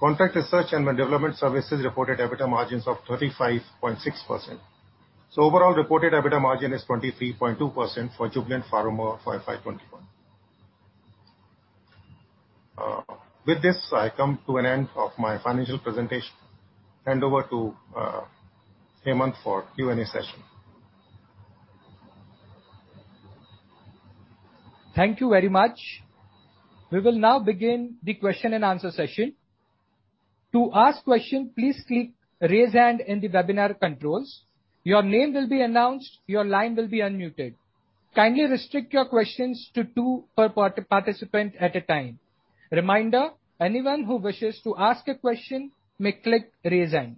Contract Research and Development Services reported EBITDA margins of 35.6%. Overall reported EBITDA margin is 23.2% for Jubilant Pharmova for FY 2021. With this, I come to an end of my financial presentation. Hand over to Hemant for Q&A session. Thank you very much. We will now begin the question and answer session. To ask question, please click raise hand in the webinar controls. Your name will be announced, your line will be unmuted. Kindly restrict your questions to two per participant at a time. Reminder, anyone who wishes to ask a question may click raise hand.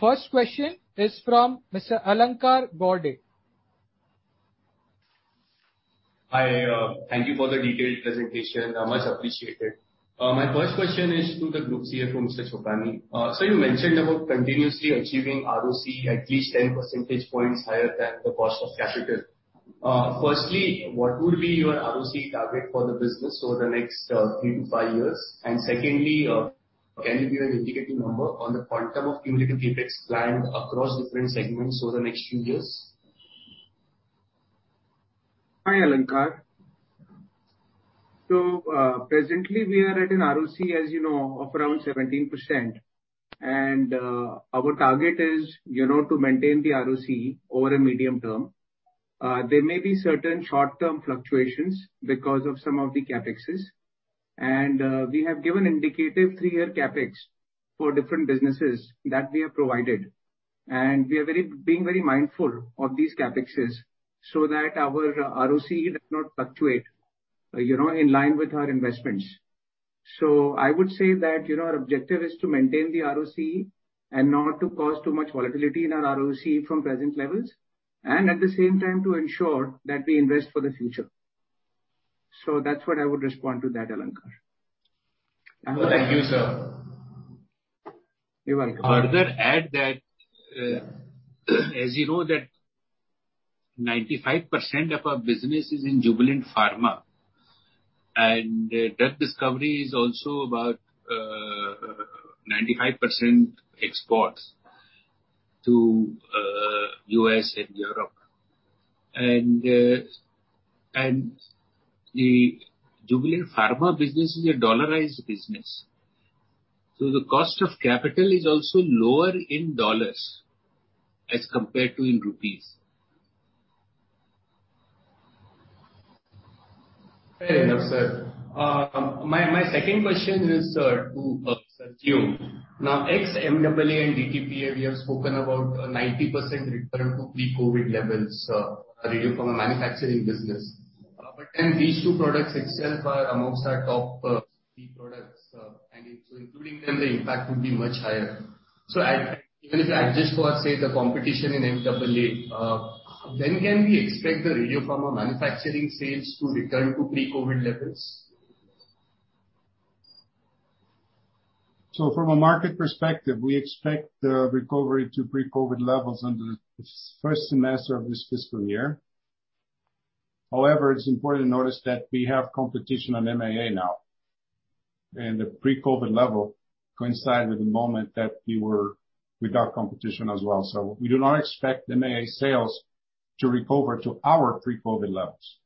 First question is from Mr. Alankar Bode. Hi. Thank you for the detailed presentation. Much appreciated. My first question is to the group CFO, Mr. Chokhany. You mentioned about continuously achieving ROC at least 10 percentage points higher than the cost of capital. Firstly, what would be your ROC target for the business over the next three to five years? Secondly, can you give an indicative number on the quantum of cumulative CapEx planned across different segments over the next few years? Hi, Alankar. Presently we are at an ROC, as you know, around 17%. Our target is to maintain the ROC over a medium term. There may be certain short-term fluctuations because of some of the CapExes. We have given indicative three-year CapEx for different businesses that we have provided. We are being very mindful of these CapExes so that our ROC does not fluctuate in line with our investments. I would say that our objective is to maintain the ROC and not to cause too much volatility in our ROC from present levels, at the same time to ensure that we invest for the future. That's what I would respond to that, Alankar. Thank you, sir. You're welcome. Further add that, as you know that 95% of our business is in Jubilant Pharma. Drug discovery is also about 95% exports to U.S. and Europe. The Jubilant Pharma business is a dollarized business. The cost of capital is also lower in dollars as compared to in rupees. Hey. Hello, sir. My second question is to [Sergio]. Ex-MAA and DTPA, we have spoken about a 90% return to pre-COVID levels Radiopharmaceutical manufacturing business. These two products itself are amongst our top three products. Including them, the impact would be much higher. Even if I adjust for, say, the competition in MAA, when can we expect the Radiopharmaceutical manufacturing sales to return to pre-COVID levels? From a market perspective, we expect the recovery to pre-COVID levels under the first semester of this fiscal year. However, it is important to notice that we have competition on MAA now, and the pre-COVID level coincide with the moment that we were without competition as well. We do not expect MAA sales to recover to our pre-COVID levels.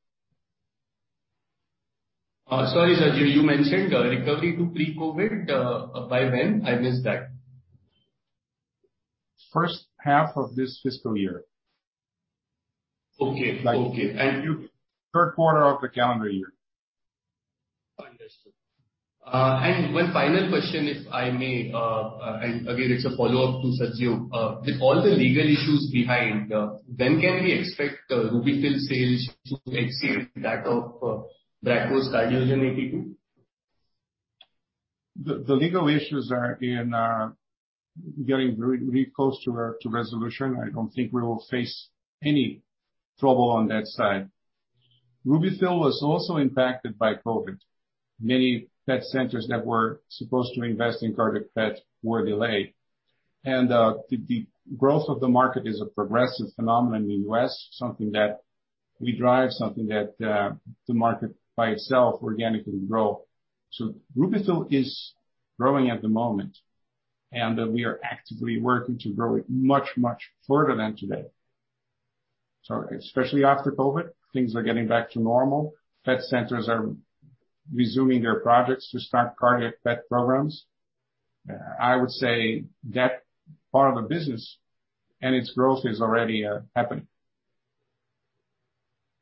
Sorry, Sergio, you mentioned recovery to pre-COVID, by when? I missed that. First half of this fiscal year. Okay. Third quarter of the calendar year. Understood. One final question, if I may. Again, it's a follow-up to Sergio. With all the legal issues behind, when can we expect RUBY-FILL sales to exceed that of Bracco's CardioGen-82? The legal issues are getting very close to resolution. I don't think we will face any trouble on that side. RUBY-FILL was also impacted by COVID. Many PET centers that were supposed to invest in cardiac PET were delayed. The growth of the market is a progressive phenomenon in U.S., something that we drive, something that the market by itself organically grow. RUBY-FILL is growing at the moment, and we are actively working to grow it much further than today. Especially after COVID, things are getting back to normal. PET centers are resuming their projects to start cardiac PET programs. I would say that part of the business and its growth is already happening.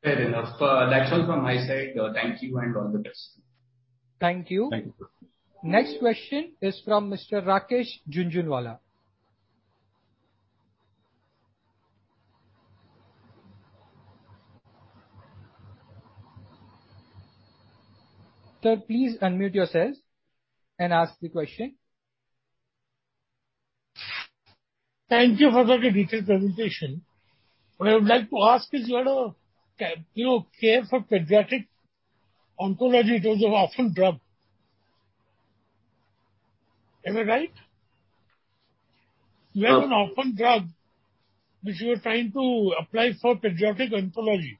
Very well. That is all from my side. Thank you and all the best. Thank you. Next question is from Mr. Rakesh Jhunjhunwala. Sir, please unmute yourself and ask the question. Thank you for the detailed presentation. What I would like to ask is, do you care for pediatric oncology dose of orphan drug? Am I right? You have an orphan drug that you are trying to apply for pediatric oncology.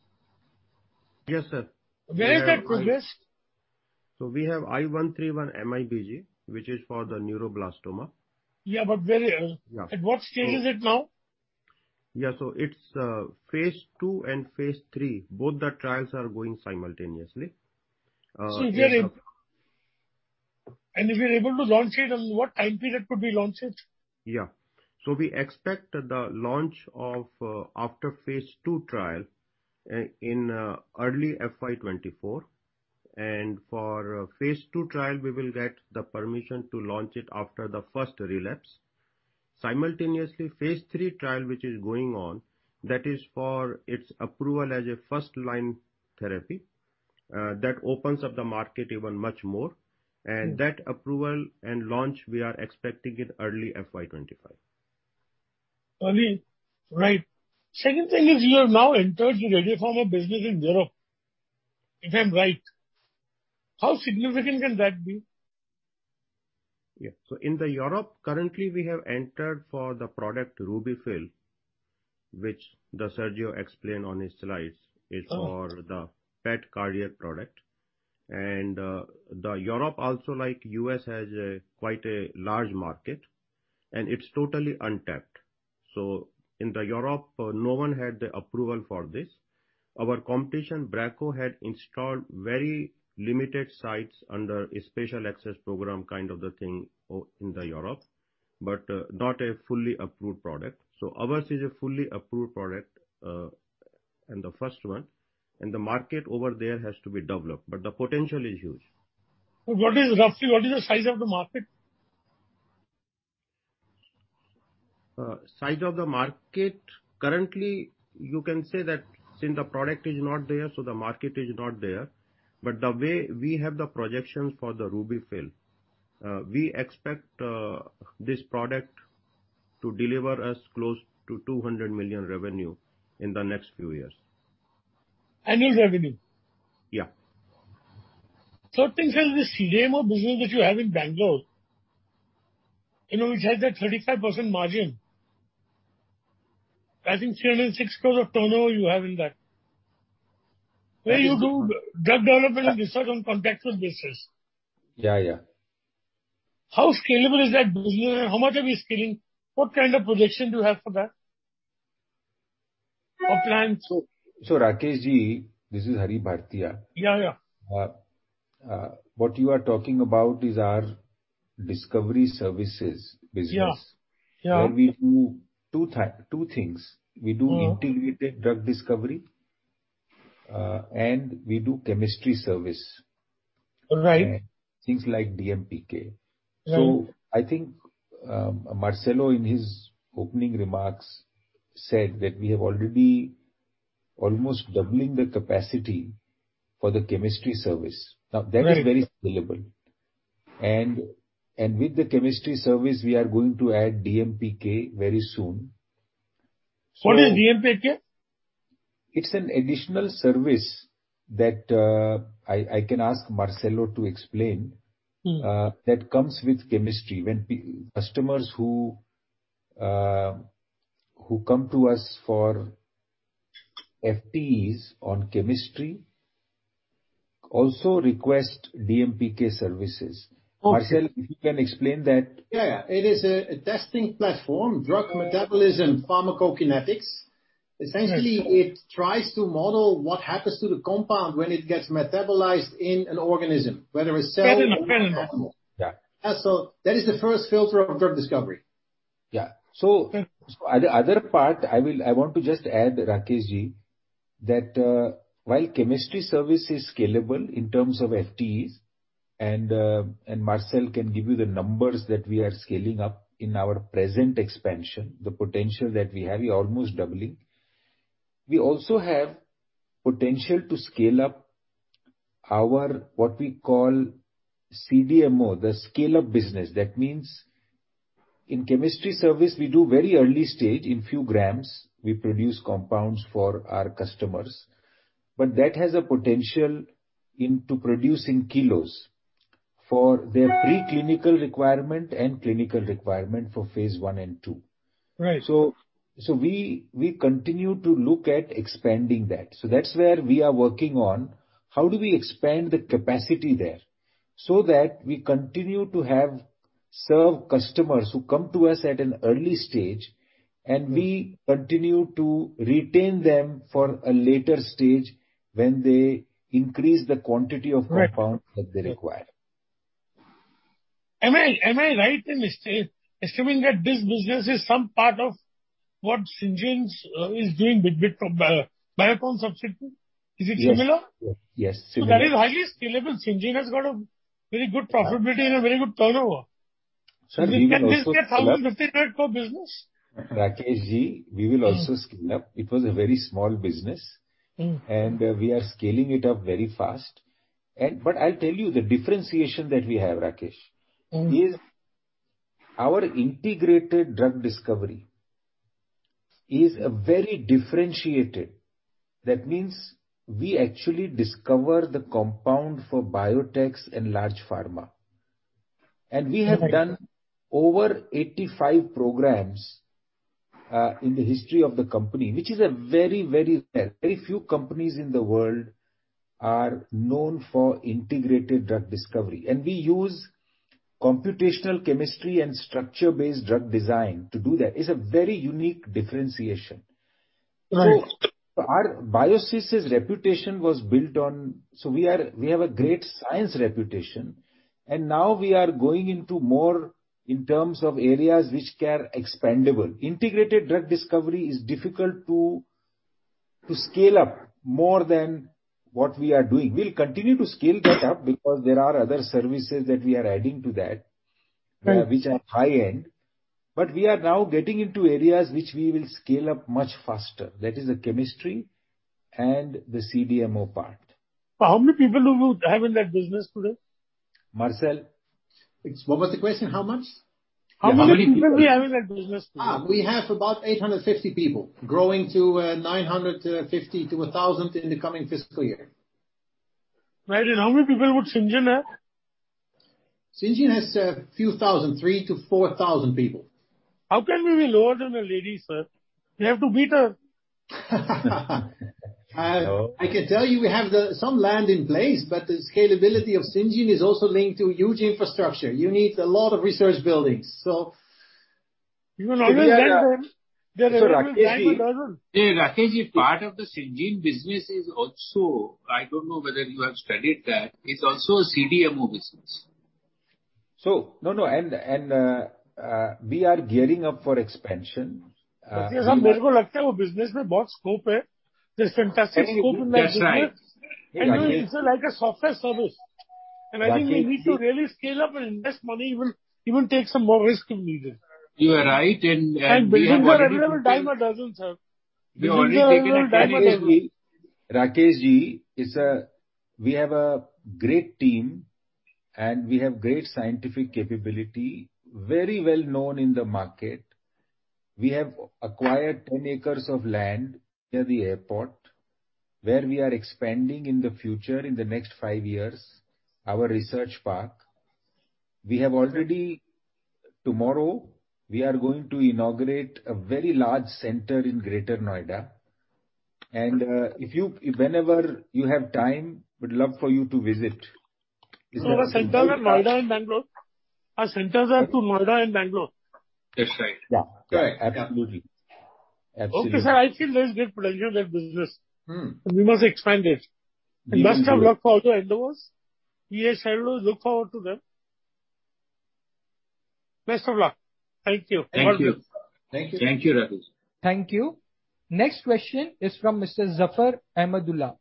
Yes, sir. Where is it progressed? We have I-131 MIBG, which is for the neuroblastoma. Yeah, at what stage is it now? Yeah. It's phase II and phase III. Both the trials are going simultaneously. If you're able to launch it, in what time period could be launched it? Yeah. We expect the launch after phase II trial in early FY 2024. For phase II trial, we will get the permission to launch it after the first relapse. Simultaneously, phase III trial, which is going on, that is for its approval as a first-line therapy. That opens up the market even much more. That approval and launch, we are expecting in early FY 2025. Early. Right. Second thing is you have now entered already for a business in Europe. Is that right? How significant can that be? Yeah. In Europe, currently, we have entered for the product RUBY-FILL, which Sergio explained on his slides. It's for the PET cardiac product. Europe also, like U.S., has quite a large market, and it's totally untapped. In Europe, no one had the approval for this. Our competition, Bracco, had installed very limited sites under a special access program kind of thing in Europe, but not a fully approved product. Ours is a fully approved product, and the first one, and the market over there has to be developed, but the potential is huge. Roughly, what is the size of the market? Size of the market. Currently, you can say that since the product is not there, so the market is not there. The way we have the projections for the RUBY-FILL, we expect this product to deliver us close to $200 million revenue in the next few years. Annual revenue? Yeah. Third thing, sir, is the CDMO business that you have in Bangalore, which has that 35% margin. I think 306 crore turnover you have in that, where you do drug development and research on contractual basis. Yeah. How scalable is that business and how much are we scaling? What kind of projection do you have for that? Or plans? Rakeshji, this is Hari Bhartia. Yeah. What you are talking about is our discovery services business. Yeah. Where we do two things. We do integrated drug discovery, and we do chemistry service. Right. Things like DMPK. Right. I think Marcel, in his opening remarks, said that we have already almost doubling the capacity for the chemistry service. That is very scalable. With the chemistry service, we are going to add DMPK very soon. What is DMPK? It's an additional service that I can ask Marcel to explain that comes with chemistry. When customers who come to us for FTEs on chemistry also request DMPK services. Marcel, if you can explain that. Yeah. It is a testing platform, Drug Metabolism Pharmacokinetics. Essentially, it tries to model what happens to the compound when it gets metabolized in an organism, whether a cell or an animal. Yeah. That is the first filter of drug discovery. The other part I want to just add, Rakesh, that while chemistry service is scalable in terms of FTEs, and Marcel can give you the numbers that we are scaling up in our present expansion, the potential that we have is almost doubling. We also have potential to scale up our what we call CDMO, the scale-up business. That means in chemistry service, we do very early stage. In few grams, we produce compounds for our customers, but that has a potential into producing kilos for their preclinical requirement and clinical requirement for phase I and II. Right. We continue to look at expanding that. That's where we are working on how do we expand the capacity there so that we continue to serve customers who come to us at an early stage, and we continue to retain them for a later stage when they increase the quantity of compound that they require. Am I right in assuming that this business is some part of what Syngene is doing with Biocon subsidiary? Is it similar? Yes. That is highly scalable. Syngene has got a very good profitability and a very good turnover. Can we also scale up this type of business? Rakesh, we will also scale up. It was a very small business and we are scaling it up very fast. I'll tell you the differentiation that we have, Rakesh, is our integrated drug discovery is a very differentiated. That means we actually discover the compound for biotechs and large pharma. We have done over 85 programs in the history of the company, which is very rare. Very few companies in the world are known for integrated drug discovery. We use computational chemistry and structure-based drug design to do that. It's a very unique differentiation. Right. We have a great science reputation. Now we are going into more in terms of areas which are expandable. Integrated drug discovery is difficult to scale up more than what we are doing. We'll continue to scale that up because there are other services that we are adding to that. Right which are high-end. We are now getting into areas which we will scale up much faster. That is the chemistry and the CDMO part. How many people do you have in that business today? Marcel. What was the question? How much? How many people do you have in that business today? We have about 850 people, growing to 950-1,000 in the coming fiscal year. Madhan, how many people would Syngene have? Syngene has a few thousand, 3,000-4,000 people. How can we be lower than the lady, sir? We have to beat her. I can tell you we have some land in place, but the scalability of Syngene is also linked to huge infrastructure. You need a lot of research buildings. Even on that area, they are every dime to dozen. Hey, Rakesh, part of the Syngene business is also, I don't know whether you have studied that, it's also a CDMO business. No. We are gearing up for expansion. Sir, there's fantastic scope in that business. That's right. It's like a software service. I think we need to really scale up and invest money, even take some more risk if needed. You are right. [Biocon every dime a dozen, sir. Biocon every dime a dozen.] Rakesh, we have a great team, and we have great scientific capability, very well known in the market. We have acquired 10 acres of land near the airport, where we are expanding in the future, in the next five years, our research park. Tomorrow, we are going to inaugurate a very large center in Greater Noida. Whenever you have time, we'd love for you to visit. Your centers are Noida and Bangalore? Our centers are to Noida and Bangalore. That's right. Yeah. Absolutely. Okay, sir. I think there's great pleasure in that business. We must expand it. Best of luck for other endeavors. ES endeavors look forward to them. Best of luck. Thank you. Thank you. Thank you, Rakesh. Thank you. Next question is from Mr. Zafar Ahmadullah.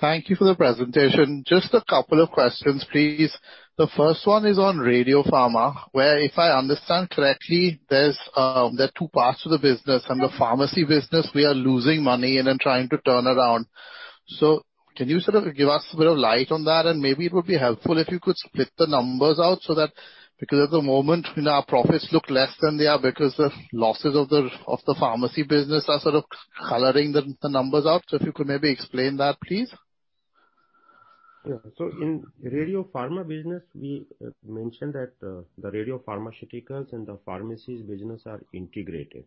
Thank you for the presentation. Just a couple of questions, please. The first one is on Radiopharma, where if I understand correctly, there are two parts to the business. On the Pharmacy business, we are losing money and are trying to turn around. Can you give us a bit of light on that? Maybe it would be helpful if you could split the numbers out so that, because at the moment our profits look less than they are because the losses of the pharmacy business are sort of coloring the numbers up. If you could maybe explain that, please. In Jubilant Radiopharma business, we mentioned that the Radiopharmaceuticals and the Pharmacies business are integrated.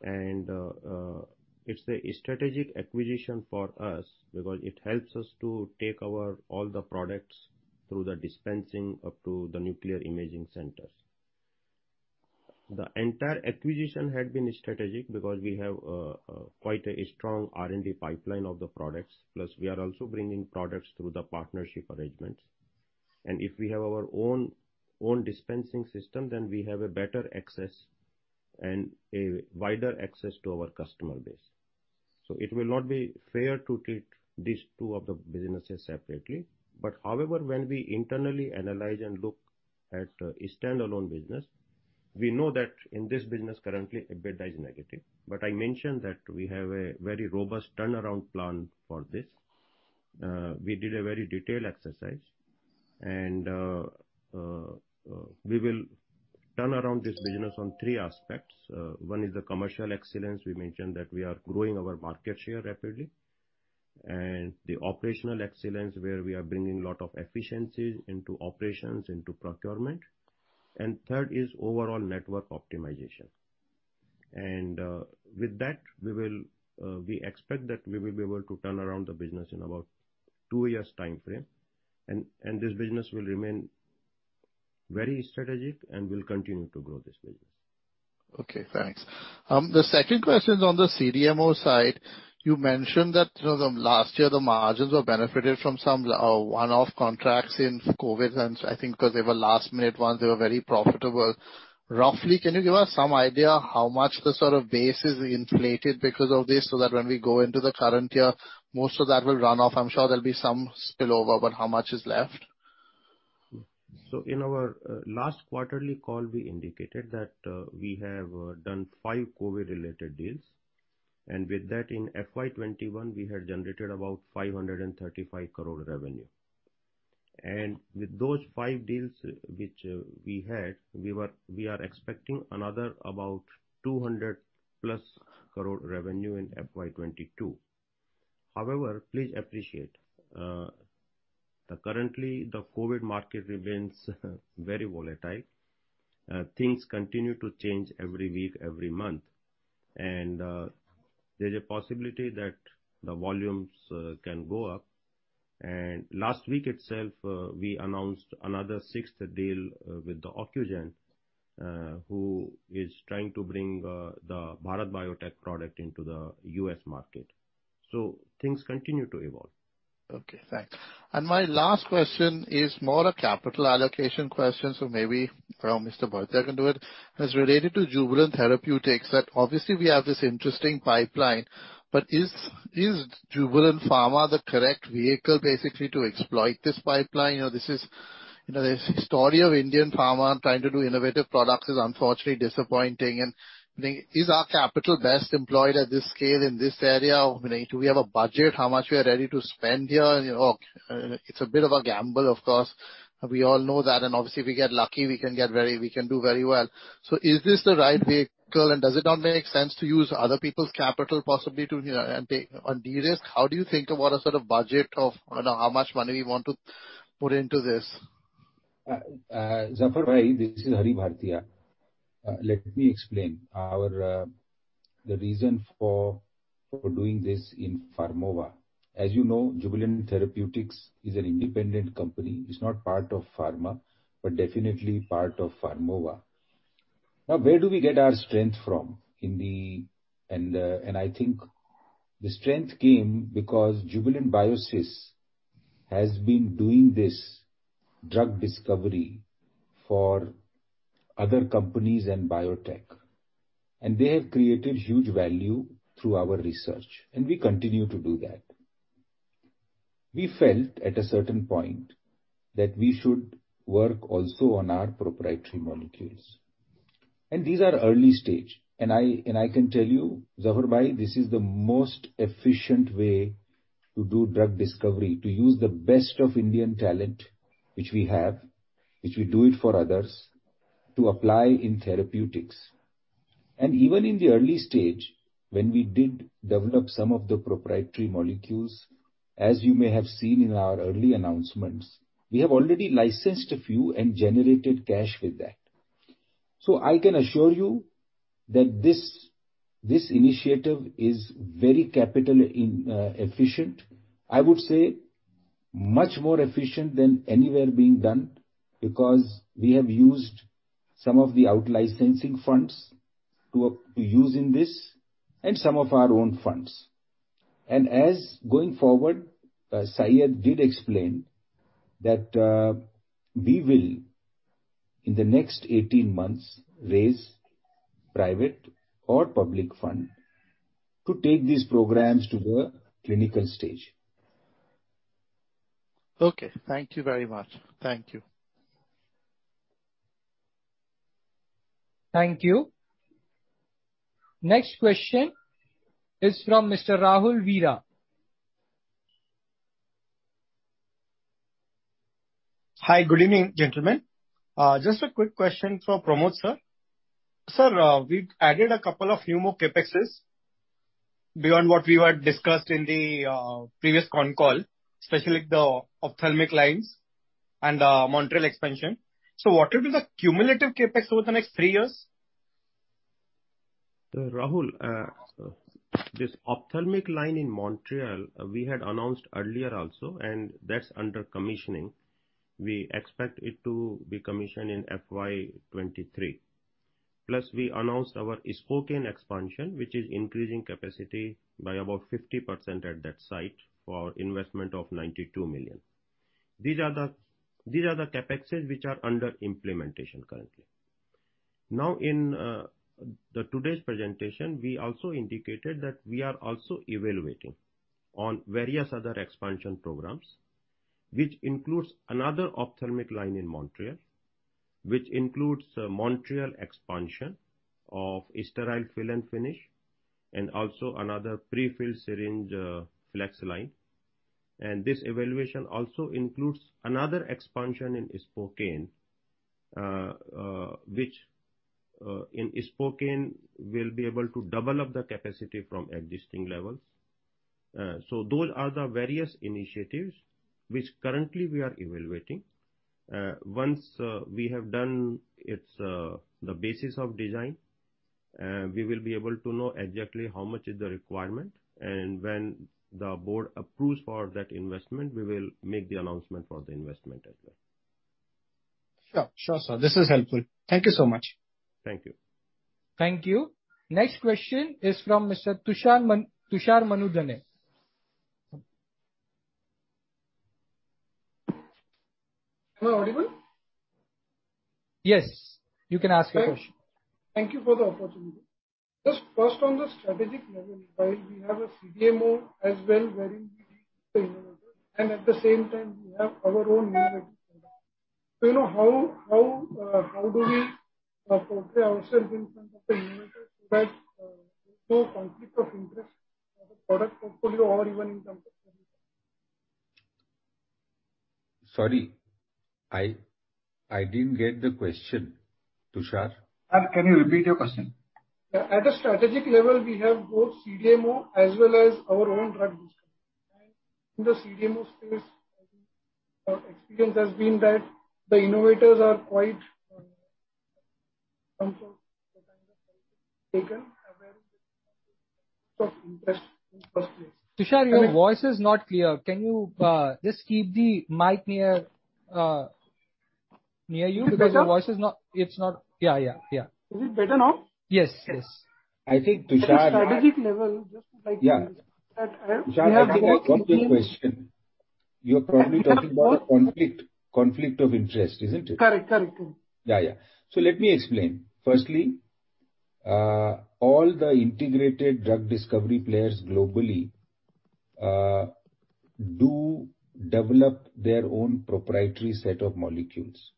It's a strategic acquisition for us because it helps us to take our all the products through the dispensing up to the nuclear imaging centers. The entire acquisition had been strategic because we have quite a strong R&D pipeline of the products, plus we are also bringing products through the partnership arrangements. If we have our own dispensing system, we have a better access and a wider access to our customer base. It will not be fair to treat these two of the businesses separately. However, when we internally analyze and look at standalone business, we know that in this business currently EBITDA is negative. I mentioned that we have a very robust turnaround plan for this. We did a very detailed exercise. We will turn around this business on three aspects. One is the commercial excellence. We mentioned that we are growing our market share rapidly. The operational excellence, where we are bringing a lot of efficiencies into operations, into procurement. Third is overall network optimization. With that, we expect that we will be able to turn around the business in about two years timeframe. This business will remain very strategic and will continue to grow this business. Okay, thanks. The second question is on the CDMO side. You mentioned that last year the margins were benefited from some one-off contracts in COVID, and I think because they were last made ones, they were very profitable. Roughly, can you give us some idea how much the base is inflated because of this, so that when we go into the current year, most of that will run off? I'm sure there'll be some spill over, but how much is left? In our last quarterly call, we indicated that we have done five COVID-related deals. With that in FY 2021, we had generated about 535 crore revenue. With those five deals which we had, we are expecting another about 200+ crore revenue in FY 2022. However, please appreciate, currently the COVID market remains very volatile. Things continue to change every week, every month, and there's a possibility that the volumes can go up. Last week itself, we announced another sixth deal with Ocugen, who is trying to bring the Bharat Biotech product into the U.S. market. Things continue to evolve. Okay, thanks. My last question is more a capital allocation question, so maybe from Mr. Bhartia can do it. It's related to Jubilant Therapeutics that obviously we have this interesting pipeline, but is Jubilant Pharma the correct vehicle basically to exploit this pipeline? The history of Indian pharma trying to do innovative products is unfortunately disappointing. Is our capital best employed at this scale in this area? Do we have a budget? How much we are ready to spend here? It's a bit of a gamble, of course. We all know that, and obviously if we get lucky, we can do very well. Is this the right vehicle, and does it not make sense to use other people's capital possibly to de-risk? How do you think about a sort of budget of how much money we want to put into this? Zafar bhai, this is Hari Bhartia. Let me explain the reason for doing this in Pharmova. As you know, Jubilant Therapeutics is an independent company. It's not part of Pharma, but definitely part of Pharmova. Where do we get our strength from? I think the strength came because Jubilant Biosys has been doing this drug discovery for other companies and biotech, and they have created huge value through our research, and we continue to do that. We felt at a certain point that we should work also on our proprietary molecules. These are early stage, and I can tell you, Zafar bhai, this is the most efficient way to do drug discovery, to use the best of Indian talent, which we have, which we do it for others, to apply in therapeutics. Even in the early stage, when we did develop some of the proprietary molecules, as you may have seen in our early announcements, we have already licensed a few and generated cash with that. I can assure you that this initiative is very capital efficient. I would say much more efficient than anywhere being done because we have used some of the out-licensing funds to use in this and some of our own funds. As going forward, Syed did explain that we will, in the next 18 months, raise private or public fund to take these programs to the clinical stage. Okay. Thank you very much. Thank you. Thank you. Next question is from Mr. Rahul Vira. Hi. Good evening, gentlemen. Just a quick question for Pramod sir. Sir, we've added a couple of new CapEx beyond what we had discussed in the previous con call, especially with the ophthalmic lines and the Montreal expansion. What will be the cumulative CapEx over the next 3 years? Rahul, this ophthalmic line in Montreal we had announced earlier also, that's under commissioning. We expect it to be commissioned in FY 2023. We announced our Spokane expansion, which is increasing capacity by about 50% at that site for investment of $92 million. These are the CapEx which are under implementation currently. In today's presentation, we also indicated that we are also evaluating on various other expansion programs, which includes another ophthalmic line in Montreal, which includes a Montreal expansion of sterile fill and finish, and also another prefill syringe flex line. This evaluation also includes another expansion in Spokane. In Spokane, we'll be able to double up the capacity from existing levels. Those are the various initiatives which currently we are evaluating. Once we have done the basis of design, we will be able to know exactly how much is the requirement, and when the board approves for that investment, we will make the announcement for the investment as well. Sure, sir. This is helpful. Thank you so much. Thank you. Thank you. Next question is from Mr. Tushar Manudhane. Am I audible? Yes, you can ask your question. Thank you for the opportunity. Just first on the strategic level, why we have a CDMO as well. How do we put ourselves in front of the manager so that there's no conflict of interest for the product portfolio or even in terms of- Sorry, I didn't get the question, Tushar. Tushar, can you repeat your question? At a strategic level, we have both CDMO as well as our own drug discovery. In the CDMO space, our experience has been that the innovators are quite sometimes taken advantage of interest in some place. Tushar, your voice is not clear. Can you just keep the mic near you? Better? Your voice is Yeah. Is it better now? Yes. I think, Tushar. At a strategic level, just to like- Yeah. Tushar, I got your question. You're probably talking about conflict of interest, isn't it? Correct. Yeah. Let me explain. Firstly, all the integrated drug discovery players globally do develop their own proprietary set of molecules.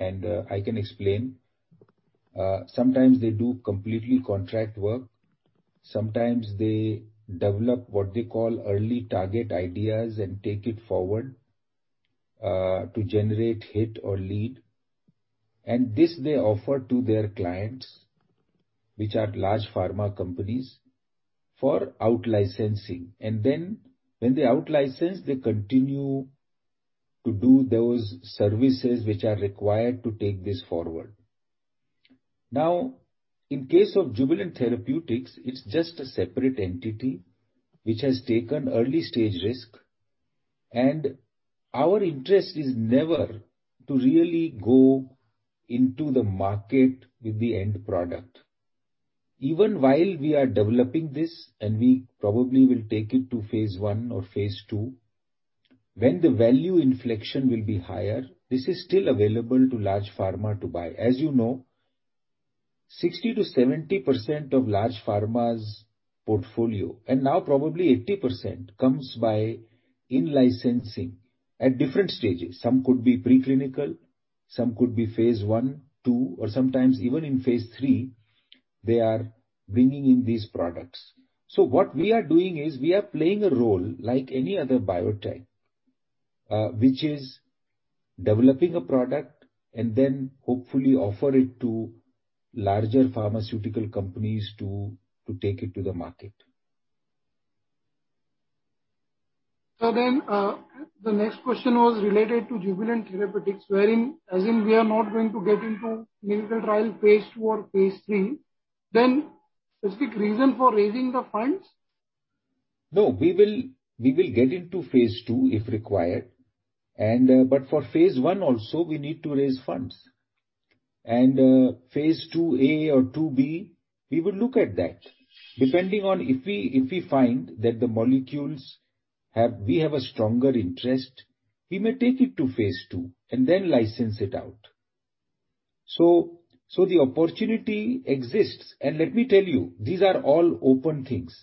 I can explain. Sometimes they do completely contract work. Sometimes they develop what they call early target ideas and take it forward to generate hit or lead. This they offer to their clients, which are large pharma companies, for out-licensing. When they out-license, they continue to do those services which are required to take this forward. Now, in case of Jubilant Therapeutics, it's just a separate entity which has taken early-stage risk, and our interest is never to really go into the market with the end product. Even while we are developing this, and we probably will take it to phase I or phase II, when the value inflection will be higher, this is still available to large pharma to buy. As you know, 60%-70% of large pharma's portfolio, and now probably 80%, comes by in-licensing at different stages. Some could be preclinical, some could be phase I, phase II, or sometimes even in phase III, they are bringing in these products. What we are doing is we are playing a role like any other biotech which is developing a product and then hopefully offer it to larger pharmaceutical companies to take it to the market. The next question was related to Jubilant Therapeutics, wherein as in we are not going to get into clinical trial phase II or phase III, then specific reason for raising the funds? We will get into phase II if required. For phase I also, we need to raise funds. Phase II-A or II-B, we will look at that. Depending on if we find that the molecules we have a stronger interest, we may take it to phase II and then license it out. The opportunity exists. Let me tell you, these are all open things.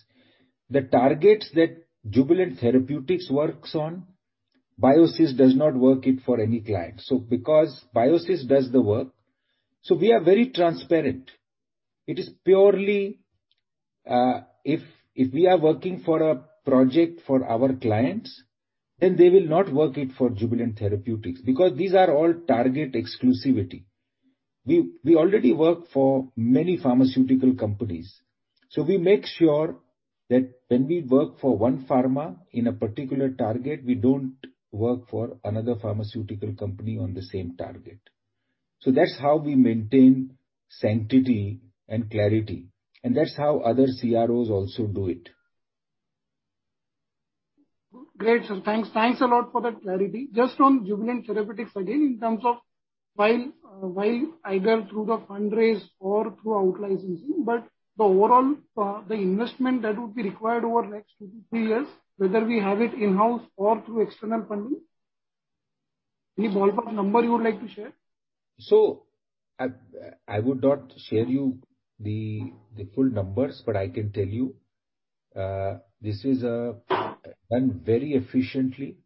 The targets that Jubilant Therapeutics works on, Jubilant Biosys does not work it for any client. Because Jubilant Biosys does the work, we are very transparent. If we are working for a project for our clients, then they will not work it for Jubilant Therapeutics, because these are all target exclusivity. We already work for many pharmaceutical companies. We make sure that when we work for one pharma in a particular target, we don't work for another pharmaceutical company on the same target. That's how we maintain sanctity and clarity, and that's how other CROs also do it. Great. Thanks a lot for that clarity. Just on Jubilant Therapeutics again, in terms of while either through the fundraise or through out-licensing, but the overall investment that would be required over the next two to three years, whether we have it in-house or through external funding. Any ballpark number you would like to share? I would not share you the full numbers, but I can tell you this is done very efficiently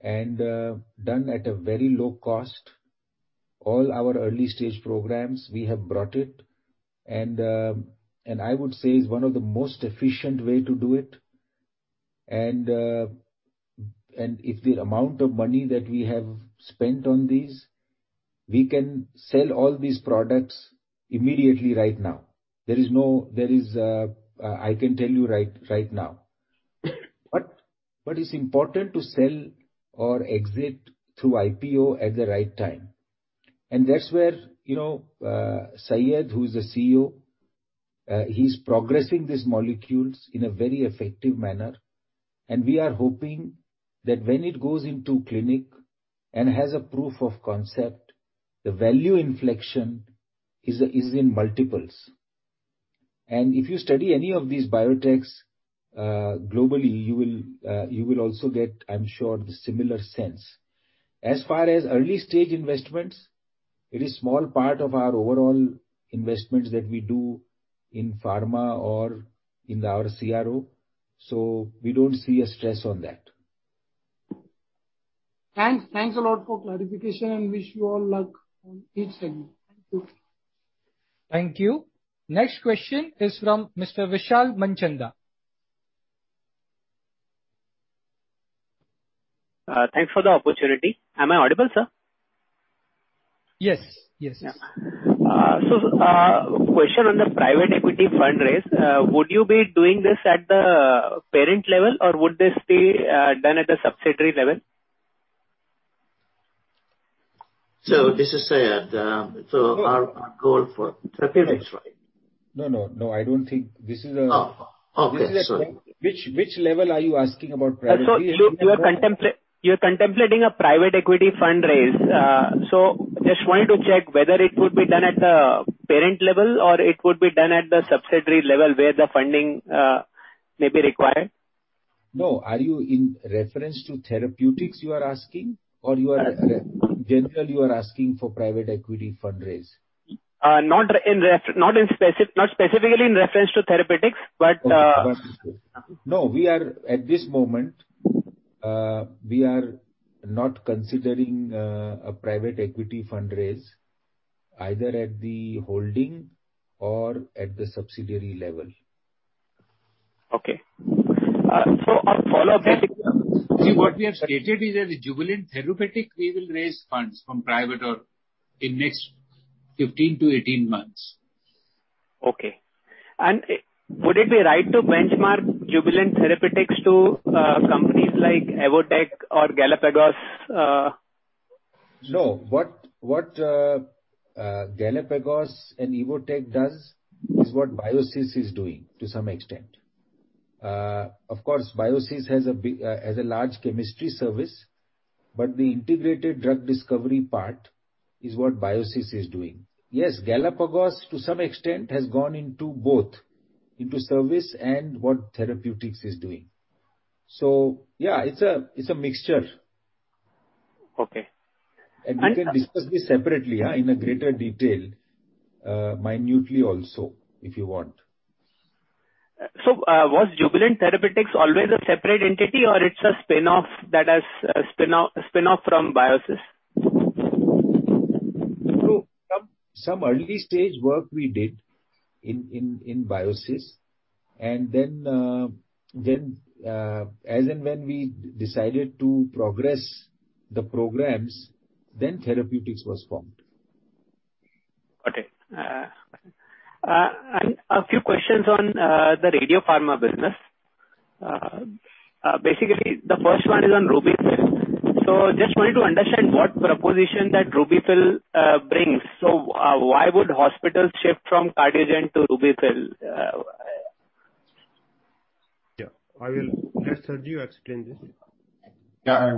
and done at a very low cost. All our early-stage programs, we have brought it, and I would say it's one of the most efficient way to do it. If the amount of money that we have spent on these, we can sell all these products immediately right now. I can tell you right now. It's important to sell or exit through IPO at the right time. That's where Syed, who's the CEO, he's progressing these molecules in a very effective manner, and we are hoping that when it goes into clinic and has a proof of concept, the value inflection is in multiples. If you study any of these biotechs globally, you will also get, I'm sure, the similar sense. As far as early-stage investments, it is small part of our overall investments that we do in pharma or in our CRO, so we don't see a stress on that. Thanks. Thanks a lot for clarification and wish you all luck on each segment. Thank you. Thank you. Next question is from Mr. Vishal Manchanda. Thanks for the opportunity. Am I audible, sir? Yes. Yeah. Question on the private equity fundraise. Would you be doing this at the parent level or would this be done at a subsidiary level? This is Syed, a goal for therapeutics, right? No, I don't think. Oh, okay. Sorry. Which level are you asking about private equity? You're contemplating a private equity fundraise. Just wanted to check whether it would be done at the parent level or it would be done at the subsidiary level where the funding may be required. No. Are you in reference to therapeutics you are asking or general you are asking for private equity fundraise? Not specifically in reference to therapeutics. Okay. No, at this moment, we are not considering a private equity fundraise either at the holding or at the subsidiary level. Okay. A follow-up question. See, what we have stated is that Jubilant Therapeutics we will raise funds from private or in next 15-18 months. Okay. Would it be right to benchmark Jubilant Therapeutics to companies like Evotec or Galapagos? No. What Galapagos and Evotec does is what Jubilant Biosys is doing to some extent. Of course, Jubilant Biosys has a large chemistry service, but the integrated drug discovery part is what Jubilant Biosys is doing. Yes, Galapagos to some extent has gone into both, into service and what Jubilant Therapeutics is doing. Yeah, it's a mixture. Okay. We can discuss this separately in a greater detail, minutely also, if you want. Was Jubilant Therapeutics always a separate entity or it's a spin-off from Jubilant Biosys? Some early stage work we did in Biosys, and then as and when we decided to progress the programs, then Therapeutics was formed. Okay. A few questions on the Radiopharma business. Basically, the first one is on RUBY-FILL. Just wanted to understand what proposition that RUBY-FILL brings. Why would hospitals shift from CardioGen-82 to RUBY-FILL? Yeah. I will let Sergio explain this. Yeah.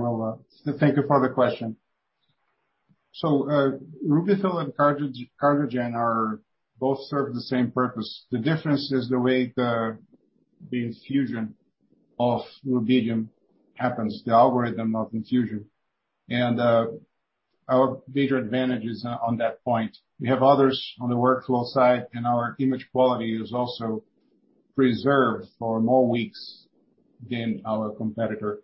Thank you for the question. RUBY-FILL and CardioGen-82 both serve the same purpose. The difference is the way the infusion of rubidium happens, the algorithm of infusion. Our major advantage is on that point. We have others on the workflow side, and our image quality is also preserved for more weeks than our competitor.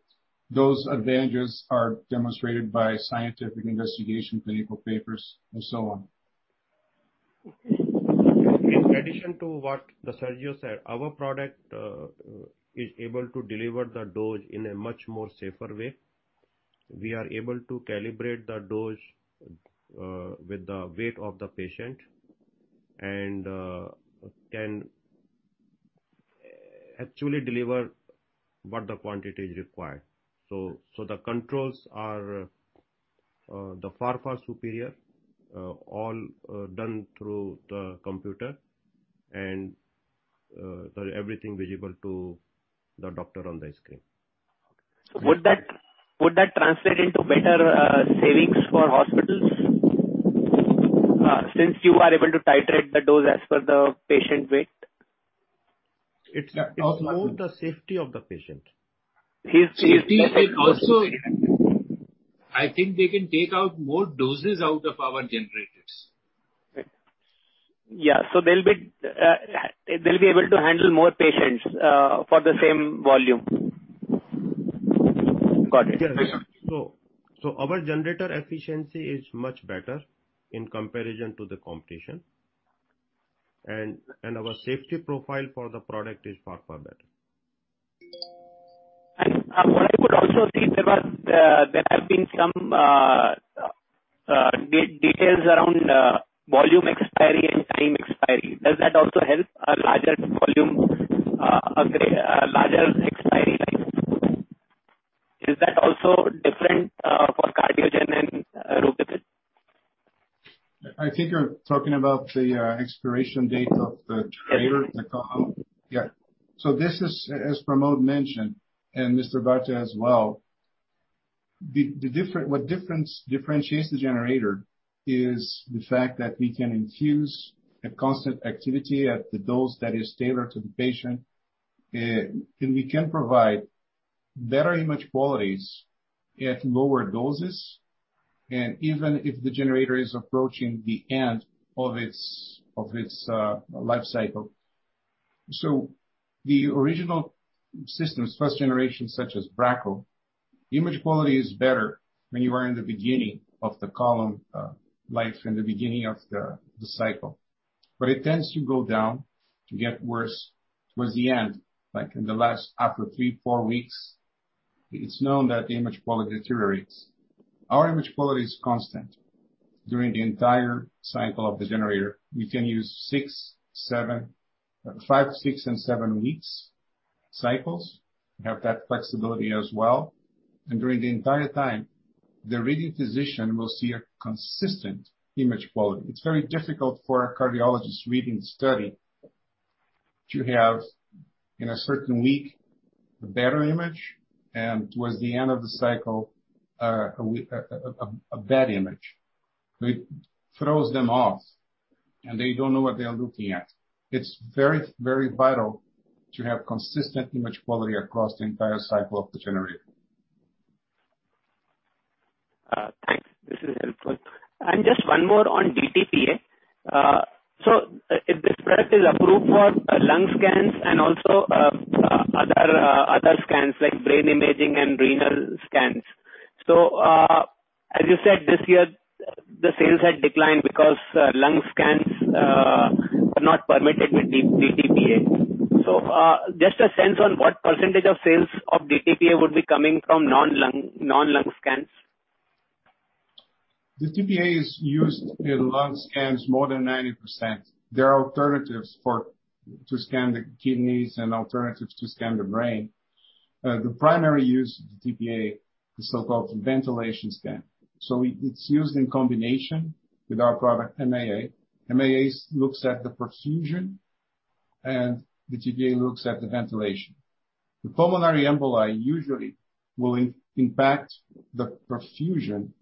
Those advantages are demonstrated by scientific investigation, clinical papers, and so on. In addition to what Sergio said, our product is able to deliver the dose in a much more safer way. We are able to calibrate the dose with the weight of the patient and can actually deliver what the quantity is required. The controls are far, far superior, all done through the computer, and everything visible to the doctor on the screen. Would that translate into better savings for hospitals since you are able to titrate the dose as per the patient weight? It's more the safety of the patient. I think they can take out more doses out of our generators. Yeah. They'll be able to handle more patients for the same volume. Got it. Our generator efficiency is much better in comparison to the competition, and our safety profile for the product is far, far better. What I would also think about, there have been some details around volume expiry and time expiry. Does that also help a larger volume, larger expiry life? Is that also different for CardioGen-82 and RUBY-FILL? I think you're talking about the expiration date of the generator. Yeah. This is, as Pramod mentioned, and Mr. Bhartia as well, what differentiates the generator is the fact that we can infuse a constant activity at the dose that is tailored to the patient, and we can provide better image qualities at lower doses, and even if the generator is approaching the end of its life cycle. The original systems, first generation such as Bracco, the image quality is better when you are in the beginning of the column life, in the beginning of the cycle. It tends to go down, to get worse towards the end, like in the last after three, four weeks, it's known that the image quality deteriorates. Our image quality is constant during the entire cycle of the generator. We can use five, six, and seven weeks cycles, we have that flexibility as well. During the entire time, the reading physician will see a consistent image quality. It's very difficult for a cardiologist reading study to have in a certain week a better image and towards the end of the cycle, a bad image. It throws them off, and they don't know what they're looking at. It's very vital to have consistent image quality across the entire cycle of the generator. Thanks. This is helpful. Just one more on DTPA. This product is approved for lung scans and also other scans like brain imaging and renal scans. As you said, this year the sales had declined because lung scans are not permitted with DTPA. Just a sense on what percentage of sales of DTPA would be coming from non-lung scans. DTPA is used in lung scans more than 90%. There are alternatives to scan the kidneys and alternatives to scan the brain. The primary use of DTPA is so-called ventilation scan. It is used in combination with our product MAA. MAA looks at the perfusion and DTPA looks at the ventilation. The pulmonary emboli usually will impact the perfusion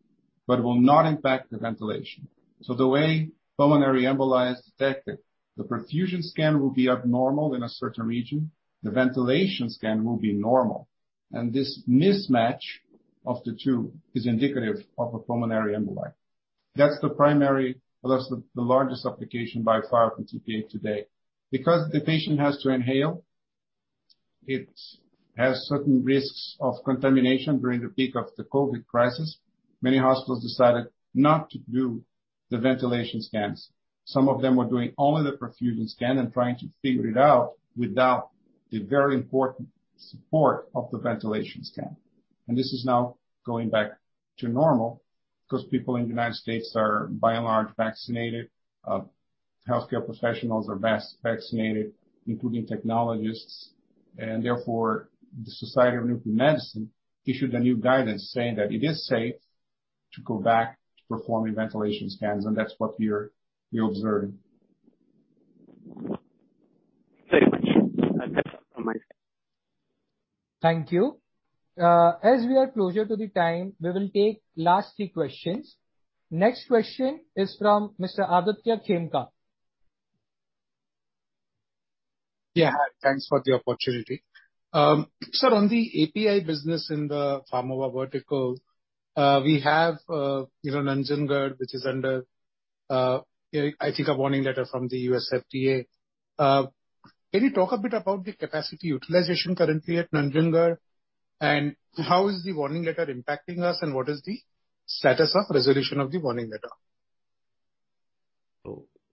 but will not impact the ventilation. The way pulmonary emboli is detected, the perfusion scan will be abnormal in a certain region, the ventilation scan will be normal, and this mismatch of the two is indicative of a pulmonary emboli. That is the largest application by far for DTPA today. Because the patient has to inhale, it has certain risks of contamination during the peak of the COVID crisis, many hospitals decided not to do the ventilation scans. Some of them were doing only the perfusion scan and trying to figure it out without the very important support of the ventilation scan. This is now going back to normal because people in the U.S. are by and large vaccinated. Healthcare professionals are vaccinated, including technologists, and therefore the Society of Nuclear Medicine issued a new guidance saying that it is safe to go back to performing ventilation scans, and that's what we observe. Great. Thank you. As we are closer to the time, we will take last three questions. Next question is from Mr. Aditya Khemka. Yeah. Thanks for the opportunity. Sir, on the API business in the Pharmova vertical, we have Nanjangud, which is under, I think, a warning letter from the U.S. FDA. Can you talk a bit about the capacity utilization currently at Nanjangud and how is the warning letter impacting us, and what is the status of resolution of the warning letter?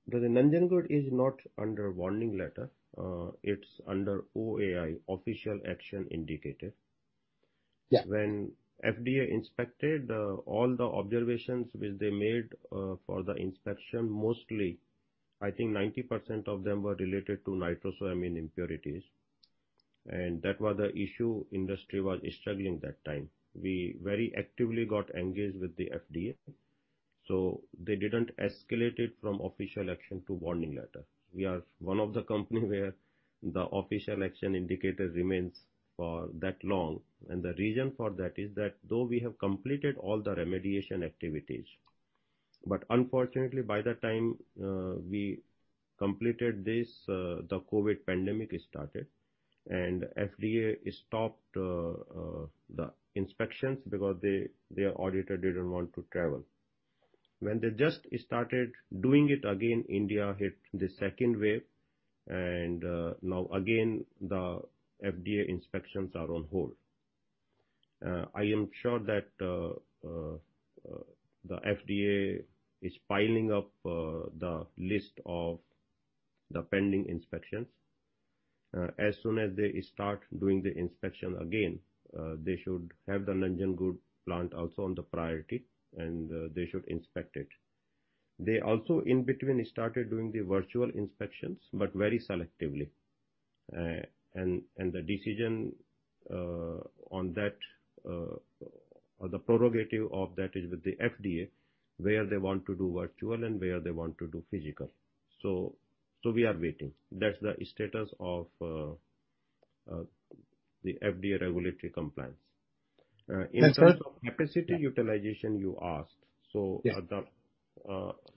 Nanjangud is not under warning letter, it's under OAI, Official Action Indicated. Yeah. When FDA inspected, all the observations which they made for the inspection, mostly, I think 90% of them were related to nitrosamine impurities. That was the issue industry was struggling that time. We very actively got engaged with the FDA. They didn't escalate it from official action to warning letter. We are one of the company where the official action indicator remains for that long. The reason for that is that though we have completed all the remediation activities, unfortunately, by the time we completed this, the COVID pandemic started and FDA stopped the inspections because their auditor didn't want to travel. When they just started doing it again, India hit the second wave. Now again, the FDA inspections are on hold. I am sure that the FDA is piling up the list of the pending inspections. As soon as they start doing the inspection again, they should have the Nanjangud plant also on the priority, and they should inspect it. They also in between started doing the virtual inspections, but very selectively. The decision on that, or the prerogative of that is with the FDA, where they want to do virtual and where they want to do physical. We are waiting. That's the status of the FDA regulatory compliance. In terms of capacity utilization you asked. Yes.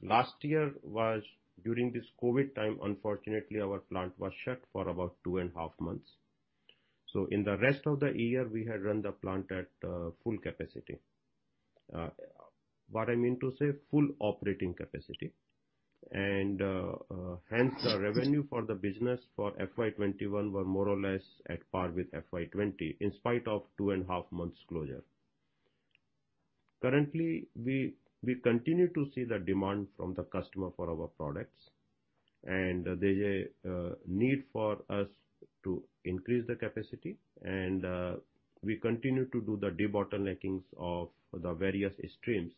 Last year was during this COVID time, unfortunately, our plant was shut for about two and a half months. In the rest of the year, we had run the plant at full capacity. What I mean to say, full operating capacity. Hence the revenue for the business for FY 2021 were more or less at par with FY 2020, in spite of two and a half months closure. Currently, we continue to see the demand from the customer for our products, and there's a need for us to increase the capacity. We continue to do the debottlenecking of the various streams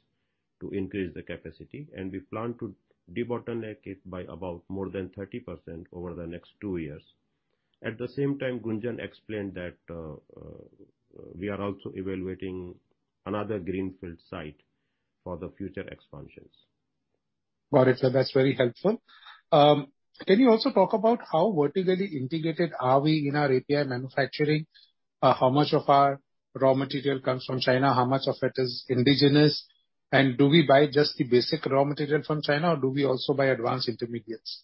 to increase the capacity, and we plan to debottleneck it by about more than 30% over the next two years. At the same time, Gunjan explained that we are also evaluating another greenfield site for the future expansions. Got it, sir. That's very helpful. Can you also talk about how vertically integrated are we in our API manufacturing? How much of our raw material comes from China? How much of it is indigenous? Do we buy just the basic raw material from China, or do we also buy advanced intermediates?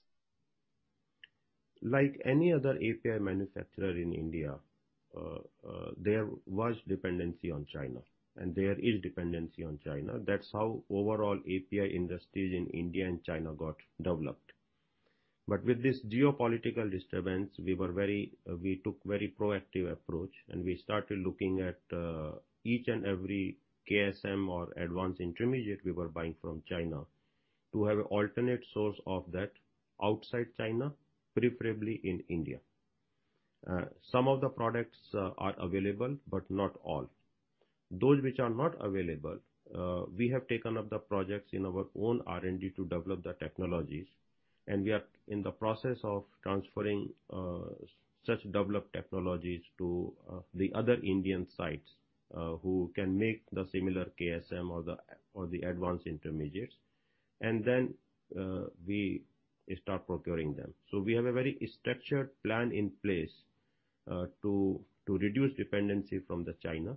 Like any other API manufacturer in India, there was dependency on China, and there is dependency on China. That's how overall API industries in India and China got developed. With this geopolitical disturbance, we took very proactive approach, and we started looking at each and every KSM or advanced intermediate we were buying from China to have alternate source of that outside China, preferably in India. Some of the products are available, but not all. Those which are not available, we have taken up the projects in our own R&D to develop the technologies, and we are in the process of transferring such developed technologies to the other Indian sites who can make the similar KSM or the advanced intermediates, and then we start procuring them. We have a very structured plan in place to reduce dependency from the China,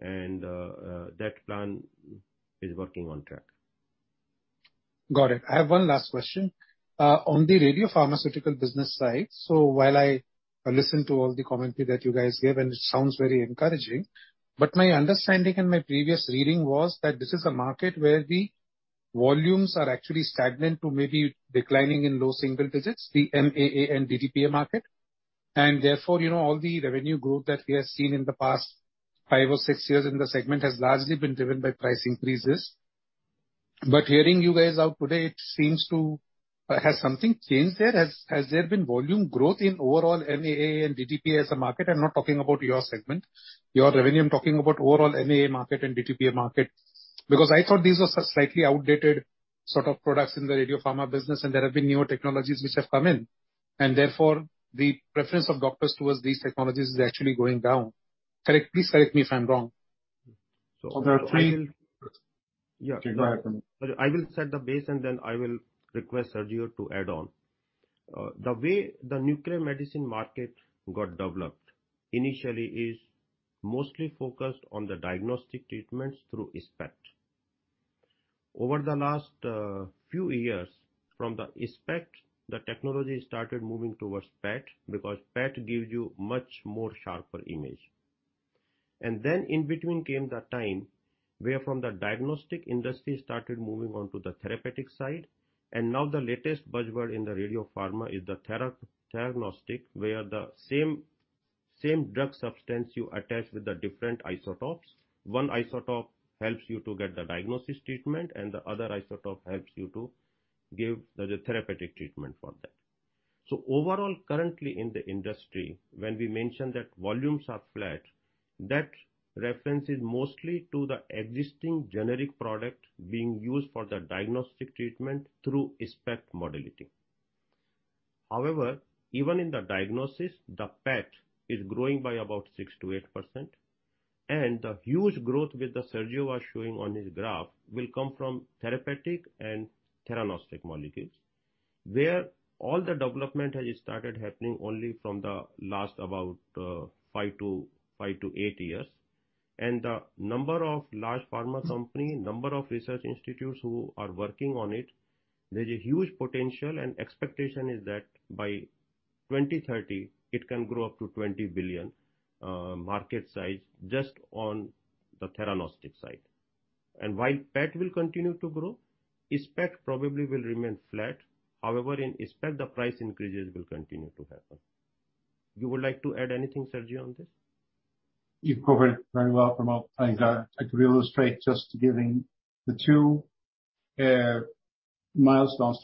and that plan is working on track. Got it. I have one last question. On the Radiopharmaceutical business side, while I listen to all the commentary that you guys give, and it sounds very encouraging, but my understanding and my previous reading was that this is a market where the volumes are actually stagnant to maybe declining in low single digits, the MAA and DTPA market. Therefore, all the revenue growth that we have seen in the past five or six years in the segment has largely been driven by price increases. Hearing you guys out today, has something changed there? Has there been volume growth in overall MAA and DTPA as a market? I'm not talking about your segment, your revenue. I'm talking about overall MAA market and DTPA market. I thought these were slightly outdated sort of products in the Radiopharma business, and there have been newer technologies which have come in, and therefore, the preference of doctors towards these technologies is actually going down. Please correct me if I'm wrong? I will set the base, then I will request Sergio to add on. The way the nuclear medicine market got developed initially is mostly focused on the diagnostic treatments through SPECT. Over the last few years, from the SPECT, the technology started moving towards PET because PET gives you much more sharper image. Then in between came the time where from the diagnostic industry started moving on to the therapeutic side. Now the latest buzzword in the Radiopharma is the theranostic, where the same drug substance you attach with the different isotopes. One isotope helps you to get the diagnosis treatment, and the other isotope helps you to give the therapeutic treatment for that. Overall, currently in the industry, when we mention that volumes are flat, that reference is mostly to the existing generic product being used for the diagnostic treatment through SPECT modality. However, even in the diagnosis, the PET is growing by about 6%-8% and the huge growth that Sergio was showing on his graph will come from therapeutic and theranostic molecules, where all the development has started happening only from the last about five to eight years. The number of large pharma company, number of research institutes who are working on it, there's a huge potential and expectation is that by 2030 it can grow up to 20 billion market size just on the theranostic side. While PET will continue to grow, SPECT probably will remain flat. However, in SPECT, the price increases will continue to happen. You would like to add anything, Sergio, on this? You've covered very well, Pramod. I could illustrate just giving the three milestones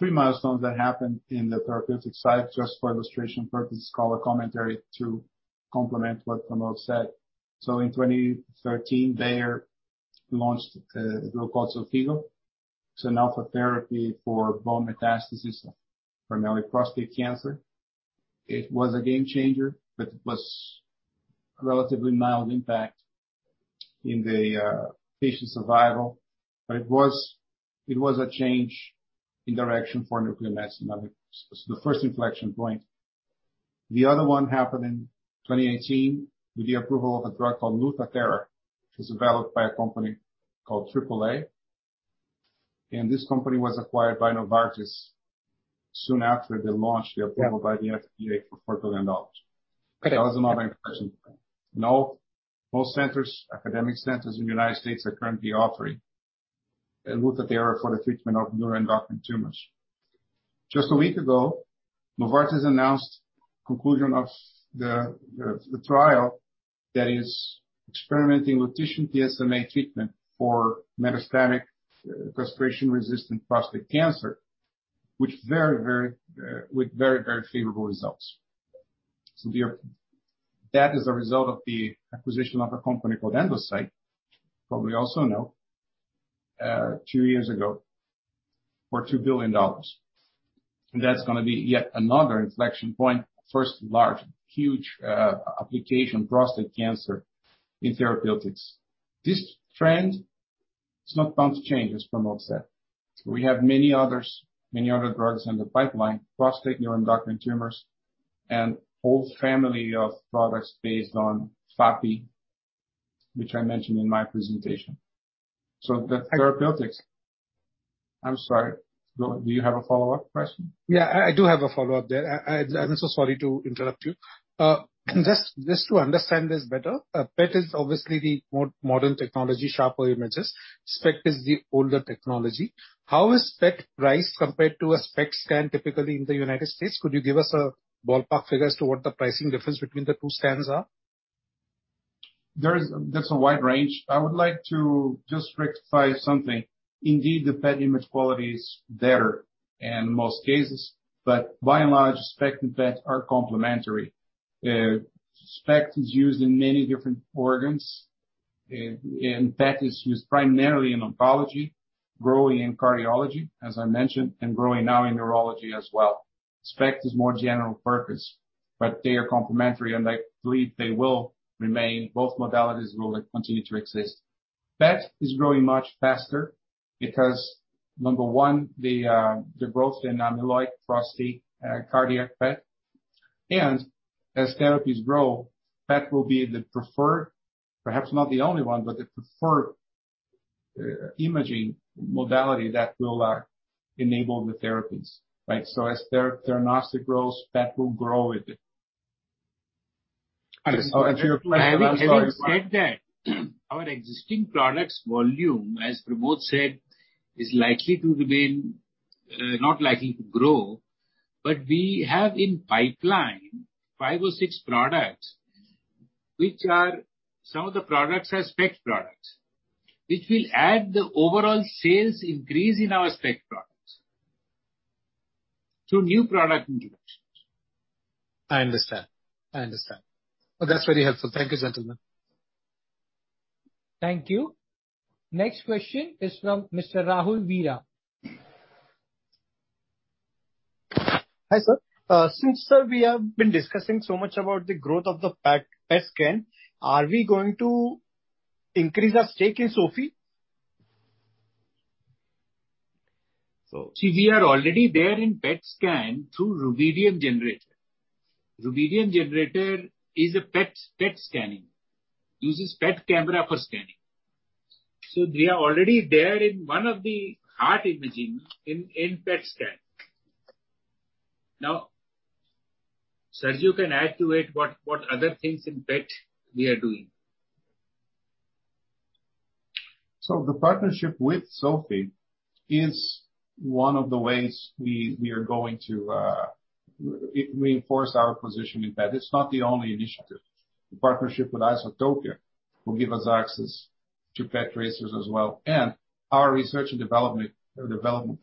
that happened in the therapeutic side just for illustration purposes, call a commentary to complement what Pramod said. In 2013, Bayer launched a drug called Xofigo. It's an alpha therapy for bone metastasis for mainly prostate cancer. It was a game changer, but it was relatively mild impact in the patient survival. It was a change in direction for nuclear medicine. The first inflection point. The other one happened in 2018 with the approval of a drug called LUTATHERA, which was developed by a company called AAA. This company was acquired by Novartis soon after the launch, the approval by the FDA for $4 billion. That was another inflection point. Most academic centers in the U.S. are currently offering LUTATHERA for the treatment of neuroendocrine tumors. Just a week ago, Novartis announced the conclusion of the trial that is experimenting with PSMA treatment for metastatic, castration-resistant prostate cancer, with very favorable results. That is a result of the acquisition of a company called Endocyte, which we also know, two years ago for $2 billion. That's going to be yet another inflection point. First large, huge application, prostate cancer in therapeutics. This trend is not going to change, as Pramod said. We have many other drugs in the pipeline, prostate neuroendocrine tumors, and a whole family of products based on FAPI, which I mentioned in my presentation. I'm sorry, do you have a follow-up question? Yeah, I do have a follow-up there. I am so sorry to interrupt you. Just to understand this better, PET is obviously the more modern technology, sharper images. SPECT is the older technology. How is SPECT priced compared to a SPECT scan typically in the U.S.? Could you give us ballpark figures to what the pricing difference between the two scans are? There's a wide range. I would like to just rectify something. Indeed, the PET image quality is better in most cases, but by and large, SPECT and PET are complementary. SPECT is used in many different organs, and PET is used primarily in oncology, growing in cardiology, as I mentioned, and growing now in neurology as well. SPECT is more general purpose, but they are complementary, and I believe they will remain, both modalities will continue to exist. PET is growing much faster because, number one, the growth in amyloid, prostate, cardiac PET, and as therapies grow, PET will be the preferred, perhaps not the only one, but the preferred imaging modality that will enable the therapies. As theranostic grows, PET will grow with it. I understand. Having said that, our existing products volume, as Pramod said, is not likely to grow. We have in pipeline five or six products. Some of the products are SPECT products, which will add the overall sales increase in our SPECT products through new product introductions. I understand. That's very helpful. Thank you, gentlemen. Thank you. Next question is from Mr. Rahul Vira. Hi, sir. Since, sir, we have been discussing so much about the growth of the PET scan, are we going to increase our stake in SOFIE Biosciences? We are already there in PET scan through rubidium generator. Rubidium generator is a PET scanning, uses PET camera for scanning. We are already there in one of the heart imaging in PET scan. Sergio can add to it what other things in PET we are doing. The partnership with SOFIE is one of the ways we are going to reinforce our position in PET. It's not the only initiative. The partnership with Isotopia will give us access to PET tracers as well. Our research and development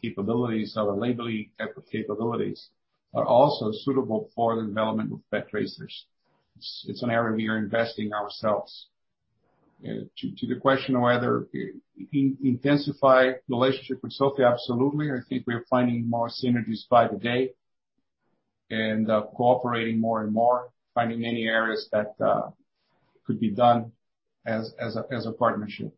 capabilities, our labeling capabilities, are also suitable for the development of PET tracers. It's an area we are investing in ourselves. To the question of whether we intensify the relationship with SOFIE, absolutely. I think we are finding more synergies by the day and cooperating more and more, finding many areas that could be done as a partnership.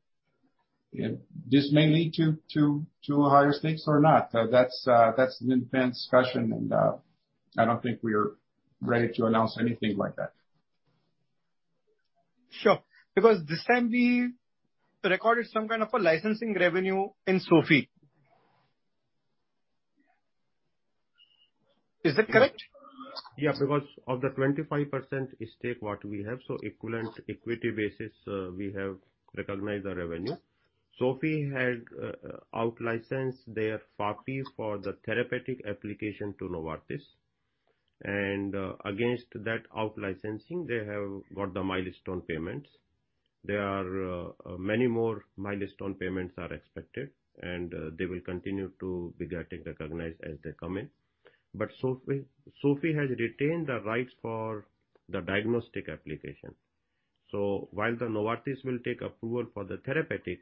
This may lead to higher stakes or not. That's an intense discussion, and I don't think we are ready to announce anything like that. Sure. This time we recorded some kind of a licensing revenue in SOFIE Biosciences. Is that correct? Because of the 25% stake, what we have, so equivalent equity basis, we have recognized the revenue. SOFIE had outlicensed their FAPI for the therapeutic application to Novartis. Against that out licensing, they have got the milestone payments. Many more milestone payments are expected, they will continue to be recognized as they come in. SOFIE has retained the rights for the diagnostic application. While Novartis will take approval for the therapeutic,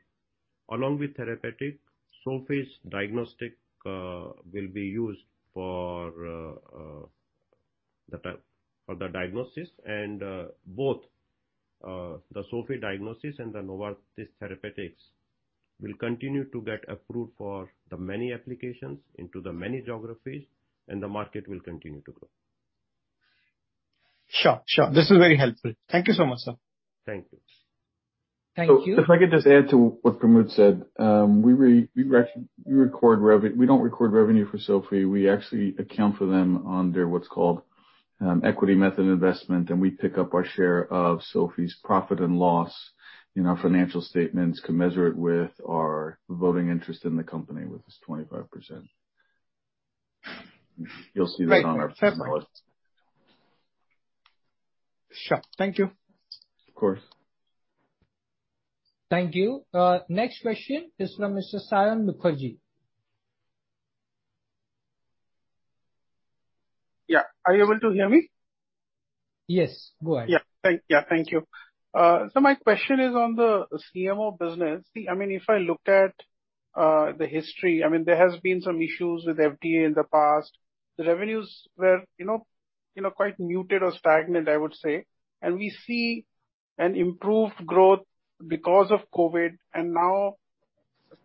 along with therapeutic, SOFIE's diagnostic will be used for the diagnosis and both the SOFIE diagnosis and the Novartis therapeutics will continue to get approved for the many applications into the many geographies, the market will continue to grow. Sure. This is very helpful. Thank you so much, sir. Thank you. Thank you. If I could just add to what Pramod said. We don't record revenue for SOFIE. We actually account for them under what's called equity method investment, and we pick up our share of SOFIE's profit and loss in our financial statements commensurate with our voting interest in the company, which is 25%. You'll see that on our press release. Sure. Thank you. Of course. Thank you. Next question is from Mr. Sayan Mukherjee. Yeah. Are you able to hear me? Yes, go ahead. Yeah. Thank you. My question is on the CMO business. If I look at the history, there has been some issues with FDA in the past. The revenues were quite muted or stagnant, I would say, and we see an improved growth because of COVID and now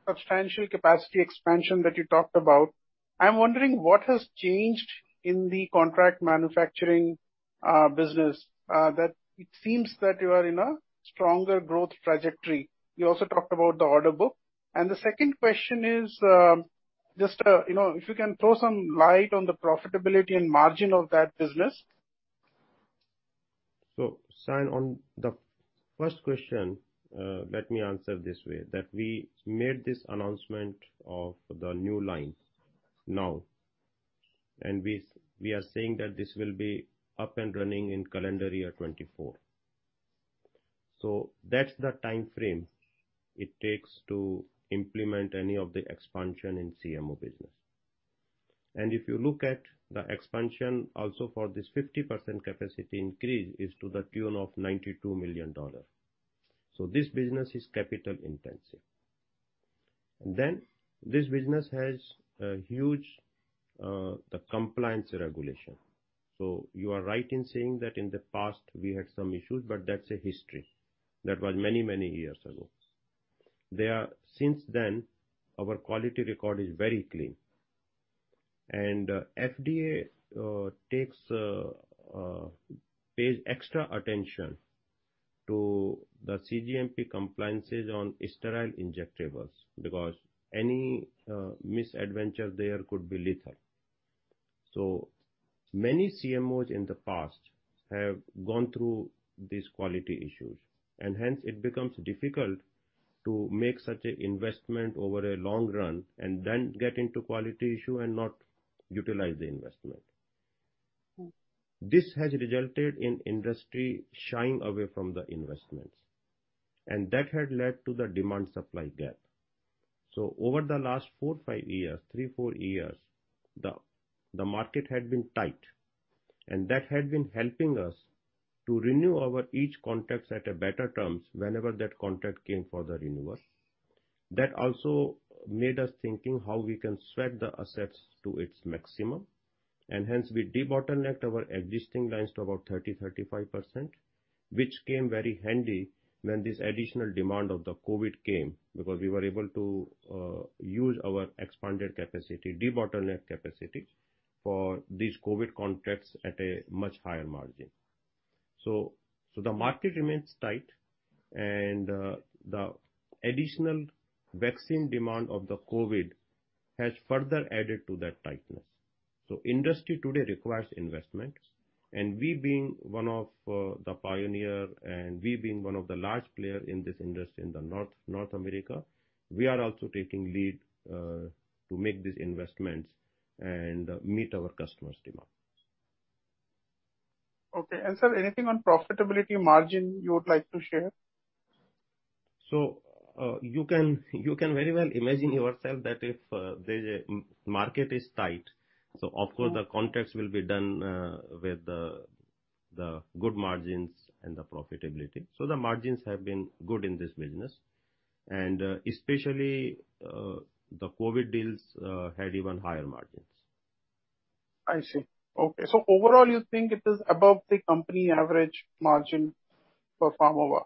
substantial capacity expansion that you talked about. I'm wondering what has changed in the contract manufacturing business that it seems that you are in a stronger growth trajectory. We also talked about the order book, and the second question is, if you can throw some light on the profitability and margin of that business. Sayan on the first question, let me answer this way, that we made this announcement of the new line now, and we are saying that this will be up and running in calendar year 2024. That's the timeframe it takes to implement any of the expansion in CMO business. If you look at the expansion also for this 50% capacity increase is to the tune of $92 million. This business is capital-intensive. This business has a huge compliance regulation. You are right in saying that in the past we had some issues, but that's a history. That was many years ago. Since then, our quality record is very clean. FDA pays extra attention to the cGMP compliances on sterile injectables because any misadventure there could be lethal. Many CMOs in the past have gone through these quality issues, and hence it becomes difficult to make such an investment over a long run and then get into quality issue and not utilize the investment. This has resulted in industry shying away from the investments, and that had led to the demand-supply gap. Over the last four to five years, three to four years, the market had been tight, and that had been helping us to renew our each contracts at better terms whenever that contract came for the renewal. That also made us think how we can sweat the assets to its maximum, and hence we debottlenecked our existing lines to about 30%-35%, which came very handy when this additional demand of the COVID came because we were able to use our expanded capacity, debottlenecked capacity for these COVID contracts at a much higher margin. The market remains tight and the additional vaccine demand of the COVID has further added to that tightness. Industry today requires investments. We being one of the pioneer and we being one of the large player in this industry in North America, we are also taking lead to make these investments and meet our customers' demands. Okay. Sir, anything on profitability margin you would like to share? You can very well imagine yourself that if the market is tight, so of course, the contracts will be done with the good margins and the profitability. The margins have been good in this business and especially, the COVID deals had even higher margins. I see. Okay. Overall, you think it is above the company average margin for Pharmova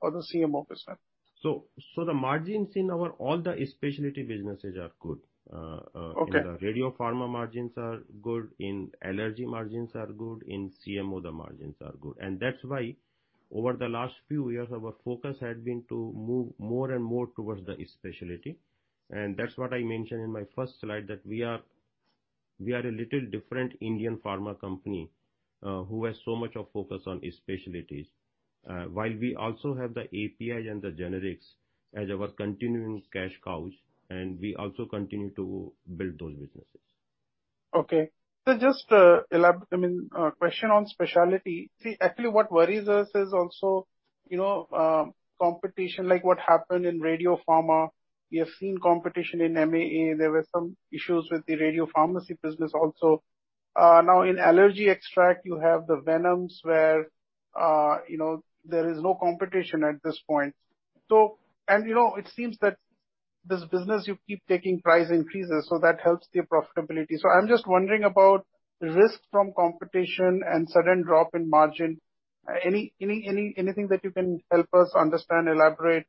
or the CMO business? The margins in all our Specialty businesses are good. Okay. Radiopharma margins are good, in allergy margins are good, in CMO the margins are good. That's why over the last few years, our focus has been to move more and more towards the Specialty. That's what I mentioned in my first slide that we are a little different Indian pharma company who has so much of focus on Specialties. We also have the API the generics as our continuing cash cows, and we also continue to build those businesses. Okay. Just a question on Specialty. Actually what worries us is also competition like what happened in Radiopharma. We have seen competition in MAA. There were some issues with the Radiopharmacy business also. In allergy extract, you have the venoms where there is no competition at this point. It seems that this business, you keep taking price increases, so that helps your profitability. I'm just wondering about risk from competition and sudden drop in margin. Anything that you can help us understand, elaborate,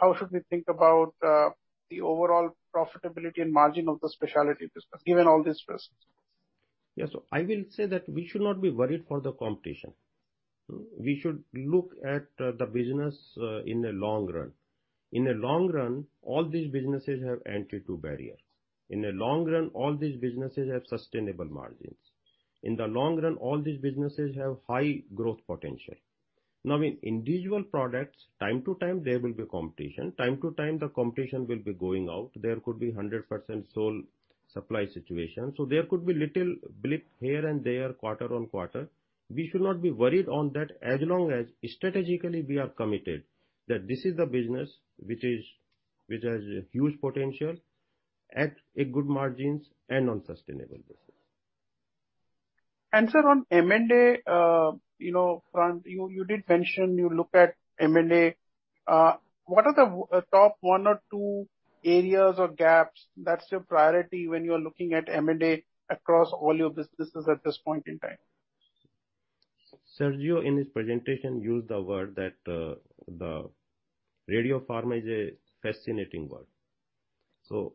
how should we think about the overall profitability and margin of the Specialty business, given all this risk? Yes. I will say that we should not be worried for the competition. We should look at the business in the long run. In a long run, all these businesses have entry to barriers. In the long run, all these businesses have sustainable margins. In the long run, all these businesses have high growth potential. In individual products, time to time, there will be competition. Time to time, the competition will be going out. There could be 100% sole supply situation. There could be little blip here and there, quarter-on-quarter. We should not be worried on that, as long as strategically we are committed that this is a business which has a huge potential at a good margins and on sustainable business. Sir, on M&A, Pramod, you did mention you look at M&A. What are the top one or two areas or gaps that is your priority when you are looking at M&A across all your businesses at this point in time? Sergio, in his presentation, used the word that the Radiopharma is a fascinating world.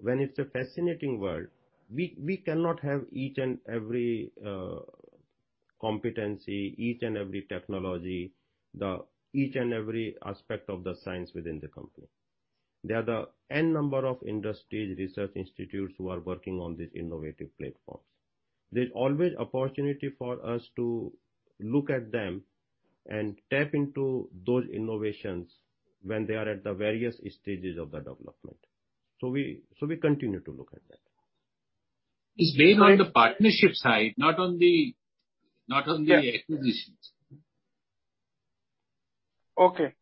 When it's a fascinating world, we cannot have each and every competency, each and every technology, each and every aspect of the science within the company. There are n number of industries, research institutes who are working on these innovative platforms. There's always opportunity for us to look at them and tap into those innovations when they are at the various stages of the development. We continue to look at that. It's based on the partnership side, not on the acquisitions. Okay.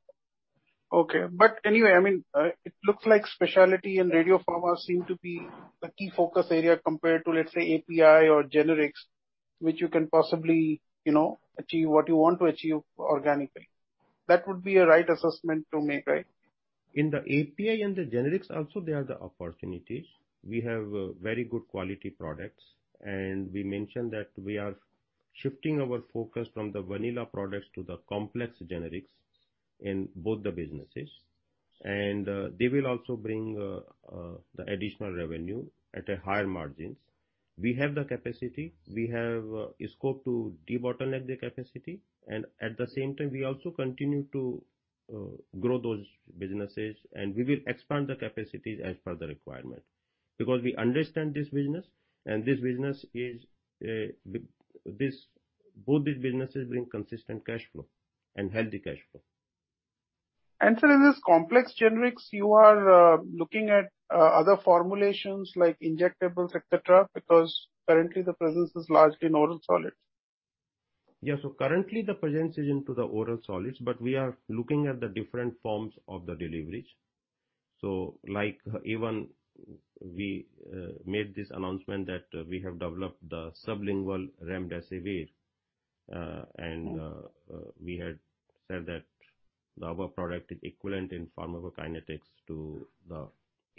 It looks like Specialty and Radiopharma seem to be a key focus area compared to, let's say, API or generics, which you can possibly achieve what you want to achieve organically. That would be a right assessment to make? In the API the generics also, there are the opportunities. We have very good quality products, and we mentioned that we are shifting our focus from the vanilla products to the complex generics in both the businesses. They will also bring the additional revenue at a higher margins. We have the capacity. We have scope to debottleneck the capacity, and at the same time, we also continue to grow those businesses, and we will expand the capacity as per the requirement. We understand this business and both these businesses bring consistent cash flow and healthy cash flow. Sir, in this complex generics, you are looking at other formulations like injectables, et cetera, because currently the presence is largely in oral solids? Yeah. Currently the presence is into the oral solids, but we are looking at the different forms of the deliverance. Like even we made this announcement that we have developed the sublingual remdesivir, and we had said that our product is equivalent in pharmacokinetics to the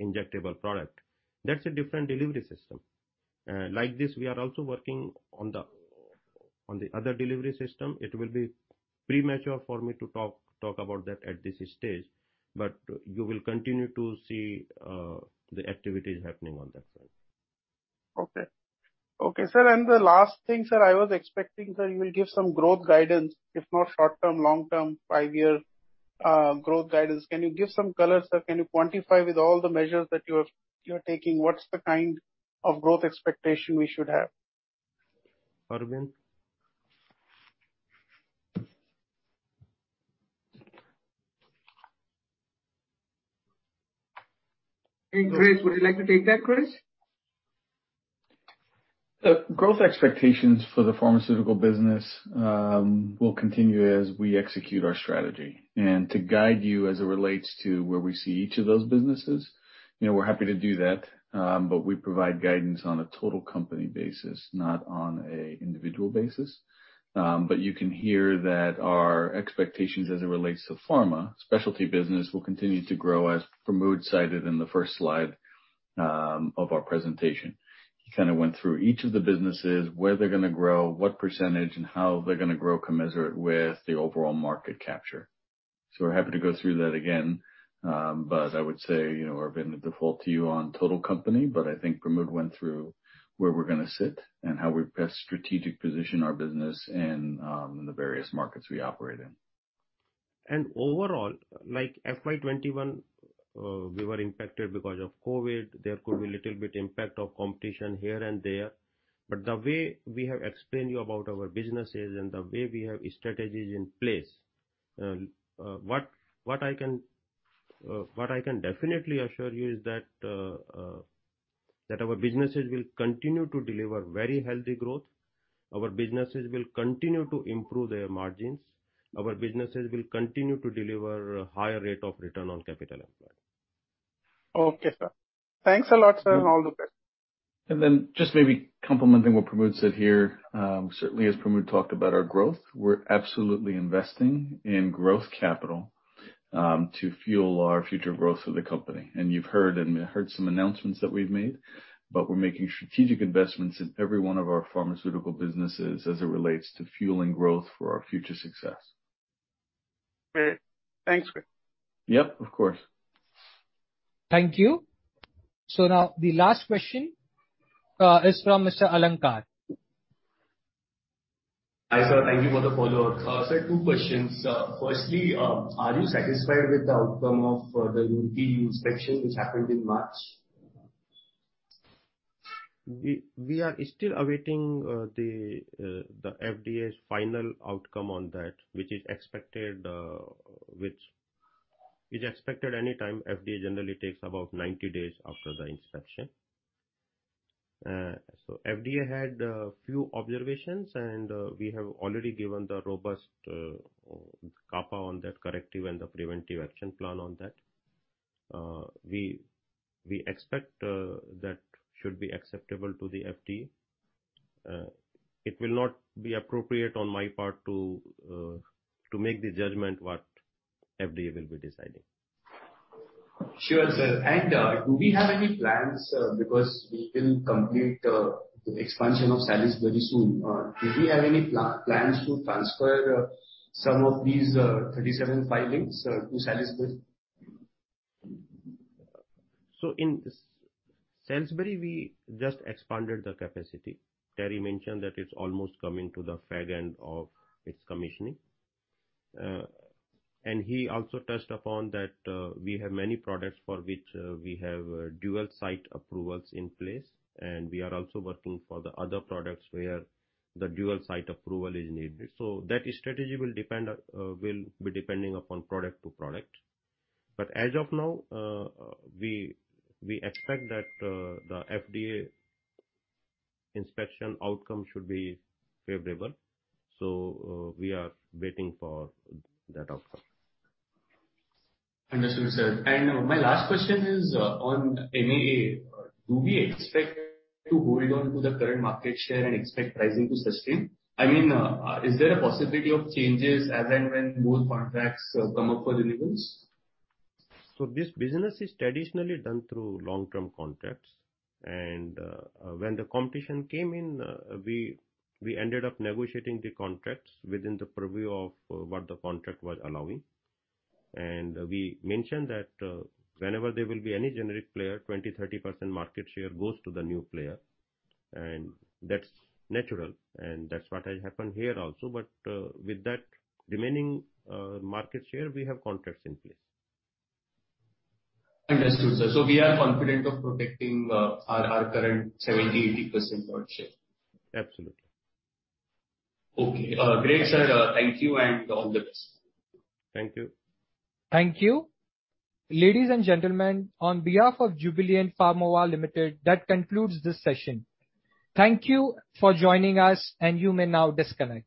injectable product. That's a different delivery system. Like this, we are also working on the other delivery system. It will be premature for me to talk about that at this stage, but you will continue to see the activities happening on that front. Okay. Sir, the last thing, sir, I was expecting, sir, you will give some growth guidance, if not short-term, long-term, five-year growth guidance. Can you give some colors, sir? Can you quantify with all the measures that you're taking, what's the kind of growth expectation we should have? [Preti]. Would you like to take that, Chris? The growth expectations for the pharmaceutical business will continue as we execute our strategy. To guide you as it relates to where we see each of those businesses, we're happy to do that, but we provide guidance on a total company basis, not on a individual basis. You can hear that our expectations as it relates to pharma Specialty business will continue to grow as Pramod cited in the first slide of our presentation. He kind of went through each of the businesses, where they're going to grow, what percentage, and how they're going to grow commensurate with the overall market capture. We're happy to go through that again. As I would say, we're going to default to you on total company. I think Pramod went through where we're going to sit and how we best strategic position our business in the various markets we operate in. Overall, like FY 2021, we were impacted because of COVID. There could be a little bit impact of competition here and there. The way we have explained you about our businesses and the way we have strategies in place, what I can definitely assure you is that our businesses will continue to deliver very healthy growth. Our businesses will continue to improve their margins. Our businesses will continue to deliver a higher rate of return on capital employed. Okay, sir. Thanks a lot, sir, and all the best. Just maybe complementing what Pramod said here, certainly as Pramod talked about our growth, we're absolutely investing in growth capital to fuel our future growth of the company. You've heard some announcements that we've made, but we're making strategic investments in every one of our pharmaceutical businesses as it relates to fueling growth for our future success. Great. Thanks, Chris. Yep, of course. Thank you. Now the last question is from Mr. Alankar. Hi, sir. Thank you for the follow-up. Sir, two questions. Firstly, are you satisfied with the outcome of the UT inspection which happened in March? We are still awaiting the FDA's final outcome on that, which is expected any time. FDA generally takes about 90 days after the inspection. FDA had a few observations, and we have already given the robust CAPA on that corrective and the preventive action plan on that. We expect that should be acceptable to the FDA. It will not be appropriate on my part to make the judgment what FDA will be deciding. Sure, sir. Do we have any plans, because we will complete the expansion of Salisbury soon. Do we have any plans to transfer some of these 37 filings to Salisbury? In Salisbury, we just expanded the capacity. Terry mentioned that it's almost coming to the fag end of its commissioning. He also touched upon that we have many products for which we have dual site approvals in place, and we are also working for the other products where the dual site approval is needed. That strategy will be depending upon product to product. As of now, we expect that the FDA inspection outcome should be favorable. We are waiting for that outcome. Understood, sir. My last question is on MAA. Do we expect to hold on to the current market share and expect pricing to sustain? Is there a possibility of changes as and when more contracts come up for renewals? This business is traditionally done through long-term contracts. When the competition came in, we ended up negotiating the contracts within the purview of what the contract was allowing, and we mentioned that whenever there will be any generic player, 20%-30% market share goes to the new player, and that's natural, and that's what has happened here also. With that remaining market share, we have contracts in place. Understood, sir. We are confident of protecting our current 70%-80% market share. Absolutely. Okay. Great, sir. Thank you and all the best. Thank you. Thank you. Ladies and gentlemen, on behalf of Jubilant Pharmova Limited, that concludes this session. Thank you for joining us, and you may now disconnect.